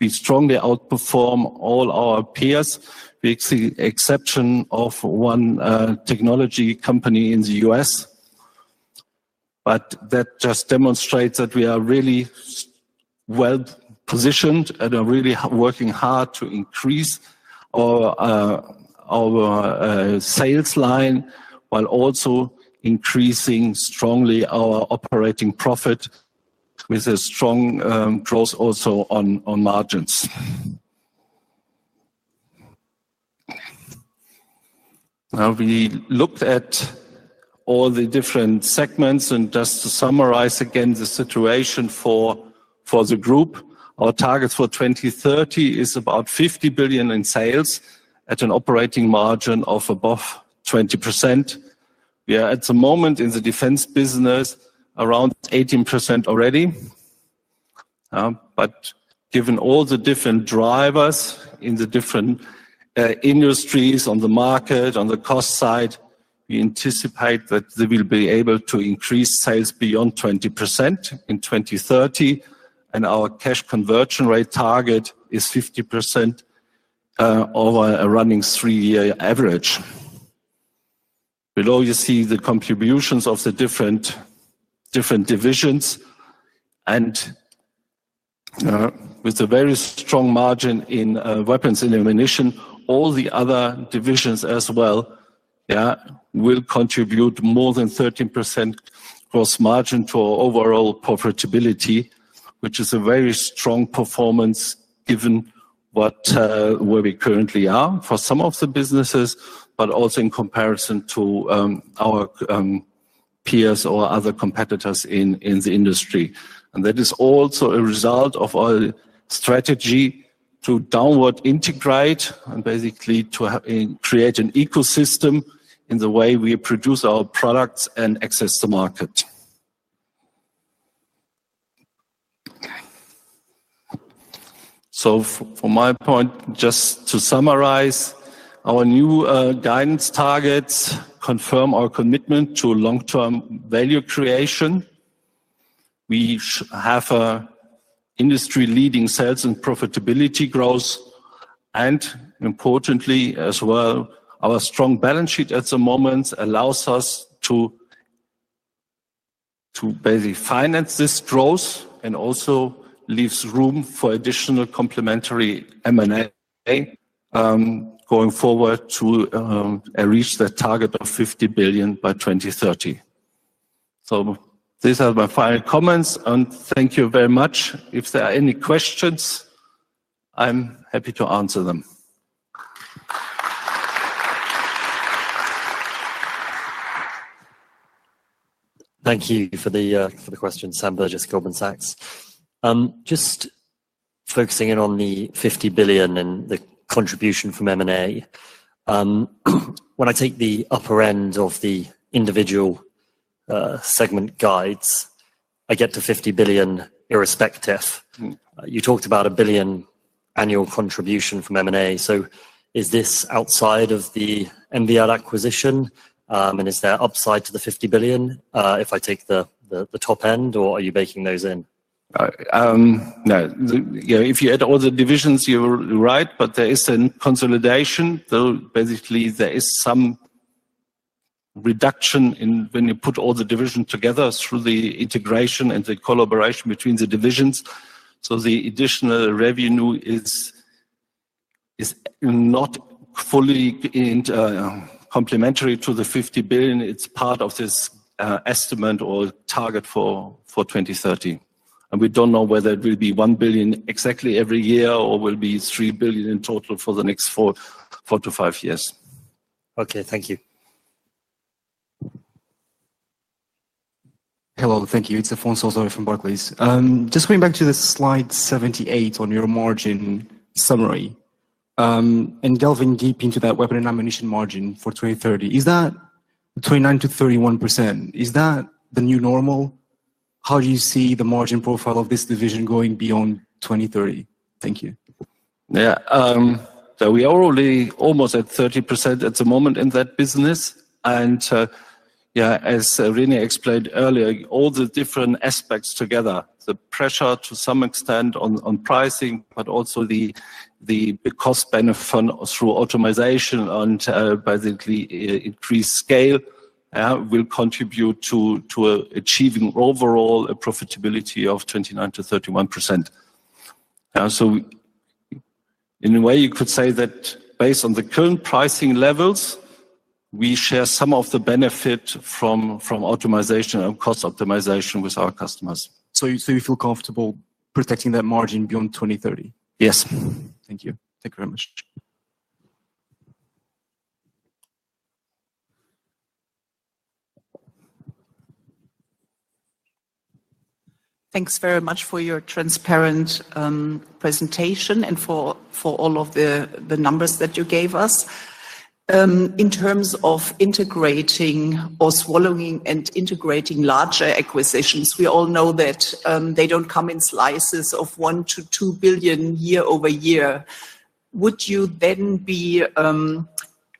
we strongly outperform all our peers, with the exception of one technology company in the U.S. That just demonstrates that we are really well positioned and are really working hard to increase our sales line while also increasing strongly our operating profit with a strong growth also on margins. Now, we looked at all the different segments, and just to summarize again the situation for the group, our target for 2030 is about 50 billion in sales at an operating margin of above 20%. We are at the moment in the defense business around 18% already. Given all the different drivers in the different industries on the market, on the cost side, we anticipate that we will be able to increase sales beyond 20% in 2030. Our cash conversion rate target is 50% over a running three-year average. Below, you see the contributions of the different divisions. With a very strong margin in weapons and ammunition, all the other divisions as well will contribute more than 13% gross margin to our overall profitability, which is a very strong performance given where we currently are for some of the businesses, but also in comparison to our peers or other competitors in the industry. That is also a result of our strategy to downward integrate and basically to create an ecosystem in the way we produce our products and access the market. From my point, just to summarize, our new guidance targets confirm our commitment to long-term value creation. We have industry-leading sales and profitability growth. Importantly as well, our strong balance sheet at the moment allows us to basically finance this growth and also leaves room for additional complementary M&A going forward to reach that target of 50 billion by 2030. These are my final comments, and thank you very much. If there are any questions, I'm happy to answer them. Thank you for the question, Sam Burgess, Goldman Sachs. Just focusing in on the 50 billion and the contribution from M&A, when I take the upper end of the individual segment guides, I get to 50 billion irrespective. You talked about a 1 billion annual contribution from M&A. Is this outside of the MVR acquisition, and is there upside to the 50 billion if I take the top end, or are you baking those in? No, if you add all the divisions, you're right, but there is a consolidation. Basically, there is some reduction when you put all the divisions together through the integration and the collaboration between the divisions. The additional revenue is not fully complementary to the 50 billion. It is part of this estimate or target for 2030. We do not know whether it will be 1 billion exactly every year or will be 3 billion in total for the next four to five years. Okay, thank you. Hello, thank you. It is Afonso Osorio from Barclays. Just going back to slide 78 on your margin summary and delving deep into that weapon and ammunition margin for 2030, is that 29%-31%? Is that the new normal? How do you see the margin profile of this division going beyond 2030? Thank you. Yeah, we are already almost at 30% at the moment in that business. Yeah, as René explained earlier, all the different aspects together, the pressure to some extent on pricing, but also the cost-benefit through optimization and basically increased scale will contribute to achieving overall a profitability of 29%-31%. In a way, you could say that based on the current pricing levels, we share some of the benefit from optimization and cost optimization with our customers. You feel comfortable protecting that margin beyond 2030? Yes. Thank you. Thank you very much. Thanks very much for your transparent presentation and for all of the numbers that you gave us. In terms of integrating or swallowing and integrating larger acquisitions, we all know that they do not come in slices of 1 billion-2 billion year-over-year. Would you then be, or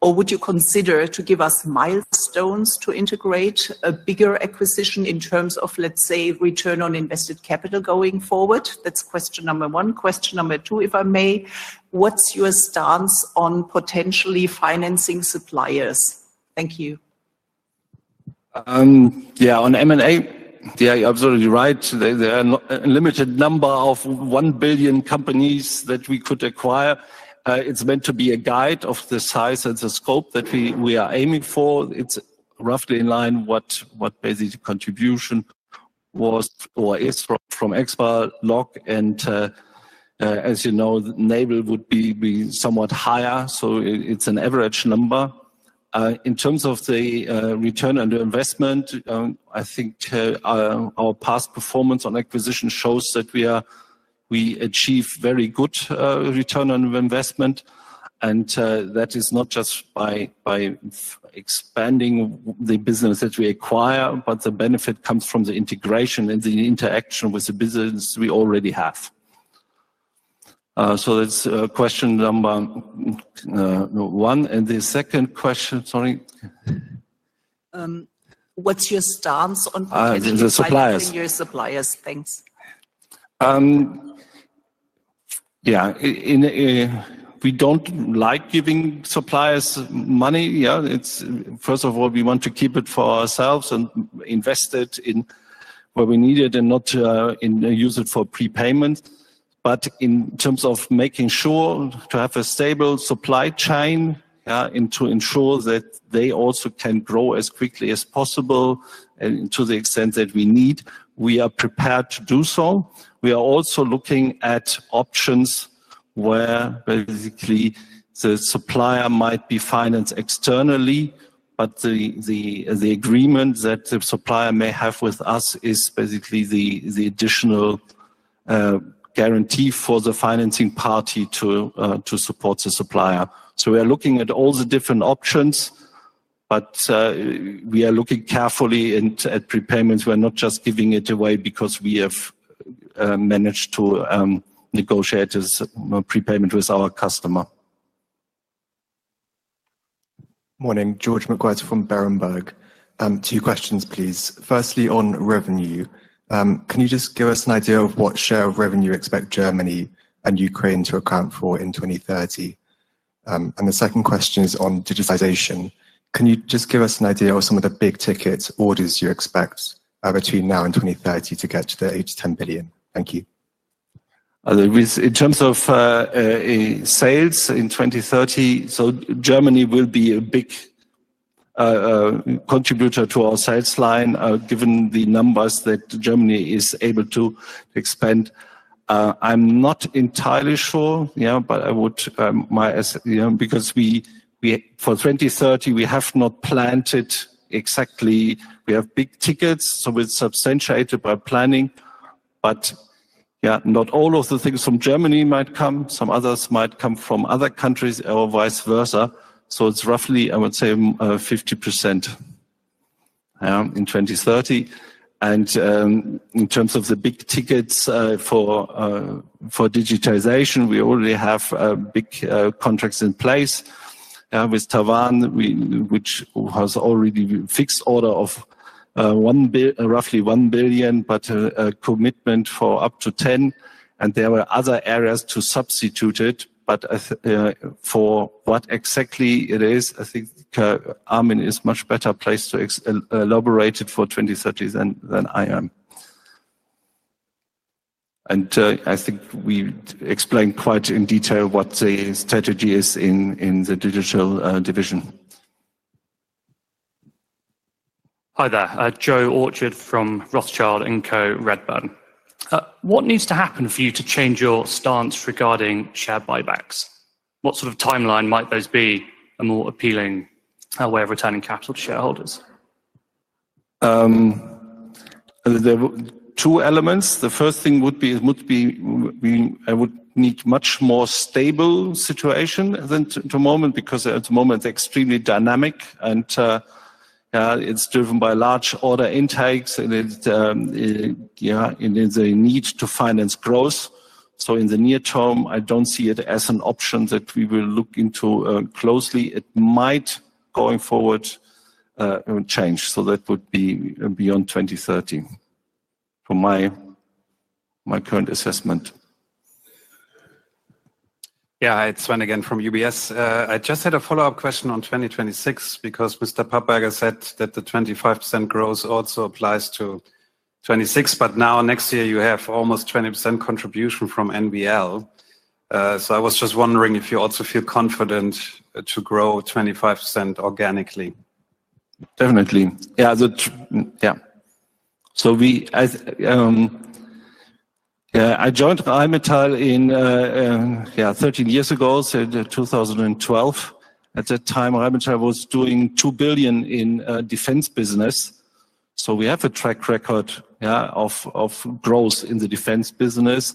would you consider to give us milestones to integrate a bigger acquisition in terms of, let's say, return on invested capital going forward? That's question number one. Question number two, if I may, what's your stance on potentially financing suppliers? Thank you. Yeah, on M&A, yeah, you're absolutely right. There are a limited number of 1 billion companies that we could acquire. It's meant to be a guide of the size and the scope that we are aiming for. It's roughly in line with what basically the contribution was or is from EExpal. And as you know, Naval would be somewhat higher, so it's an average number. In terms of the return on investment, I think our past performance on acquisition shows that we achieve very good return on investment. That is not just by expanding the business that we acquire, but the benefit comes from the integration and the interaction with the business we already have. That is question number one. The second question, sorry. What's your stance on purchasing your suppliers? Thanks. Yeah, we do not like giving suppliers money. First of all, we want to keep it for ourselves and invest it in where we need it and not use it for prepayment. In terms of making sure to have a stable supply chain and to ensure that they also can grow as quickly as possible and to the extent that we need, we are prepared to do so. We are also looking at options where basically the supplier might be financed externally, but the agreement that the supplier may have with us is basically the additional guarantee for the financing party to support the supplier. We are looking at all the different options, but we are looking carefully at prepayments. We are not just giving it away because we have managed to negotiate prepayment with our customer. Morning, George McWhirter from Berenberg. Two questions, please. Firstly, on revenue, can you just give us an idea of what share of revenue you expect Germany and Ukraine to account for in 2030? The second question is on digitalization. Can you just give us an idea of some of the big ticket orders you expect between now and 2030 to get to the 8 billion-10 billion? Thank you. In terms of sales in 2030, Germany will be a big contributor to our sales line given the numbers that Germany is able to expand. I'm not entirely sure, yeah, but I would, because for 2030, we have not planned exactly. We have big tickets, so we're substantiated by planning. Yeah, not all of the things from Germany might come. Some others might come from other countries or vice versa. It's roughly, I would say, 50% in 2030. In terms of the big tickets for digitalization, we already have big contracts in place with Taiwan, which has already fixed order of roughly 1 billion, but a commitment for up to 10 billion. There were other areas to substitute it. For what exactly it is, I think Armin is a much better place to elaborate it for 2030 than I am. I think we explained quite in detail what the strategy is in the digital division. Hi there, Joe Orchard from Rothschild & Co. Redburn. What needs to happen for you to change your stance regarding share buybacks? What sort of timeline might those be a more appealing way of returning capital to shareholders? Two elements. The first thing would be I would need a much more stable situation than at the moment because at the moment it's extremely dynamic and it's driven by large order intakes and the need to finance growth. In the near term, I don't see it as an option that we will look into closely. It might going forward change. That would be beyond 2030 from my current assessment. Yeah, it's Sven again from UBS. I just had a follow-up question on 2026 because Mr. Papperger said that the 25% growth also applies to 2026, but now next year you have almost 20% contribution from NVL. I was just wondering if you also feel confident to grow 25% organically. Definitely. Yeah, I joined Rheinmetall 13 years ago, so in 2012. At that time, Rheinmetall was doing 2 billion in defense business. We have a track record of growth in the defense business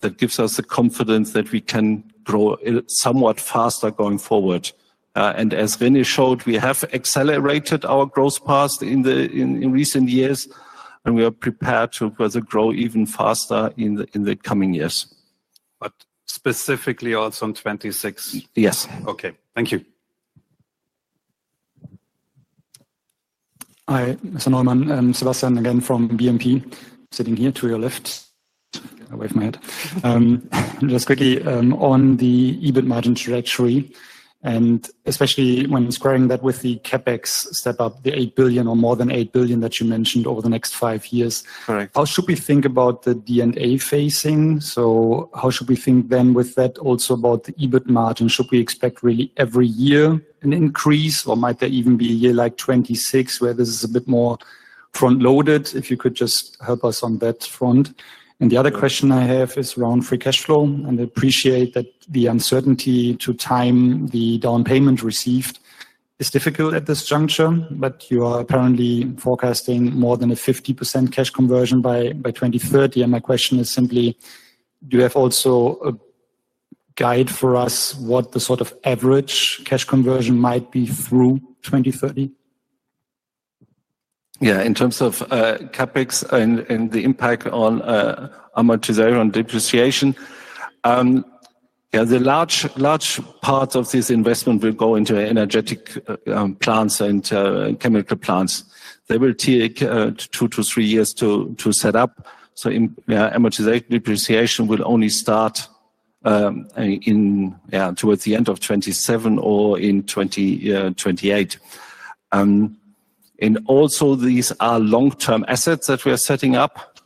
that gives us the confidence that we can grow somewhat faster going forward. As René showed, we have accelerated our growth path in recent years and we are prepared to further grow even faster in the coming years. Specifically also in 2026. Yes. Okay, thank you. Hi, Mr. Neumann. Sebastian again from BNP sitting here to your left. Away from my head. Just quickly on the EBIT margin trajectory and especially when squaring that with the CapEx step up, the 8 billion or more than 8 billion that you mentioned over the next five years. How should we think about the D&A phasing? So how should we think then with that also about the EBIT margin? Should we expect really every year an increase or might there even be a year like 2026 where this is a bit more front-loaded? If you could just help us on that front. The other question I have is around free cash flow. I appreciate that the uncertainty to time the down payment received is difficult at this juncture, but you are apparently forecasting more than a 50% cash conversion by 2030. My question is simply, do you have also a guide for us what the sort of average cash conversion might be through 2030? Yeah, in terms of CapEx and the impact on amortization and depreciation, yeah, the large part of this investment will go into energetic plants and chemical plants. They will take two to three years to set up. Amortization and depreciation will only start towards the end of 2027 or in 2028. Also, these are long-term assets that we are setting up.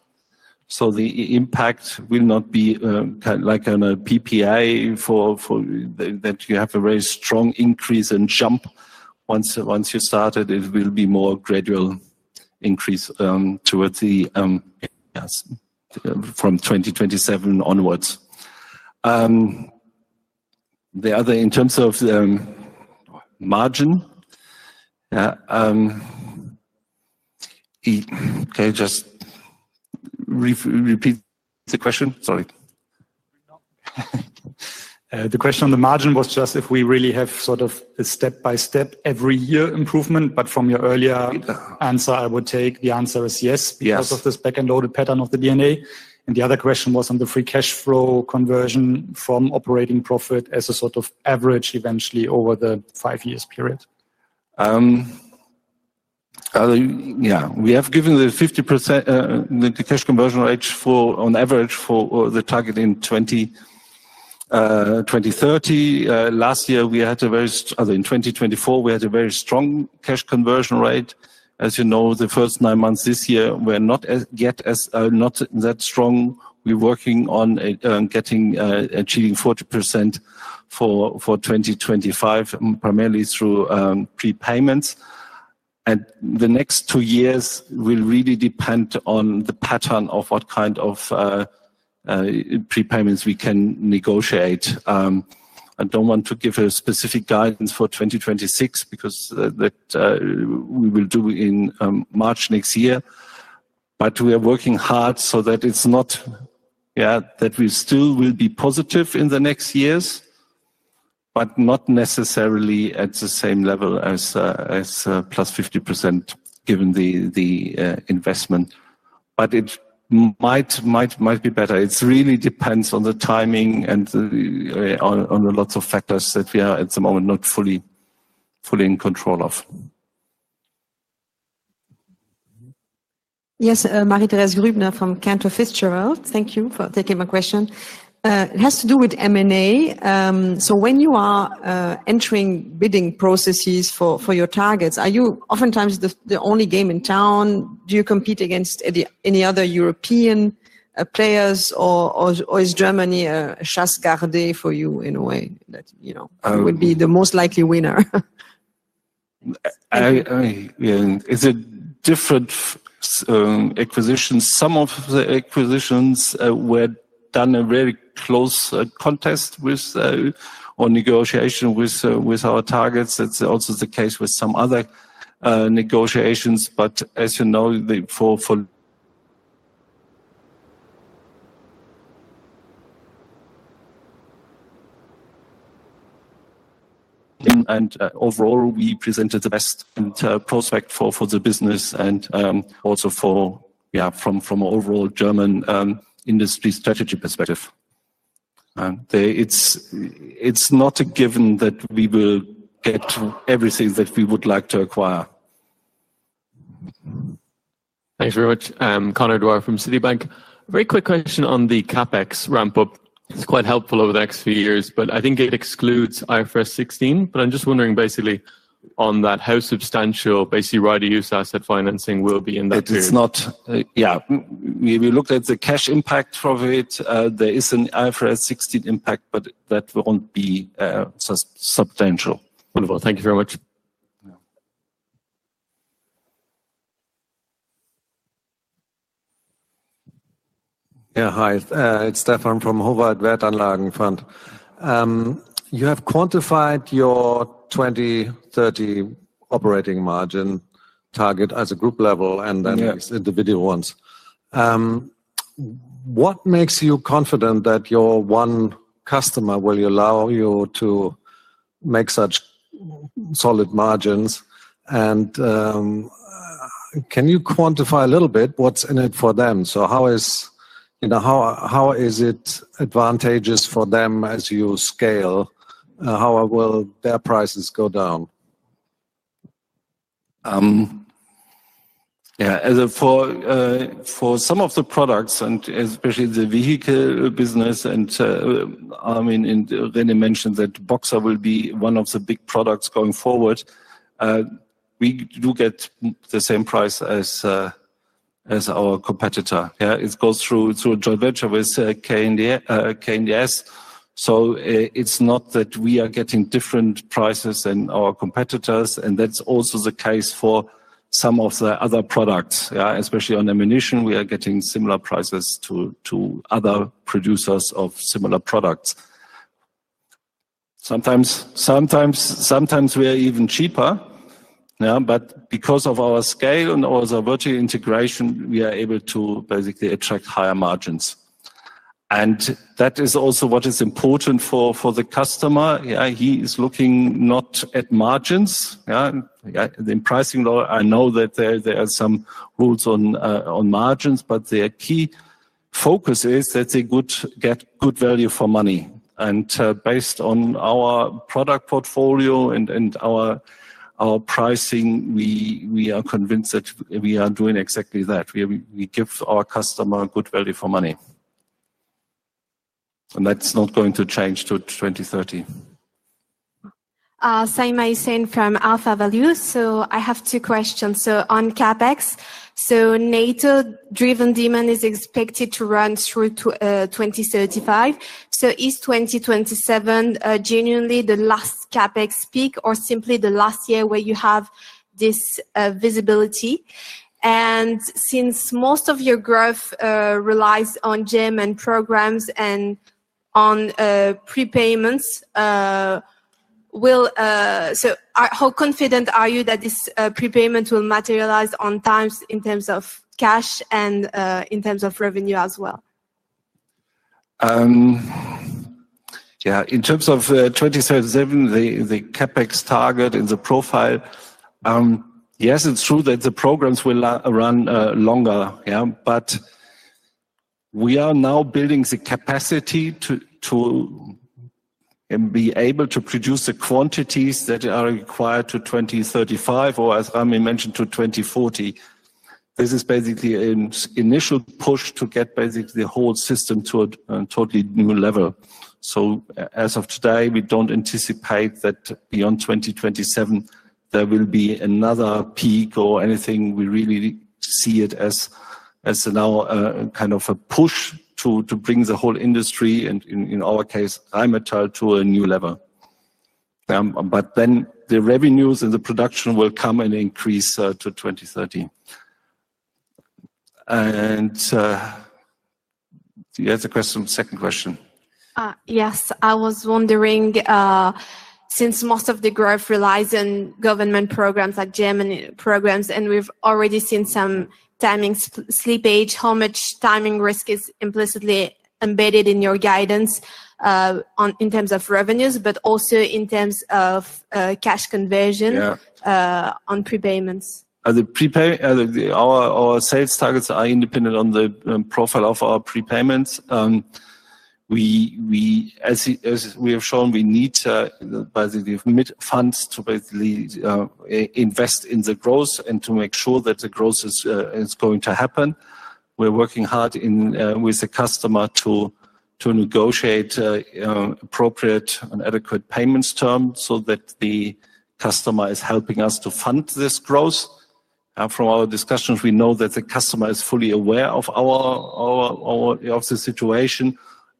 The impact will not be like a PPA that you have a very strong increase and jump once you started. It will be a more gradual increase towards the end from 2027 onwards. The other, in terms of margin, can you just repeat the question? Sorry. The question on the margin was just if we really have sort of a step-by-step every year improvement, but from your earlier answer, I would take the answer is yes because of this back-and-forth pattern of the D&A. The other question was on the free cash flow conversion from operating profit as a sort of average eventually over the five-year period. Yeah, we have given the 50% cash conversion rate on average for the target in 2030. Last year, we had a very strong—sorry, in 2024, we had a very strong cash conversion rate. As you know, the first nine months this year were not yet as—not that strong. We're working on getting achieving 40% for 2025, primarily through prepayments. The next two years will really depend on the pattern of what kind of prepayments we can negotiate. I do not want to give a specific guidance for 2026 because that we will do in March next year. We are working hard so that it is not—yeah, that we still will be positive in the next years, but not necessarily at the same level as +50% given the investment. It might be better. It really depends on the timing and on lots of factors that we are at the moment not fully in control of. Yes, Marie-Thérèse Grübner from Cantor Fitzgerald. Thank you for taking my question. It has to do with M&A. When you are entering bidding processes for your targets, are you oftentimes the only game in town? Do you compete against any other European players or is Germany a chasse gardée for you in a way that would be the most likely winner? It is a different acquisition. Some of the acquisitions were done in a very close contest or negotiation with our targets. It is also the case with some other negotiations. As you know, for—and overall, we presented the best prospect for the business and also from an overall German industry strategy perspective. It is not a given that we will get everything that we would like to acquire. Thanks very much. [Conor Duarte from Citibank. Very quick question on the CapEx ramp-up. It is quite helpful over the next few years, but I think it excludes IFRS 16. I am just wondering basically on that, how substantial basically Rider Use Asset Financing will be in that period. Yeah, we looked at the cash impact of it. There is an IFRS 16 impact, but that will not be substantial. Wonderful. Thank you very much. Yeah, hi. It is [Stefan from Hofer Advert Anlagen Fund]. You have quantified your 2030 operating margin target as a group level and then these individual ones. What makes you confident that your one customer will allow you to make such solid margins? Can you quantify a little bit what's in it for them? How is it advantageous for them as you scale? How will their prices go down? Yeah, for some of the products, and especially the vehicle business, and I mean, René mentioned that Boxer will be one of the big products going forward. We do get the same price as our competitor. Yeah, it goes through Joint Venture with K&S. It is not that we are getting different prices than our competitors. That is also the case for some of the other products. Yeah, especially on ammunition, we are getting similar prices to other producers of similar products. Sometimes we are even cheaper. Because of our scale and also vertical integration, we are able to basically attract higher margins. That is also what is important for the customer. He is looking not at margins. In pricing, I know that there are some rules on margins, but their key focus is that they get good value for money. Based on our product portfolio and our pricing, we are convinced that we are doing exactly that. We give our customer good value for money. That is not going to change to 2030. Saïma Hussain from AlphaValue. I have two questions. On CapEx, NATO-driven demand is expected to run through 2035. Is 2027 genuinely the last CapEx peak or simply the last year where you have this visibility? Since most of your growth relies on GEM and programs and on prepayments, how confident are you that this prepayment will materialize on time in terms of cash and in terms of revenue as well? Yeah, in terms of 2037, the CapEx target in the profile, yes, it's true that the programs will run longer. We are now building the capacity to be able to produce the quantities that are required to 2035 or, as Armin mentioned, to 2040. This is basically an initial push to get basically the whole system to a totally new level. As of today, we don't anticipate that beyond 2027, there will be another peak or anything. We really see it as now kind of a push to bring the whole industry, in our case, Rheinmetall, to a new level. Then the revenues and the production will come and increase to 2030. You had the second question. Yes, I was wondering, since most of the growth relies on government programs like GEM and programs, and we've already seen some timing slippage, how much timing risk is implicitly embedded in your guidance in terms of revenues, but also in terms of cash conversion on prepayments? Our sales targets are independent of the profile of our prepayments. As we have shown, we need basically mid funds to basically invest in the growth and to make sure that the growth is going to happen. We're working hard with the customer to negotiate appropriate and adequate payments terms so that the customer is helping us to fund this growth. From our discussions, we know that the customer is fully aware of the situation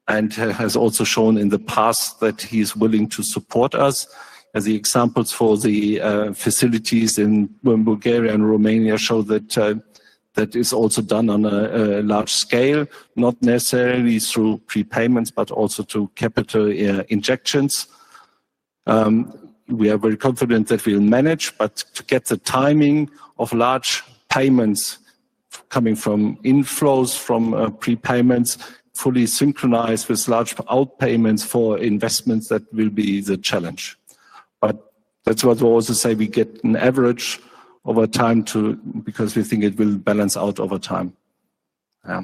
and has also shown in the past that he is willing to support us. The examples for the facilities in Bulgaria and Romania show that is also done on a large scale, not necessarily through prepayments, but also through capital injections. We are very confident that we'll manage, but to get the timing of large payments coming from inflows from prepayments fully synchronized with large outpayments for investments, that will be the challenge. That is what we also say we get an average over time because we think it will balance out over time. Yeah.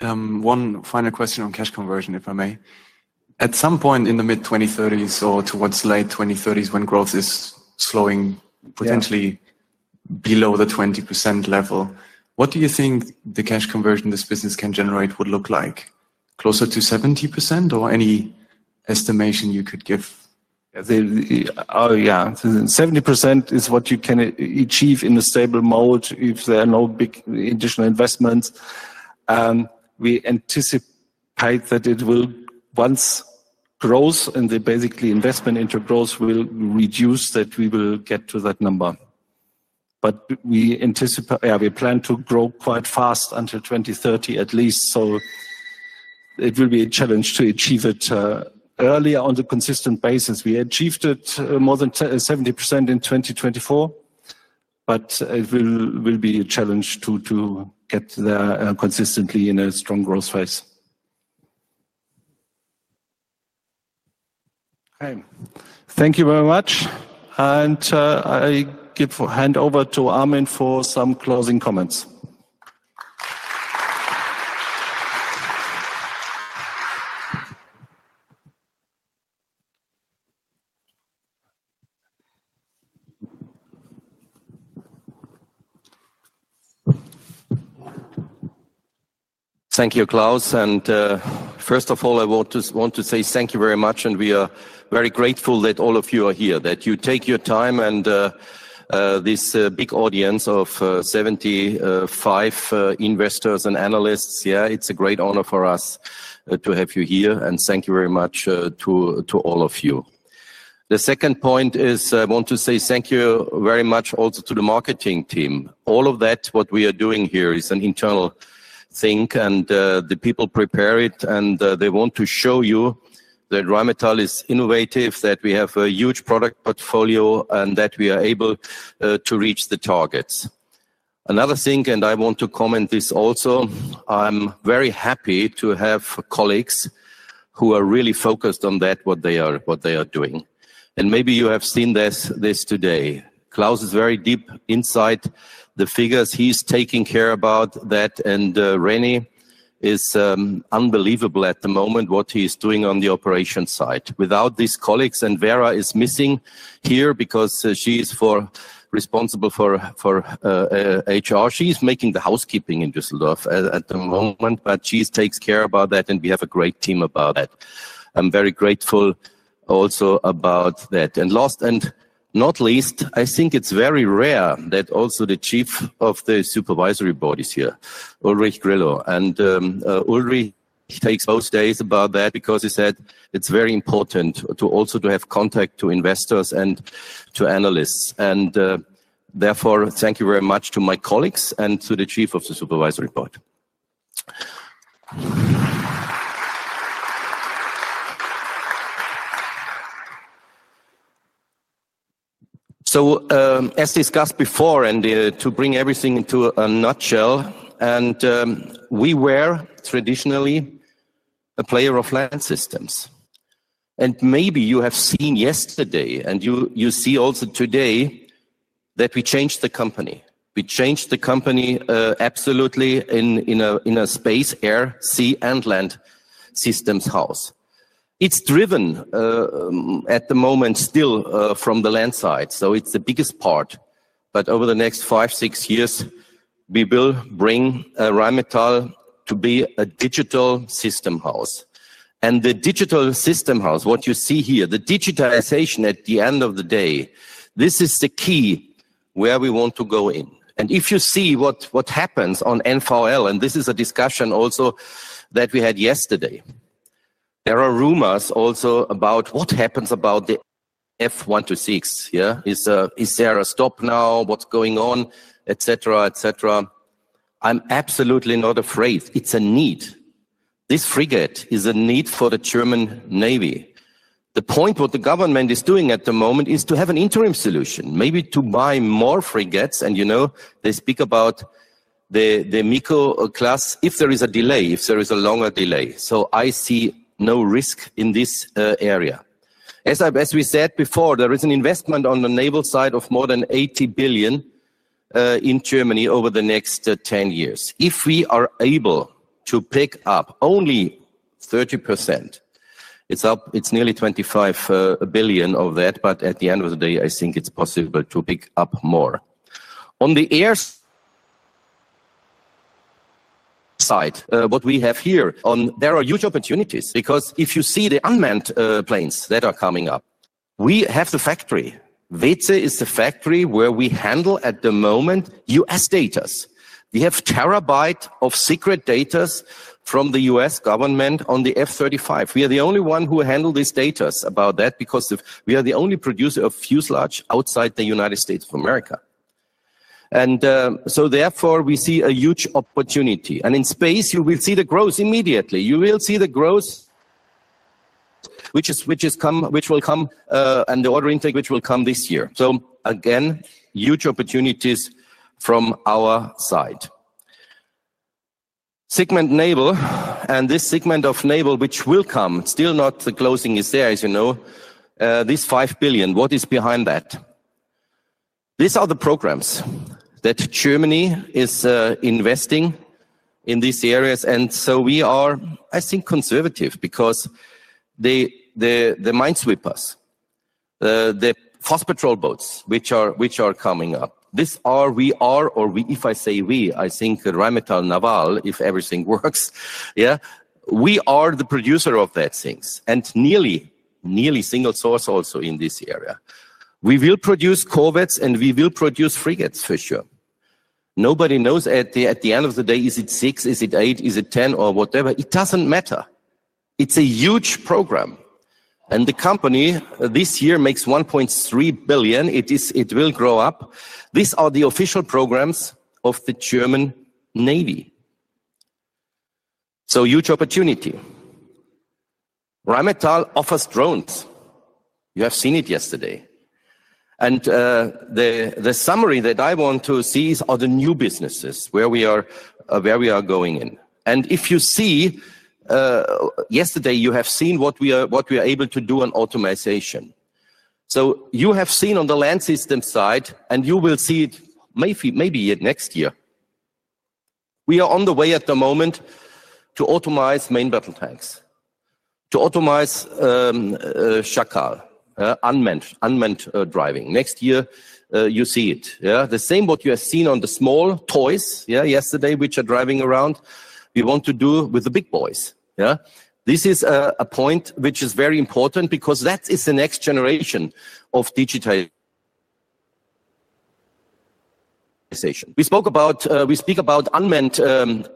One final question on cash conversion, if I may. At some point in the mid-2030s or towards late 2030s when growth is slowing potentially below the 20% level, what do you think the cash conversion this business can generate would look like? Closer to 70% or any estimation you could give? Oh, yeah. 70% is what you can achieve in a stable mode if there are no big additional investments. We anticipate that once growth and basically investment into growth will reduce, that we will get to that number. We plan to grow quite fast until 2030 at least. It will be a challenge to achieve it earlier on a consistent basis. We achieved it more than 70% in 2024, but it will be a challenge to get there consistently in a strong growth phase. Okay. Thank you very much. I give hand over to Armin for some closing comments. Thank you, Klaus. First of all, I want to say thank you very much. We are very grateful that all of you are here, that you take your time and this big audience of 75 investors and analysts. It is a great honor for us to have you here. Thank you very much to all of you. The second point is I want to say thank you very much also to the marketing team. All of what we are doing here is an internal thing, and the people prepare it. They want to show you that Rheinmetall is innovative, that we have a huge product portfolio, and that we are able to reach the targets. Another thing, and I want to comment on this also, I am very happy to have colleagues who are really focused on what they are doing. Maybe you have seen this today. Klaus is very deep inside the figures. He's taking care about that. René is unbelievable at the moment, what he's doing on the operation side. Without these colleagues, and Vera is missing here because she's responsible for HR. She's making the housekeeping in Düsseldorf at the moment, but she takes care about that, and we have a great team about that. I'm very grateful also about that. Last and not least, I think it's very rare that also the Chief of the Supervisory Board is here, Ulrich Griller. Ulrich takes most days about that because he said it's very important also to have contact with investors and to analysts. Therefore, thank you very much to my colleagues and to the Chief of the Supervisory Board. As discussed before, and to bring everything into a nutshell, we were traditionally a player of land systems. Maybe you have seen yesterday, and you see also today that we changed the company. We changed the company absolutely in a space, air, sea, and land systems house. It is driven at the moment still from the land side. It is the biggest part. Over the next five or six years, we will bring Rheinmetall to be a digital system house. The digital system house, what you see here, the digitalization at the end of the day, this is the key where we want to go in. If you see what happens on NVL, and this is a discussion also that we had yesterday, there are rumors also about what happens about the F126. Is there a stop now? What is going on? Et cetera, et cetera. I am absolutely not afraid. It is a need. This frigate is a need for the German Navy. The point what the government is doing at the moment is to have an interim solution, maybe to buy more frigates. They speak about the Miko class if there is a delay, if there is a longer delay. I see no risk in this area. As we said before, there is an investment on the naval side of more than 80 billion in Germany over the next 10 years. If we are able to pick up only 30%, it's nearly 25 billion of that. At the end of the day, I think it's possible to pick up more. On the air side, what we have here, there are huge opportunities because if you see the unmanned planes that are coming up, we have the factory. Wetzlar is the factory where we handle at the moment US data. We have terabytes of secret data from the U.S. government on the F-35. We are the only one who handles these data about that because we are the only producer of fuselage outside the United States of America. Therefore, we see a huge opportunity. In space, you will see the growth immediately. You will see the growth which will come and the order intake which will come this year. Again, huge opportunities from our side. Segment Naval, and this segment of Naval which will come, still not the closing is there, as you know, this 5 billion, what is behind that? These are the programs that Germany is investing in these areas. We are, I think, conservative because the minesweepers, the FOSS patrol boats which are coming up, we are, or if I say we, I think Rheinmetall Naval, if everything works, yeah, we are the producer of that things. Nearly single source also in this area. We will produce corvettes and we will produce frigates for sure. Nobody knows at the end of the day, is it six, is it eight, is it 10, or whatever. It does not matter. It is a huge program. The company this year makes 1.3 billion. It will grow up. These are the official programs of the German Navy. Huge opportunity. Rheinmetall offers drones. You have seen it yesterday. The summary that I want to see is the new businesses where we are going in. If you see, yesterday, you have seen what we are able to do on automation. You have seen on the land system side, and you will see it maybe next year. We are on the way at the moment to automize main battle tanks, to automize Chacal, unmanned driving. Next year, you see it. The same what you have seen on the small toys yesterday which are driving around, we want to do with the big boys. This is a point which is very important because that is the next generation of digitization. We speak about unmanned boats.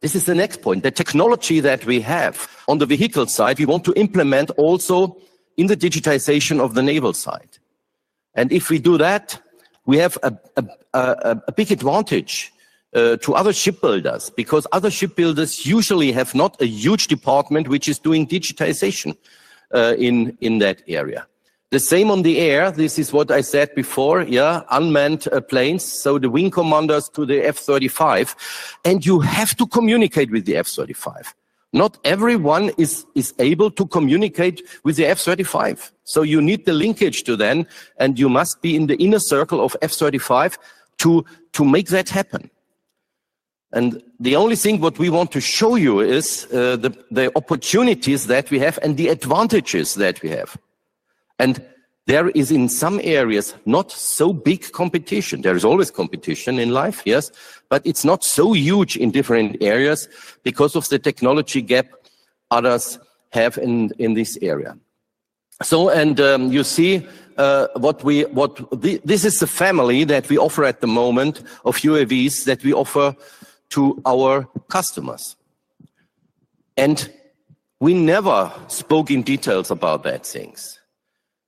This is the next point. The technology that we have on the vehicle side, we want to implement also in the digitization of the naval side. If we do that, we have a big advantage to other shipbuilders because other shipbuilders usually have not a huge department which is doing digitization in that area. The same on the air. This is what I said before, unmanned planes. The wing commanders to the F-35. You have to communicate with the F-35. Not everyone is able to communicate with the F-35. You need the linkage to them, and you must be in the inner circle of F-35 to make that happen. The only thing we want to show you is the opportunities that we have and the advantages that we have. There is in some areas not so big competition. There is always competition in life, yes, but it is not so huge in different areas because of the technology gap others have in this area. You see, this is the family that we offer at the moment of UAVs that we offer to our customers. We never spoke in details about that things.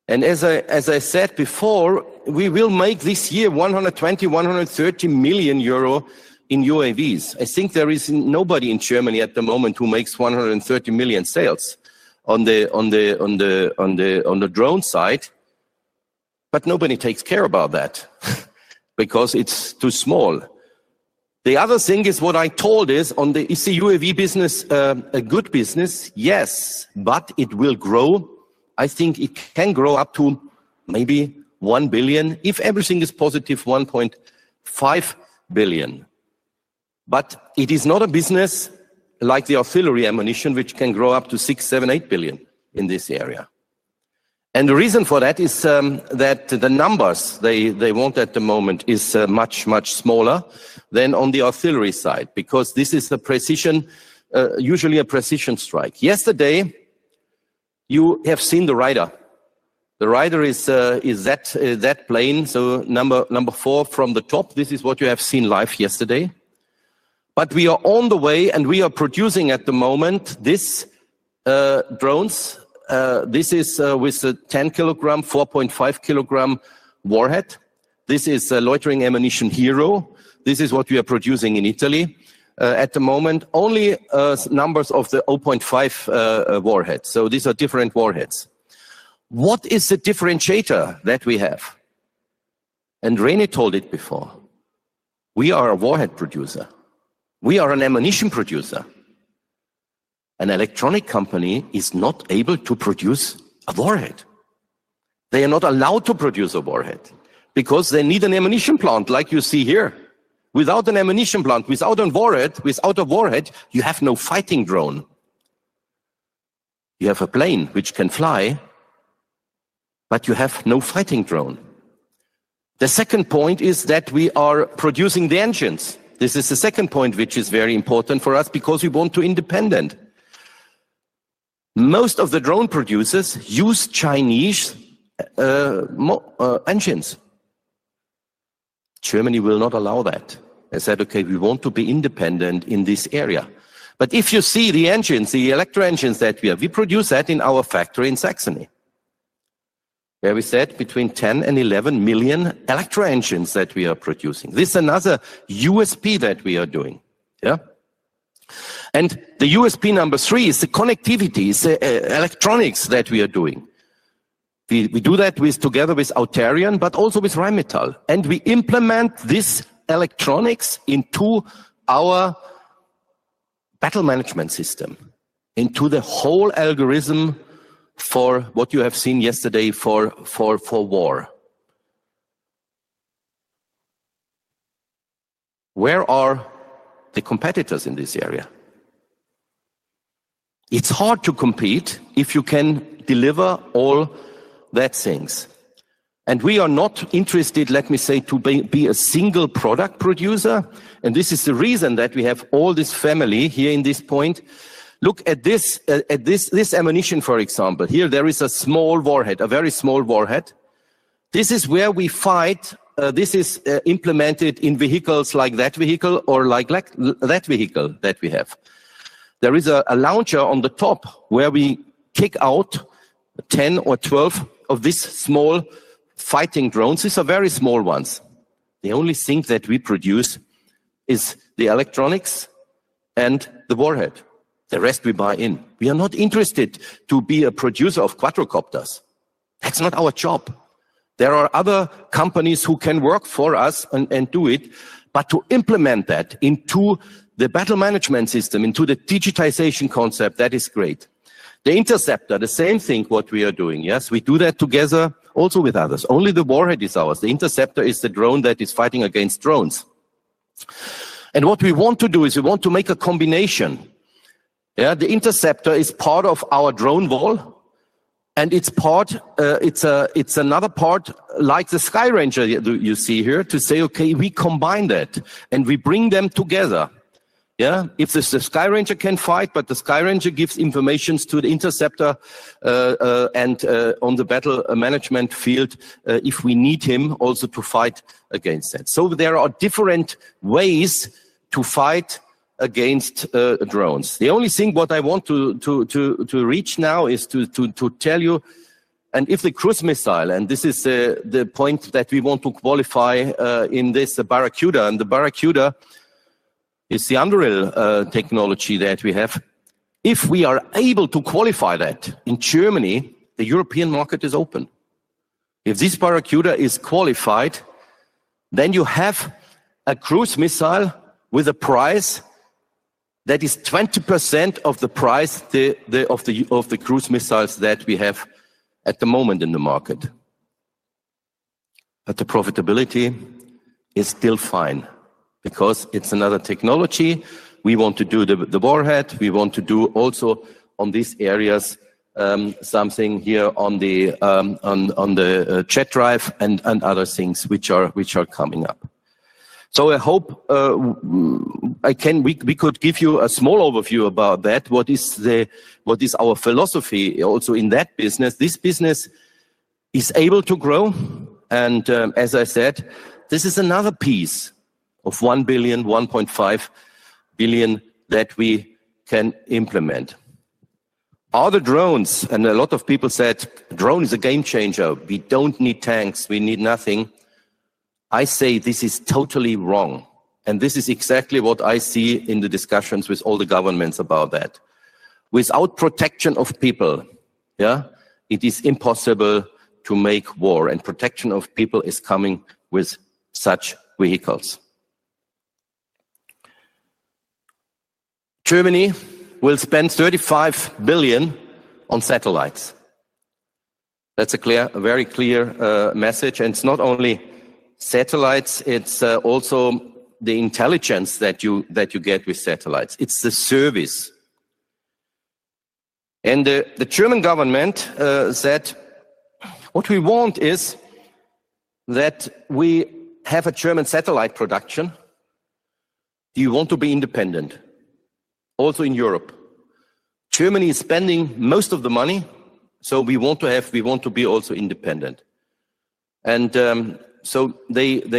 As I said before, we will make this year 120 million-130 million euro in UAVs. I think there is nobody in Germany at the moment who makes 130 million sales on the drone side. Nobody takes care about that because it is too small. The other thing is what I told is, is the UAV business a good business? Yes, but it will grow. I think it can grow up to maybe 1 billion if everything is positive, 1.5 billion. It is not a business like the artillery ammunition which can grow up to 6 billion-8 billion in this area. The reason for that is that the numbers they want at the moment is much, much smaller than on the artillery side because this is usually a precision strike. Yesterday, you have seen the Rider. The Rider is that plane, so number four from the top. This is what you have seen live yesterday. We are on the way, and we are producing at the moment these drones. This is with a 10 kg, 4.5 kg warhead. This is a loitering ammunition Hero. This is what we are producing in Italy at the moment. Only numbers of the 0.5 warhead. These are different warheads. What is the differentiator that we have? René told it before, we are a warhead producer. We are an ammunition producer. An electronic company is not able to produce a warhead. They are not allowed to produce a warhead because they need an ammunition plant like you see here. Without an ammunition plant, without a warhead, you have no fighting drone. You have a plane which can fly, but you have no fighting drone. The second point is that we are producing the engines. This is the second point which is very important for us because we want to be independent. Most of the drone producers use Chinese engines. Germany will not allow that. They said, "Okay, we want to be independent in this area." If you see the engines, the electric engines that we have, we produce that in our factory in Saxony. There we said between 10 million and 11 million electric engines that we are producing. This is another USP that we are doing. The USP number three is the connectivities, electronics that we are doing. We do that together with Auterion, but also with Rheinmetall. We implement this electronics into our battle management system, into the whole algorithm for what you have seen yesterday for war. Where are the competitors in this area? It's hard to compete if you can deliver all that things. We are not interested, let me say, to be a single product producer. This is the reason that we have all this family here in this point. Look at this ammunition, for example. Here, there is a small warhead, a very small warhead. This is where we fight. This is implemented in vehicles like that vehicle or like that vehicle that we have. There is a launcher on the top where we kick out 10 or 12 of these small fighting drones. These are very small ones. The only thing that we produce is the electronics and the warhead. The rest we buy in. We are not interested to be a producer of quadcopters. That's not our job. There are other companies who can work for us and do it. To implement that into the battle management system, into the digitization concept, that is great. The interceptor, the same thing what we are doing, yes? We do that together also with others. Only the warhead is ours. The interceptor is the drone that is fighting against drones. What we want to do is we want to make a combination. The interceptor is part of our drone wall, and it is another part like the Sky Ranger you see here to say, "Okay, we combine that and we bring them together." If the Sky Ranger can fight, but the Sky Ranger gives information to the interceptor and on the battle management field if we need him also to fight against that. There are different ways to fight against drones. The only thing what I want to reach now is to tell you, and if the cruise missile, and this is the point that we want to qualify in this, the Barracuda, and the Barracuda is the Anduril technology that we have. If we are able to qualify that in Germany, the European market is open. If this Barracuda is qualified, then you have a cruise missile with a price that is 20% of the price of the cruise missiles that we have at the moment in the market. But the profitability is still fine because it's another technology. We want to do the warhead. We want to do also on these areas something here on the jet drive and other things which are coming up. I hope we could give you a small overview about that. What is our philosophy also in that business? This business is able to grow. As I said, this is another piece of 1 billion-1.5 billion that we can implement. Other drones, and a lot of people said drone is a game changer. We don't need tanks. We need nothing. I say this is totally wrong. This is exactly what I see in the discussions with all the governments about that. Without protection of people, it is impossible to make war. Protection of people is coming with such vehicles. Germany will spend 35 billion on satellites. That's a very clear message. It's not only satellites. It's also the intelligence that you get with satellites. It's the service. The German government said, "What we want is that we have a German satellite production. Do you want to be independent?" Also in Europe. Germany is spending most of the money, so we want to be also independent. They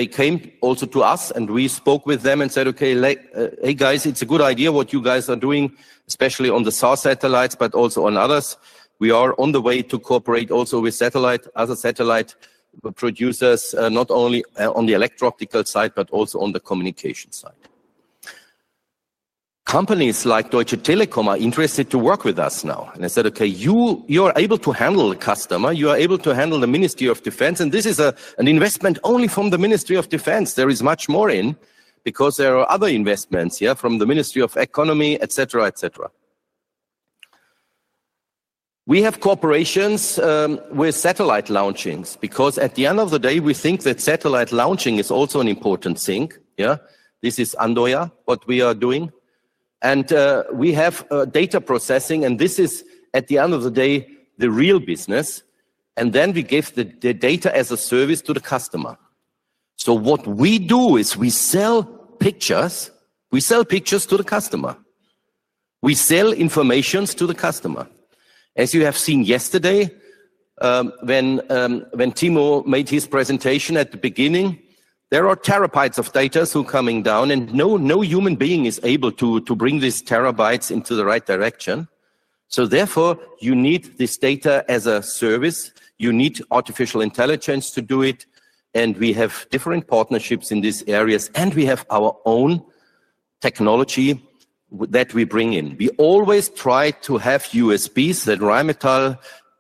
came also to us, and we spoke with them and said, "Okay, hey guys, it's a good idea what you guys are doing, especially on the SAR satellites, but also on others. We are on the way to cooperate also with other satellite producers, not only on the electro-optical side, but also on the communication side." Companies like Deutsche Telekom are interested to work with us now. I said, "Okay, you are able to handle the customer. You are able to handle the Ministry of Defense." This is an investment only from the Ministry of Defense. There is much more in because there are other investments from the Ministry of Economy, etc., etc. We have cooperations with satellite launchings because at the end of the day, we think that satellite launching is also an important thing. This is Andøya, what we are doing. We have data processing, and this is at the end of the day, the real business. Then we give the data as a service to the customer. What we do is we sell pictures. We sell pictures to the customer. We sell informations to the customer. As you have seen yesterday, when Timo made his presentation at the beginning, there are terabytes of data coming down, and no human being is able to bring these terabytes into the right direction. Therefore, you need this data as a service. You need artificial intelligence to do it. We have different partnerships in these areas, and we have our own technology that we bring in. We always try to have USPs that Rheinmetall,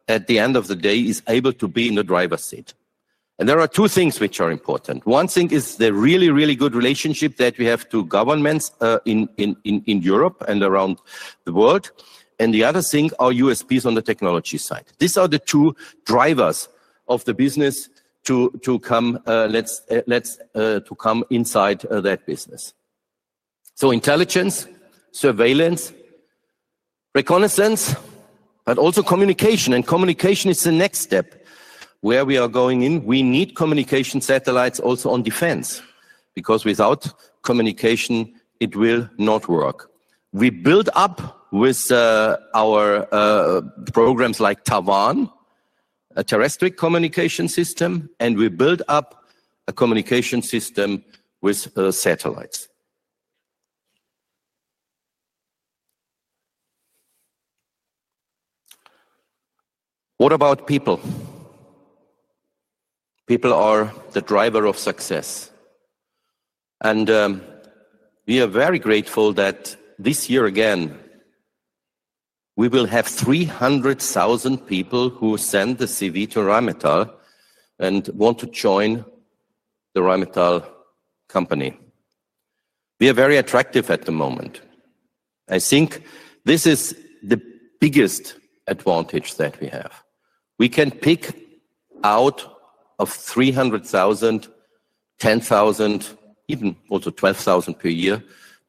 at the end of the day, is able to be in the driver's seat. There are two things which are important. One thing is the really, really good relationship that we have to governments in Europe and around the world. The other thing are USPs on the technology side. These are the two drivers of the business to come inside that business. Intelligence, surveillance, reconnaissance, but also communication. Communication is the next step where we are going in. We need communication satellites also on defense because without communication, it will not work. We build up with our programs like Tavan, a terrestrial communication system, and we build up a communication system with satellites. What about people? People are the driver of success. We are very grateful that this year again, we will have 300,000 people who send a CV to Rheinmetall and want to join the Rheinmetall company. We are very attractive at the moment. I think this is the biggest advantage that we have. We can pick out of 300,000, 10,000, even also 12,000 per year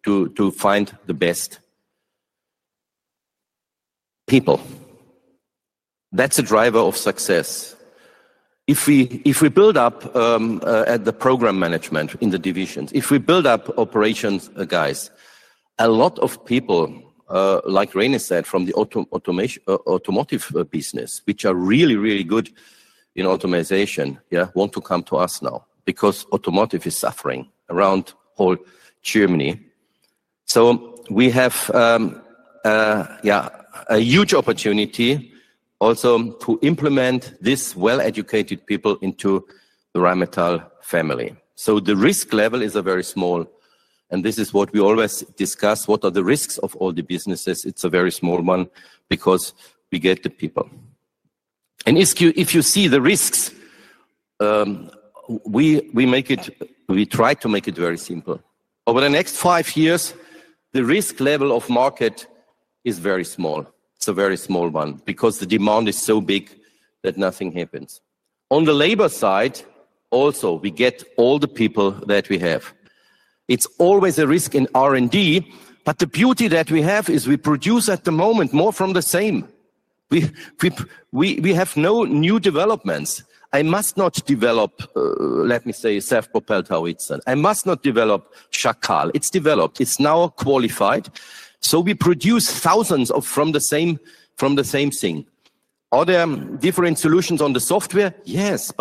to find the best people. That's a driver of success. If we build up at the program management in the divisions, if we build up operations, guys, a lot of people, like René said, from the automotive business, which are really, really good in automation, want to come to us now because automotive is suffering around all Germany. We have a huge opportunity also to implement these well-educated people into the Rheinmetall family. The risk level is very small. This is what we always discuss. What are the risks of all the businesses? It's a very small one because we get the people. If you see the risks, we try to make it very simple. Over the next five years, the risk level of market is very small. It's a very small one because the demand is so big that nothing happens. On the labor side, also, we get all the people that we have. It's always a risk in R&D, but the beauty that we have is we produce at the moment more from the same. We have no new developments. I must not develop, let me say, self-propelled howitzer. I must not develop Chacal. It's developed. It's now qualified. We produce thousands from the same thing. Are there different solutions on the software? Yes.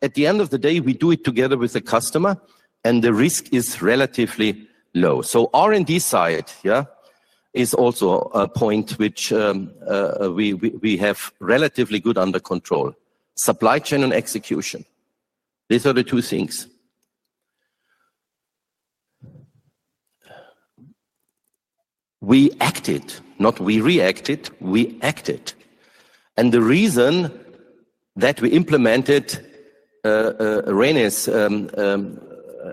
At the end of the day, we do it together with the customer, and the risk is relatively low. R&D side is also a point which we have relatively good under control. Supply chain and execution. These are the two things. We acted, not we reacted. We acted. The reason that we implemented René's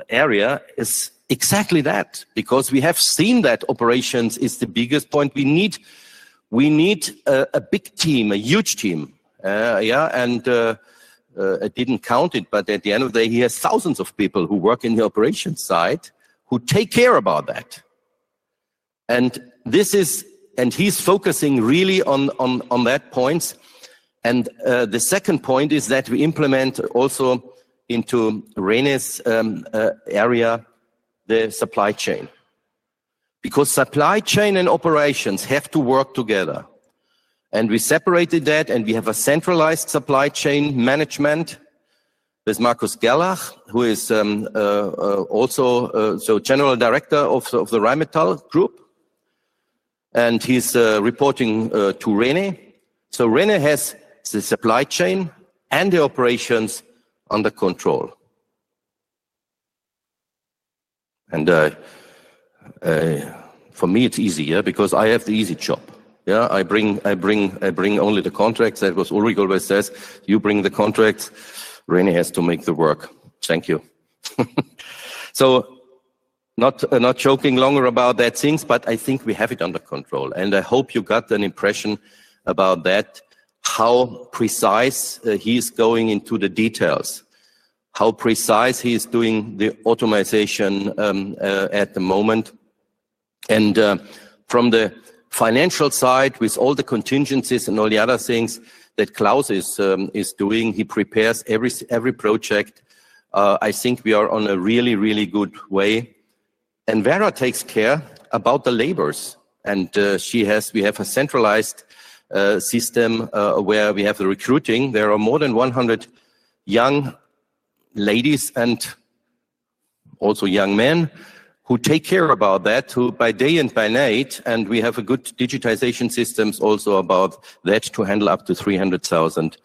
area is exactly that because we have seen that operations is the biggest point. We need a big team, a huge team. I did not count it, but at the end of the day, he has thousands of people who work in the operations side who take care about that. He is focusing really on that point. The second point is that we implement also into René's area, the supply chain. Because supply chain and operations have to work together. We separated that, and we have a centralized supply chain management. There's Markus Gerlach, who is also the General Director of the Rheinmetall Group. He is reporting to René. René has the supply chain and the operations under control. For me, it's easier because I have the easy job. I bring only the contracts. As Ulrich always says, you bring the contracts. René has to make the work. Thank you. Not joking longer about that things, but I think we have it under control. I hope you got an impression about that, how precise he is going into the details, how precise he is doing the automation at the moment. From the financial side, with all the contingencies and all the other things that Klaus is doing, he prepares every project. I think we are on a really, really good way. Vera takes care about the labors. We have a centralized system where we have the recruiting. There are more than 100 young ladies and also young men who take care about that by day and by night. We have good digitization systems also about that to handle up to 300,000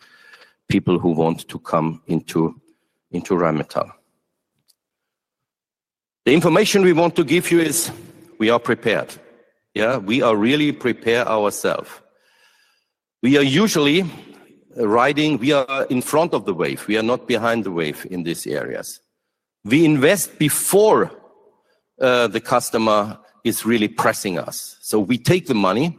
people who want to come into Rheinmetall. The information we want to give you is we are prepared. We are really prepared ourselves. We are usually riding; we are in front of the wave. We are not behind the wave in these areas. We invest before the customer is really pressing us. We take the money.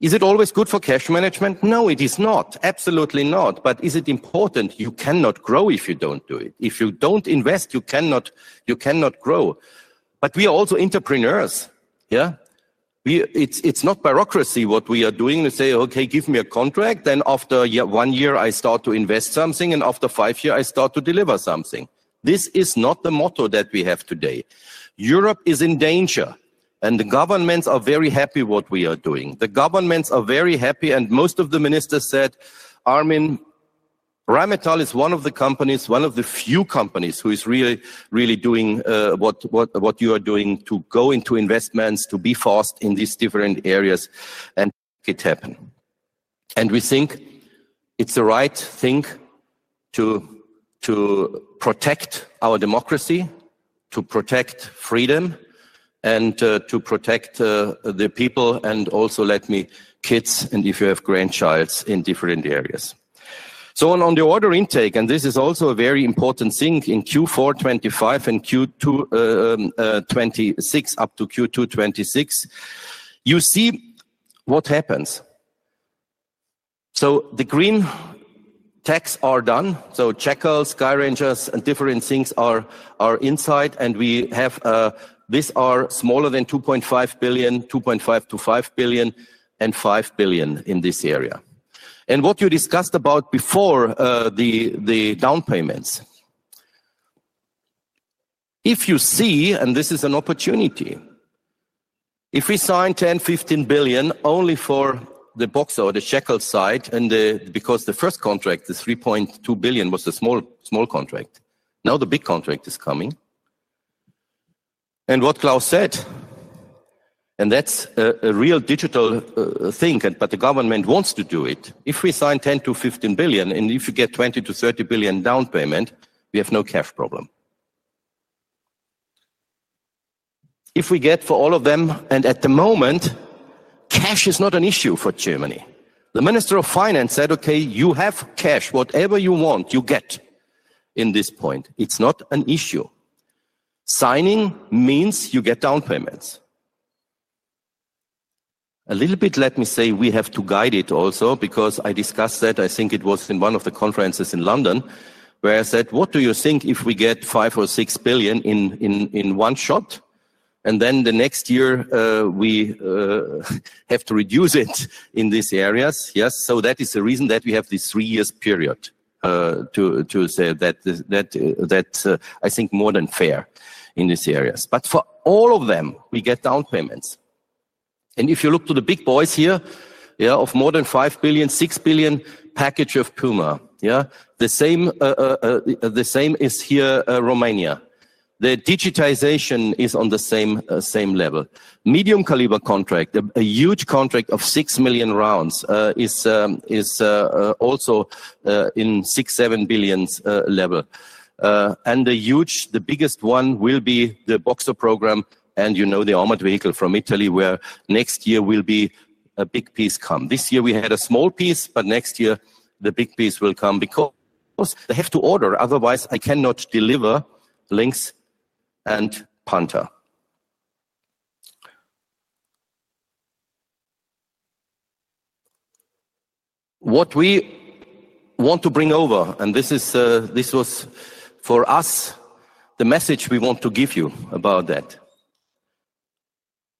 Is it always good for cash management? No, it is not. Absolutely not. Is it important? You cannot grow if you do not do it. If you do not invest, you cannot grow. We are also entrepRenéurs. It is not bureaucracy what we are doing. We say, "Okay, give me a contract. After one year, I start to invest something, and after five years, I start to deliver something." This is not the motto that we have today. Europe is in danger, and the governments are very happy with what we are doing. The governments are very happy, and most of the ministers said, "Armin, Rheinmetall is one of the companies, one of the few companies who is really doing what you are doing to go into investments, to be forced in these different areas and make it happen." We think it is the right thing to protect our democracy, to protect freedom, and to protect the people and also let my kids and if you have grandchildren in different areas. On the order intake, and this is also a very important thing in Q4 2025 and Q2 2026 up to Q2 2026, you see what happens. The green tags are done. Jekyll, Sky Rangers, and different things are inside. These are smaller than 2.5 billion, 2.5 billion-5 billion, and 5 billion in this area. What you discussed about before, the down payments, if you see, and this is an opportunity, if we sign 10 billion-15 billion only for the Boxer or the Jekyll side, and because the first contract, the 3.2 billion, was a small contract. Now the big contract is coming. What Klaus said, and that's a real digital thing, but the government wants to do it. If we sign 10 billion-15 billion, and if you get 20 billion-30 billion down payment, we have no cash problem. If we get for all of them, and at the moment, cash is not an issue for Germany. The Minister of Finance said, "Okay, you have cash. Whatever you want, you get in this point. It's not an issue. Signing means you get down payments." A little bit, let me say, we have to guide it also because I discussed that. I think it was in one of the conferences in London where I said, "What do you think if we get 5 billion or 6 billion in one shot? And then the next year, we have to reduce it in these areas." Yes. That is the reason that we have this three-year period to say that I think more than fair in these areas. For all of them, we get down payments. If you look to the big boys here, of more than 5 billion, 6 billion package of Puma, the same is here, Romania. The digitization is on the same level. Medium-caliber contract, a huge contract of 6 million rounds is also in 6 billion-7 billion level. The biggest one will be the Boxer program and the armored vehicle from Italy where next year will be a big piece come. This year, we had a small piece, but next year, the big piece will come because they have to order. Otherwise, I cannot deliver Lynx and Panther what we want to bring over. This was for us the message we want to give you about that.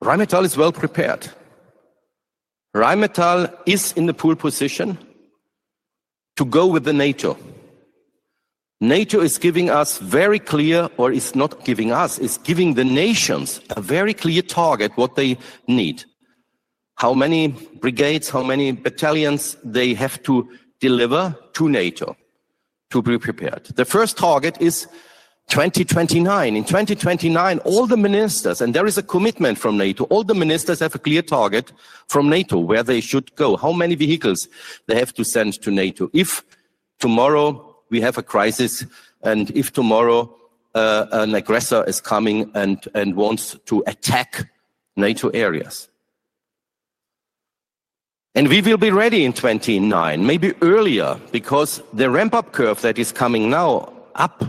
Rheinmetall is well prepared. Rheinmetall is in the pool position to go with NATO. NATO is giving us very clear, or it's not giving us, it's giving the nations a very clear target, what they need, how many brigades, how many battalions they have to deliver to NATO to be prepared. The first target is 2029. In 2029, all the ministers, and there is a commitment from NATO, all the ministers have a clear target from NATO where they should go, how many vehicles they have to send to NATO if tomorrow we have a crisis and if tomorrow an aggressor is coming and wants to attack NATO areas. We will be ready in 2029, maybe earlier because the ramp-up curve that is coming now up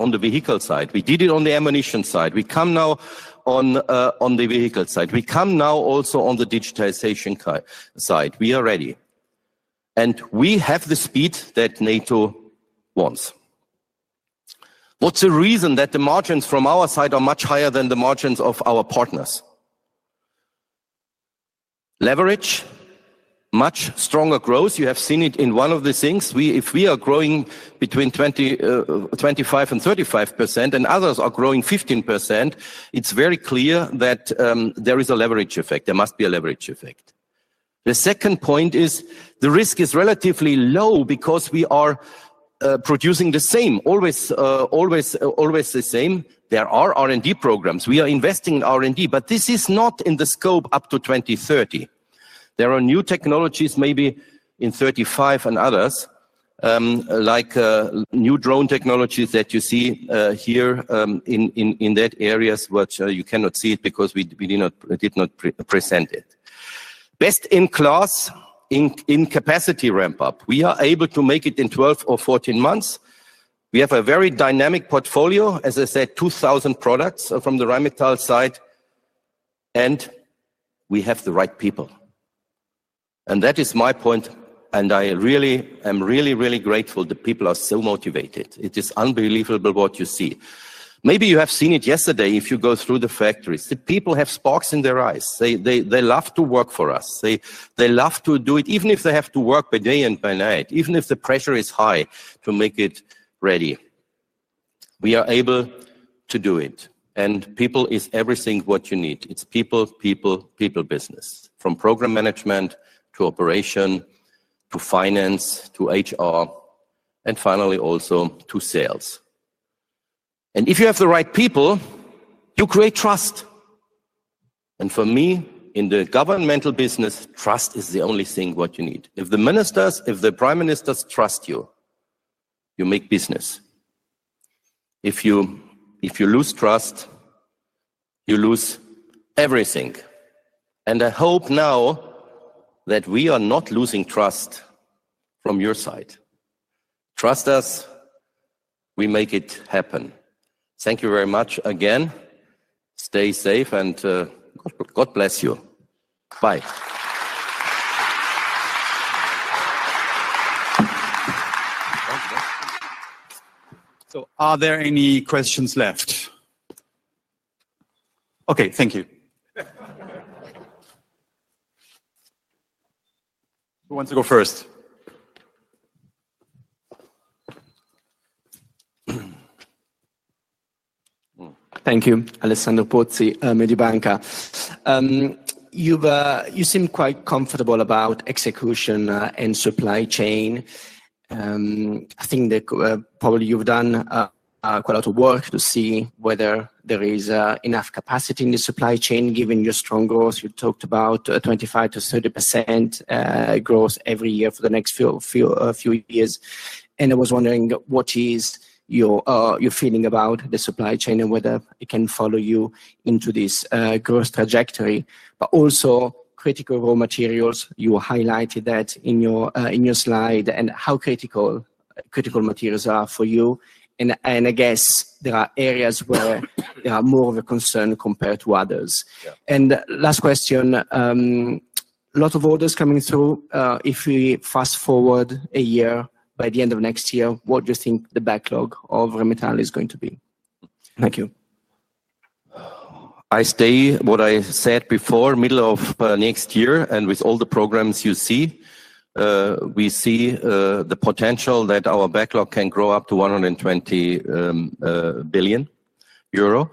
on the vehicle side. We did it on the ammunition side. We come now on the vehicle side. We come now also on the digitization side. We are ready. We have the speed that NATO wants. What's the reason that the margins from our side are much higher than the margins of our partners? Leverage, much stronger growth. You have seen it in one of the things. If we are growing between 25% and 35% and others are growing 15%, it's very clear that there is a leverage effect. There must be a leverage effect. The second point is the risk is relatively low because we are producing the same, always the same. There are R&D programs. We are investing in R&D, but this is not in the scope up to 2030. There are new technologies maybe in 2035 and others, like new drone technologies that you see here in that area, which you cannot see because we did not present it. Best in class in capacity ramp-up. We are able to make it in 12 or 14 months. We have a very dynamic portfolio, as I said, 2,000 products from the Rheinmetall side, and we have the right people. That is my point, and I am really, really grateful the people are so motivated. It is unbelievable what you see. Maybe you have seen it yesterday if you go through the factories. The people have sparks in their eyes. They love to work for us. They love to do it, even if they have to work by day and by night, even if the pressure is high to make it ready. We are able to do it. People is everything what you need. It's people, people, people business, from program management to operation to finance to HR, and finally also to sales. If you have the right people, you create trust. For me, in the governmental business, trust is the only thing what you need. If the prime ministers trust you, you make business. If you lose trust, you lose everything. I hope now that we are not losing trust from your side. Trust us. We make it happen. Thank you very much again. Stay safe, and God bless you. Bye. Are there any questions left? Okay. Thank you. Who wants to go first? Thank you, Alessandro Pozzi, Mediobanca. You seem quite comfortable about execution and supply chain. I think probably you've done quite a lot of work to see whether there is enough capacity in the supply chain given your strong growth. You talked about 25%-30% growth every year for the next few years. I was wondering what is your feeling about the supply chain and whether it can follow you into this growth trajectory, but also critical raw materials. You highlighted that in your slide and how critical materials are for you. I guess there are areas where there are more of a concern compared to others. Last question, a lot of orders coming through. If we fast forward a year by the end of next year, what do you think the backlog of Rheinmetall is going to be? Thank you. I stay what I said before, middle of next year, and with all the programs you see, we see the potential that our backlog can grow up to 120 billion euro.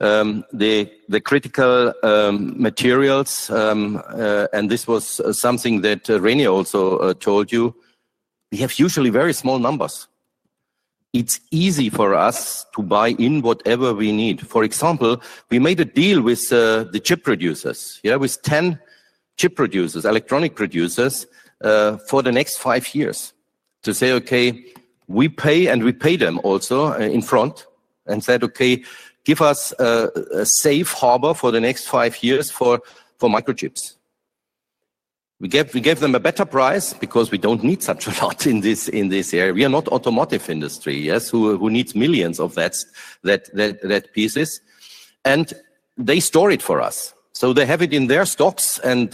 The critical materials, and this was something that René also told you, we have usually very small numbers. It's easy for us to buy in whatever we need. For example, we made a deal with the chip producers, with 10 chip producers, electronic producers for the next five years to say, "Okay, we pay," and we pay them also in front and said, "Okay, give us a safe harbor for the next five years for microchips." We gave them a better price because we don't need such a lot in this area. We are not automotive industry, yes, who needs millions of that pieces. They store it for us. They have it in their stocks, and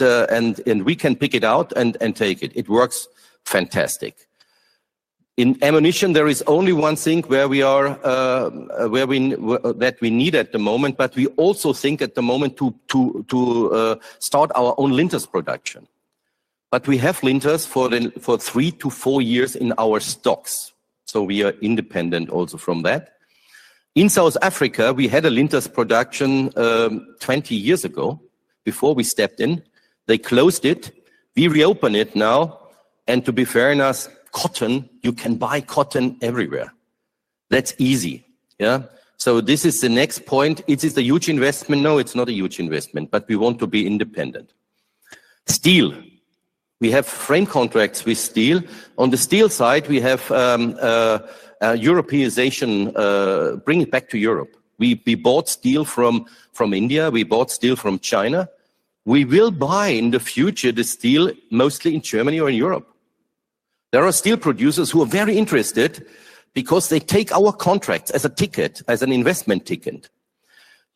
we can pick it out and take it. It works fantastic. In ammunition, there is only one thing that we need at the moment, but we also think at the moment to start our own linter production. We have linters for three to four years in our stocks. We are independent also from that. In South Africa, we had a linter production 20 years ago before we stepped in. They closed it. We reopened it now. To be fair enough, cotton, you can buy cotton everywhere. That is easy. This is the next point. Is it a huge investment? No, it is not a huge investment, but we want to be independent. Steel. We have frame contracts with steel. On the steel side, we have Europeanization, bring it back to Europe. We bought steel from India. We bought steel from China. We will buy in the future the steel mostly in Germany or in Europe. There are steel producers who are very interested because they take our contracts as a ticket, as an investment ticket.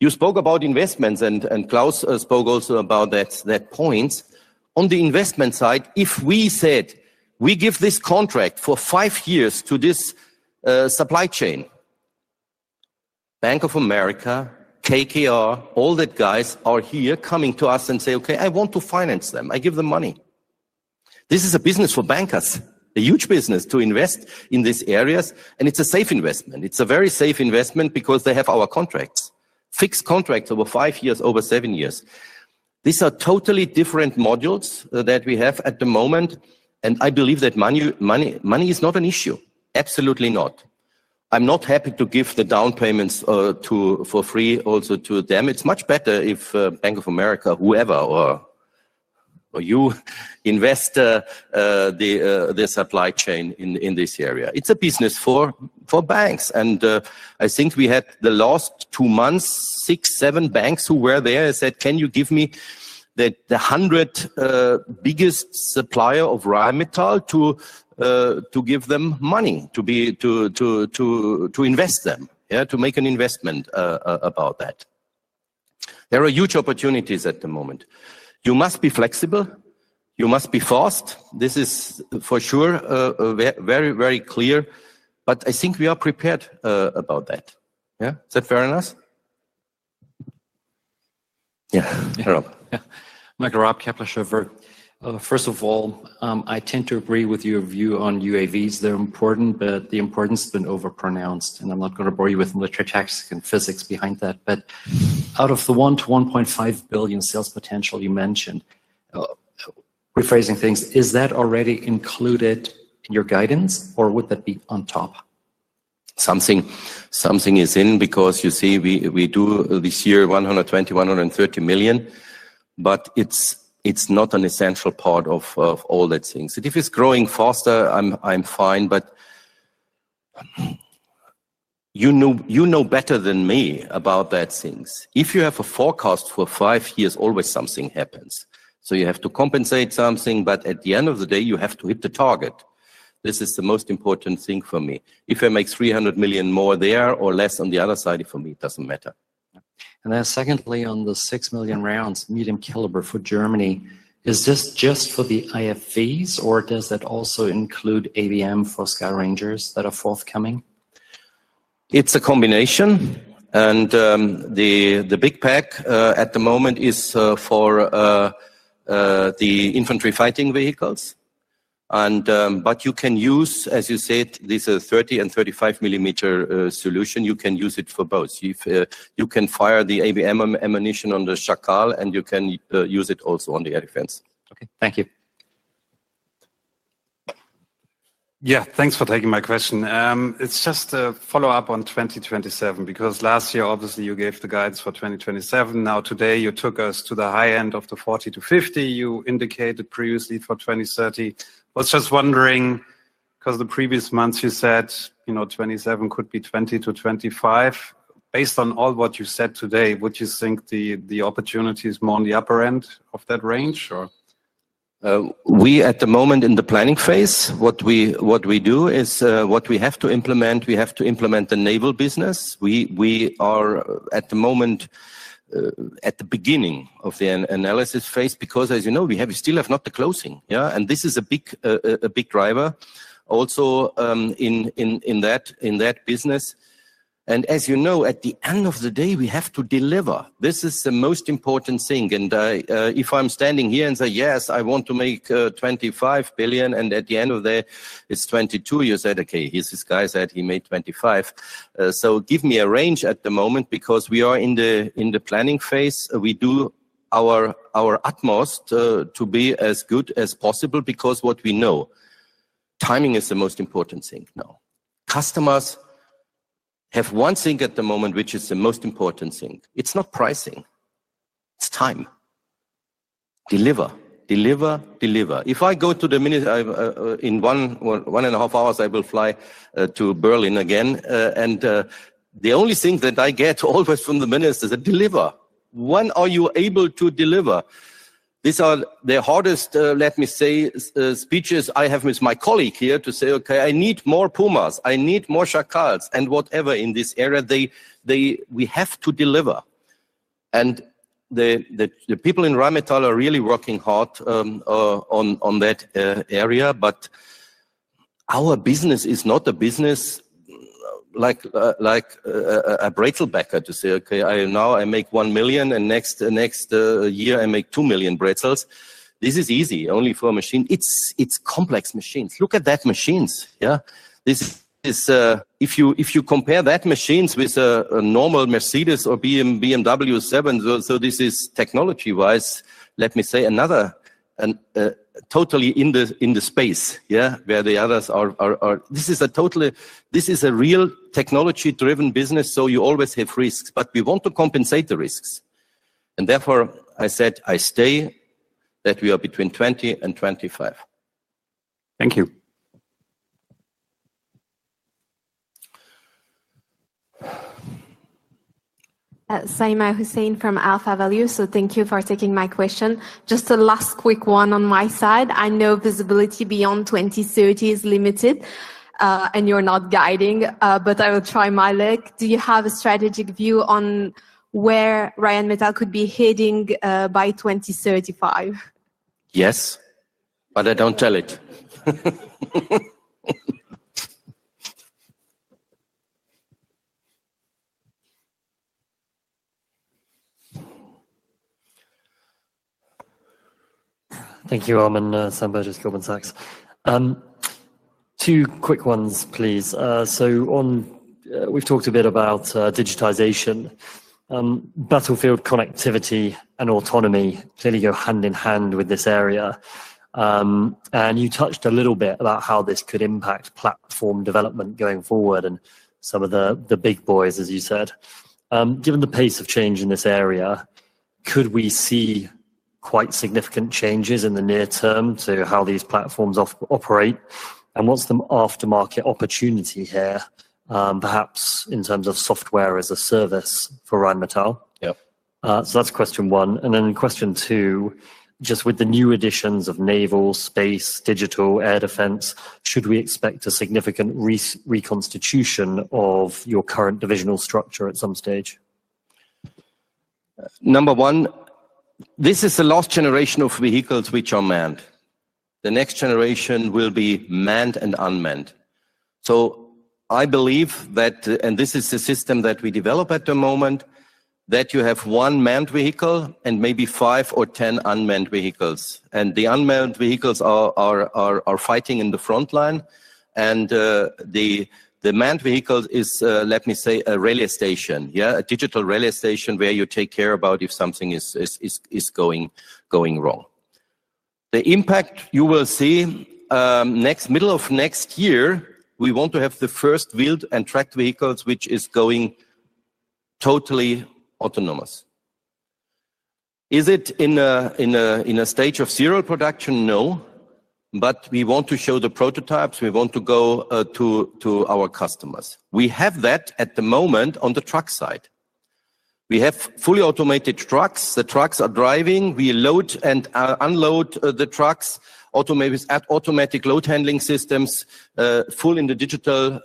You spoke about investments, and Klaus spoke also about that point. On the investment side, if we said, "We give this contract for five years to this supply chain," Bank of America, KKR, all the guys are here coming to us and say, "Okay, I want to finance them. I give them money." This is a business for bankers, a huge business to invest in these areas, and it's a safe investment. It's a very safe investment because they have our contracts, fixed contracts over five years, over seven years. These are totally different modules that we have at the moment. I believe that money is not an issue. Absolutely not. I'm not happy to give the down payments for free also to them. It's much better if Bank of America, whoever, or you invest the supply chain in this area. It's a business for banks. I think we had the last two months, six, seven banks who were there said, "Can you give me the 100 biggest supplier of Rheinmetall to give them money to invest them, to make an investment about that?" There are huge opportunities at the moment. You must be flexible. You must be fast. This is for sure very, very clear. I think we are prepared about that. Is that fair enough? Yeah. Michael Raab, Kepler Cheuvreux. First of all, I tend to agree with your view on UAVs. They're important, but the importance has been overpronounced. I'm not going to bore you with military tactics and physics behind that. Out of the 1 billion-1.5 billion sales potential you mentioned, rephrasing things, is that already included in your guidance, or would that be on top? Something is in because you see we do this year 120 million, 130 million, but it's not an essential part of all that things. If it's growing faster, I'm fine. But you know better than me about that things. If you have a forecast for five years, always something happens. You have to compensate something, but at the end of the day, you have to hit the target. This is the most important thing for me. If I make 300 million more there or less on the other side, for me, it doesn't matter. Secondly, on the 6 million rounds, medium caliber for Germany, is this just for the IFVs, or does that also include ABM for Sky Rangers that are forthcoming? It's a combination. The big pack at the moment is for the infantry fighting vehicles. You can use, as you said, this 30 ml and 35 ml solution. You can use it for both. You can fire the ABM ammunition on the Chacal, and you can use it also on the air defense. Okay. Thank you. Yeah. Thanks for taking my question. It's just a follow-up on 2027 because last year, obviously, you gave the guidance for 2027. Now today, you took us to the high end of the 40-50 you indicated previously for 2030. I was just wondering because the previous months you said 2027 could be 20-25. Based on all what you said today, would you think the opportunity is more on the upper end of that range, or? We at the moment in the planning phase, what we do is what we have to implement, we have to implement the naval business. We are at the moment at the beginning of the analysis phase because, as you know, we still have not the closing. This is a big driver also in that business. As you know, at the end of the day, we have to deliver. This is the most important thing. If I'm standing here and say, "Yes, I want to make 25 billion," and at the end of the day, it's 22 billion, you said, "Okay, this guy said he made 25 billion." Give me a range at the moment because we are in the planning phase. We do our utmost to be as good as possible because what we know, timing is the most important thing now. Customers have one thing at the moment, which is the most important thing. It's not pricing. It's time. Deliver. Deliver. Deliver. If I go to the in one and a half hours, I will fly to Berlin again. The only thing that I get always from the ministers is, "Deliver. When are you able to deliver?" These are the hardest, let me say, speeches I have with my colleague here to say, "Okay, I need more Pumas. I need more Chacals and whatever in this area. We have to deliver." The people in Rheinmetall are really working hard on that area. Our business is not a business like a pretzel baker to say, "Okay, now I make 1 million, and next year, I make 2 million pretzels." This is easy only for machines. It's complex machines. Look at that machines. If you compare that machines with a normal Mercedes or BMW 7, this is technology-wise, let me say, another totally in the space where the others are. This is a real technology-driven business, you always have risks. We want to compensate the risks. Therefore, I said, "I stay that we are between 20 and 25. Thank you. Saïma Hussain from AlphaValue. Thank you for taking my question. Just a last quick one on my side. I know visibility beyond 2030 is limited, and you're not guiding, but I will try my luck. Do you have a strategic view on where Rheinmetall could be heading by 2035? Yes, but I don't tell it. Thank you, Armin. Sam Burgess, just Goldman Sachs. Two quick ones, please. We have talked a bit about digitization, battlefield connectivity, and autonomy clearly go hand in hand with this area. You touched a little bit about how this could impact platform development going forward and some of the big boys, as you said. Given the pace of change in this area, could we see quite significant changes in the near term to how these platforms operate? What is the aftermarket opportunity here, perhaps in terms of software as a service for Rheinmetall? Yeah. That's question one. Question two, just with the new additions of naval, space, digital, air defense, should we expect a significant reconstitution of your current divisional structure at some stage? Number one, this is the last generation of vehicles which are manned. The next generation will be manned and unmanned. I believe that, and this is the system that we develop at the moment, that you have one manned vehicle and maybe five or ten unmanned vehicles. The unmanned vehicles are fighting in the front line. The manned vehicle is, let me say, a relay station, a digital relay station where you take care about if something is going wrong. The impact you will see middle of next year, we want to have the first wheeled and tracked vehicles, which is going totally autonomous. Is it in a stage of serial production? No. We want to show the prototypes. We want to go to our customers. We have that at the moment on the truck side. We have fully automated trucks. The trucks are driving. We load and unload the trucks at automatic load handling systems, full in the digital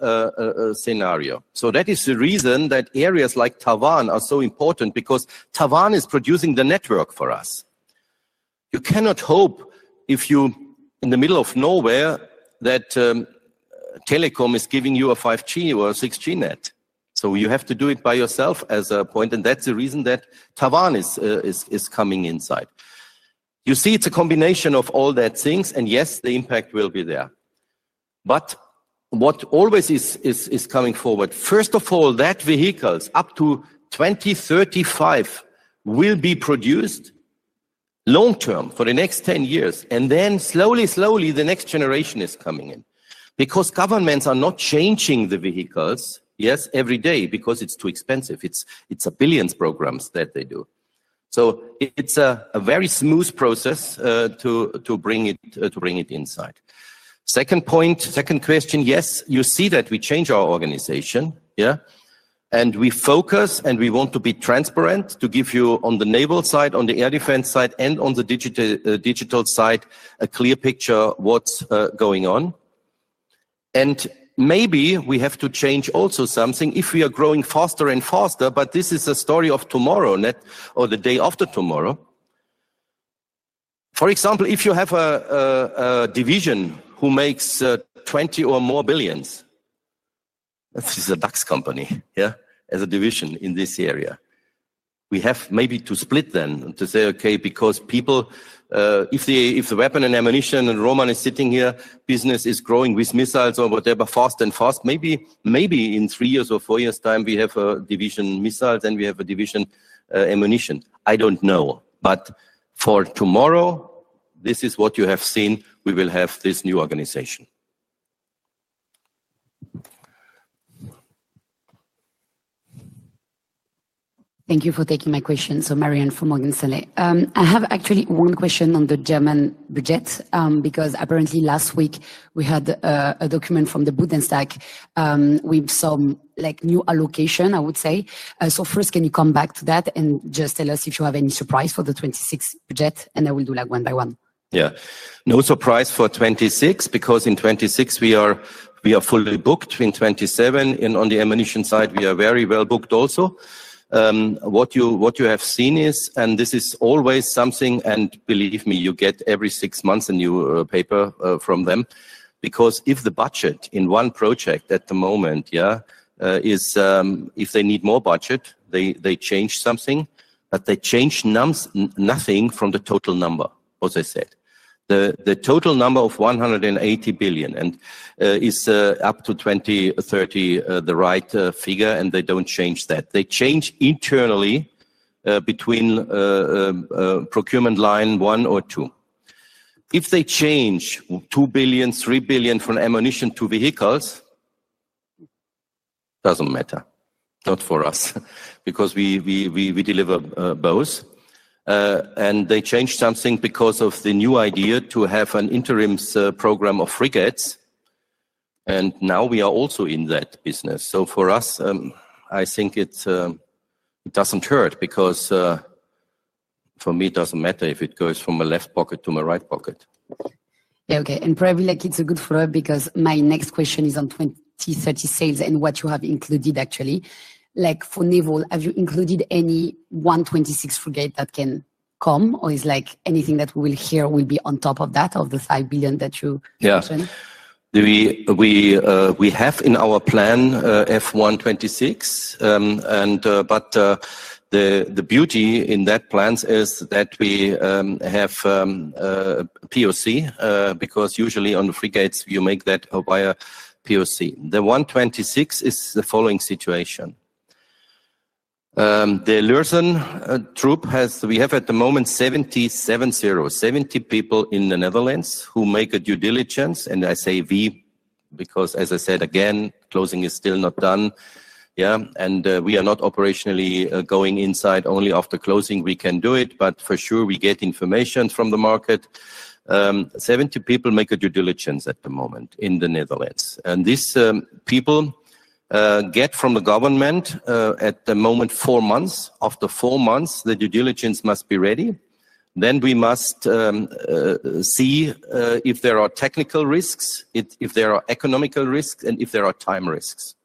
scenario. That is the reason that areas like Taiwan are so important because Taiwan is producing the network for us. You cannot hope if you're in the middle of nowhere that telecom is giving you a 5G or a 6G net. You have to do it by yourself as a point. That is the reason that Taiwan is coming inside. You see, it's a combination of all those things. Yes, the impact will be there. What always is coming forward, first of all, that vehicles up to 2035 will be produced long-term for the next 10 years. Then slowly, slowly, the next generation is coming in because governments are not changing the vehicles, yes, every day because it's too expensive. It's a billions programs that they do. It is a very smooth process to bring it inside. Second point, second question, yes, you see that we change our organization, yeah? We focus and we want to be transparent to give you on the naval side, on the air defense side, and on the digital side a clear picture of what's going on. Maybe we have to change also something if we are growing faster and faster, but this is a story of tomorrow or the day after tomorrow. For example, if you have a division who makes 20 billion or more, this is a DAX company, yeah, as a division in this area. We have maybe to split them and to say, "Okay, because people, if the weapon and ammunition and Roman is sitting here, business is growing with missiles or whatever, fast and fast, maybe in three years or four years' time, we have a division missiles and we have a division ammunition." I do not know. For tomorrow, this is what you have seen. We will have this new organization. Thank you for taking my question. [Marianne] from Morgan Stanley. I have actually one question on the German budget because apparently last week, we had a document from the Bundestag. We saw new allocation, I would say. First, can you come back to that and just tell us if you have any surprise for the 2026 budget? I will do one by one. Yeah. No surprise for 2026 because in 2026, we are fully booked. In 2027, and on the ammunition side, we are very well booked also. What you have seen is, and this is always something, and believe me, you get every six months a new paper from them because if the budget in one project at the moment, yeah, if they need more budget, they change something, but they change nothing from the total number, as I said. The total number of 180 billion is up to 2030, the right figure, and they do not change that. They change internally between procurement line one or two. If they change 2 billion-3 billion for ammunition to vehicles, does not matter. Not for us because we deliver both. They changed something because of the new idea to have an interim program of frigates. Now we are also in that business. For us, I think it doesn't hurt because for me, it doesn't matter if it goes from my left pocket to my right pocket. Okay. Probably it's a good follow-up because my next question is on 2030 sales and what you have included actually. For naval, have you included any 126 frigate that can come or is anything that we will hear will be on top of that of the 5 billion that you mentioned? Yeah. We have in our plan F126, but the beauty in that plan is that we have POC because usually on the frigates, you make that via POC. The F126 is the following situation. The Lürssen Group, we have at the moment 70 people in the Netherlands who make a due diligence. I say we because, as I said, again, closing is still not done. Yeah. We are not operationally going inside, only after closing we can do it, but for sure, we get information from the market. Seventy people make a due diligence at the moment in the Netherlands. These people get from the government at the moment four months. After four months, the due diligence must be ready. We must see if there are technical risks, if there are economical risks, and if there are time risks.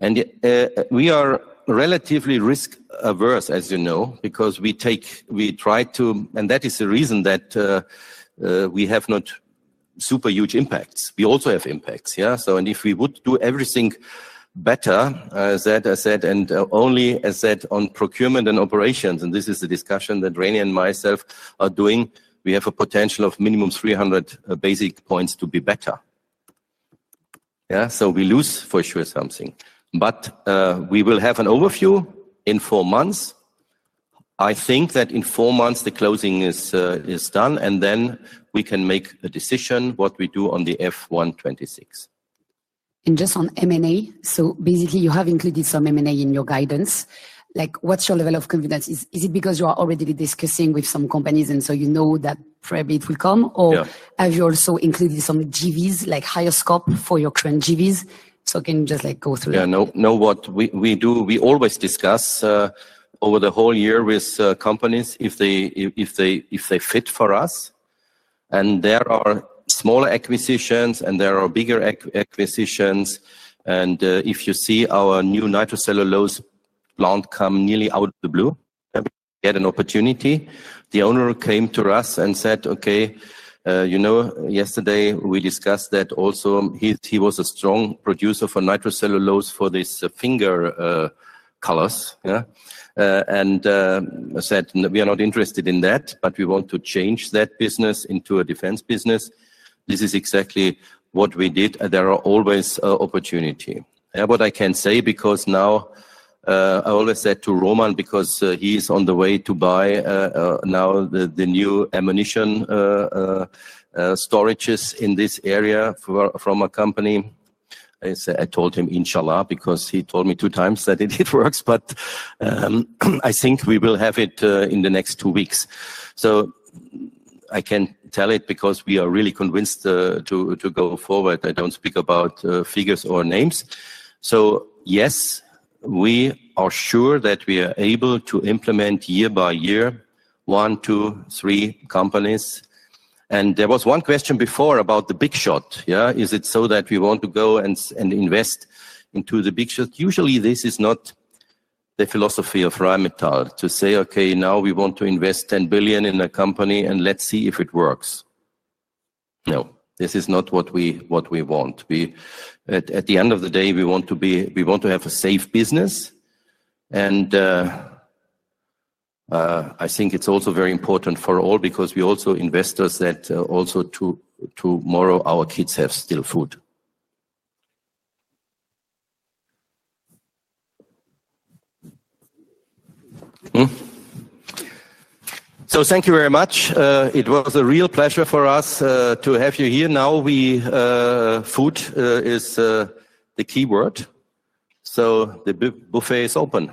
We are relatively risk-averse, as you know, because we try to, and that is the reason that we have not super huge impacts. We also have impacts. Yeah. If we would do everything better, as I said, and only as said on procurement and operations, and this is the discussion that Reni and myself are doing, we have a potential of minimum 300 basis points to be better. Yeah. We lose for sure something. We will have an overview in four months. I think that in four months, the closing is done, and then we can make a decision what we do on the F126. Just on M&A, you have included some M&A in your guidance. What's your level of confidence? Is it because you are already discussing with some companies and you know that probably it will come? Have you also included some JVs, like higher scope for your current JVs? Can you just go through? Yeah. Know what we do, we always discuss over the whole year with companies if they fit for us. There are smaller acquisitions and there are bigger acquisitions. If you see our new nitrocellulose plant come nearly out of the blue, we had an opportunity. The owner came to us and said, "Okay, you know, yesterday we discussed that also. He was a strong producer for nitrocellulose for these finger colors." He said, "We are not interested in that, but we want to change that business into a defense business." This is exactly what we did. There are always opportunities. What I can say because now I always said to Roman because he's on the way to buy now the new ammunition storages in this area from a company. I told him, "Inshallah," because he told me two times that it works, but I think we will have it in the next two weeks. I can tell it because we are really convinced to go forward. I do not speak about figures or names. Yes, we are sure that we are able to implement year by year one, two, three companies. There was one question before about the big shot. Yeah. Is it so that we want to go and invest into the big shot? Usually, this is not the philosophy of Rheinmetall to say, "Okay, now we want to invest 10 billion in a company and let's see if it works." No, this is not what we want. At the end of the day, we want to have a safe business. I think it's also very important for all because we also invest that also tomorrow our kids have still food. Thank you very much. It was a real pleasure for us to have you here. Now, food is the key word. The buffet is open.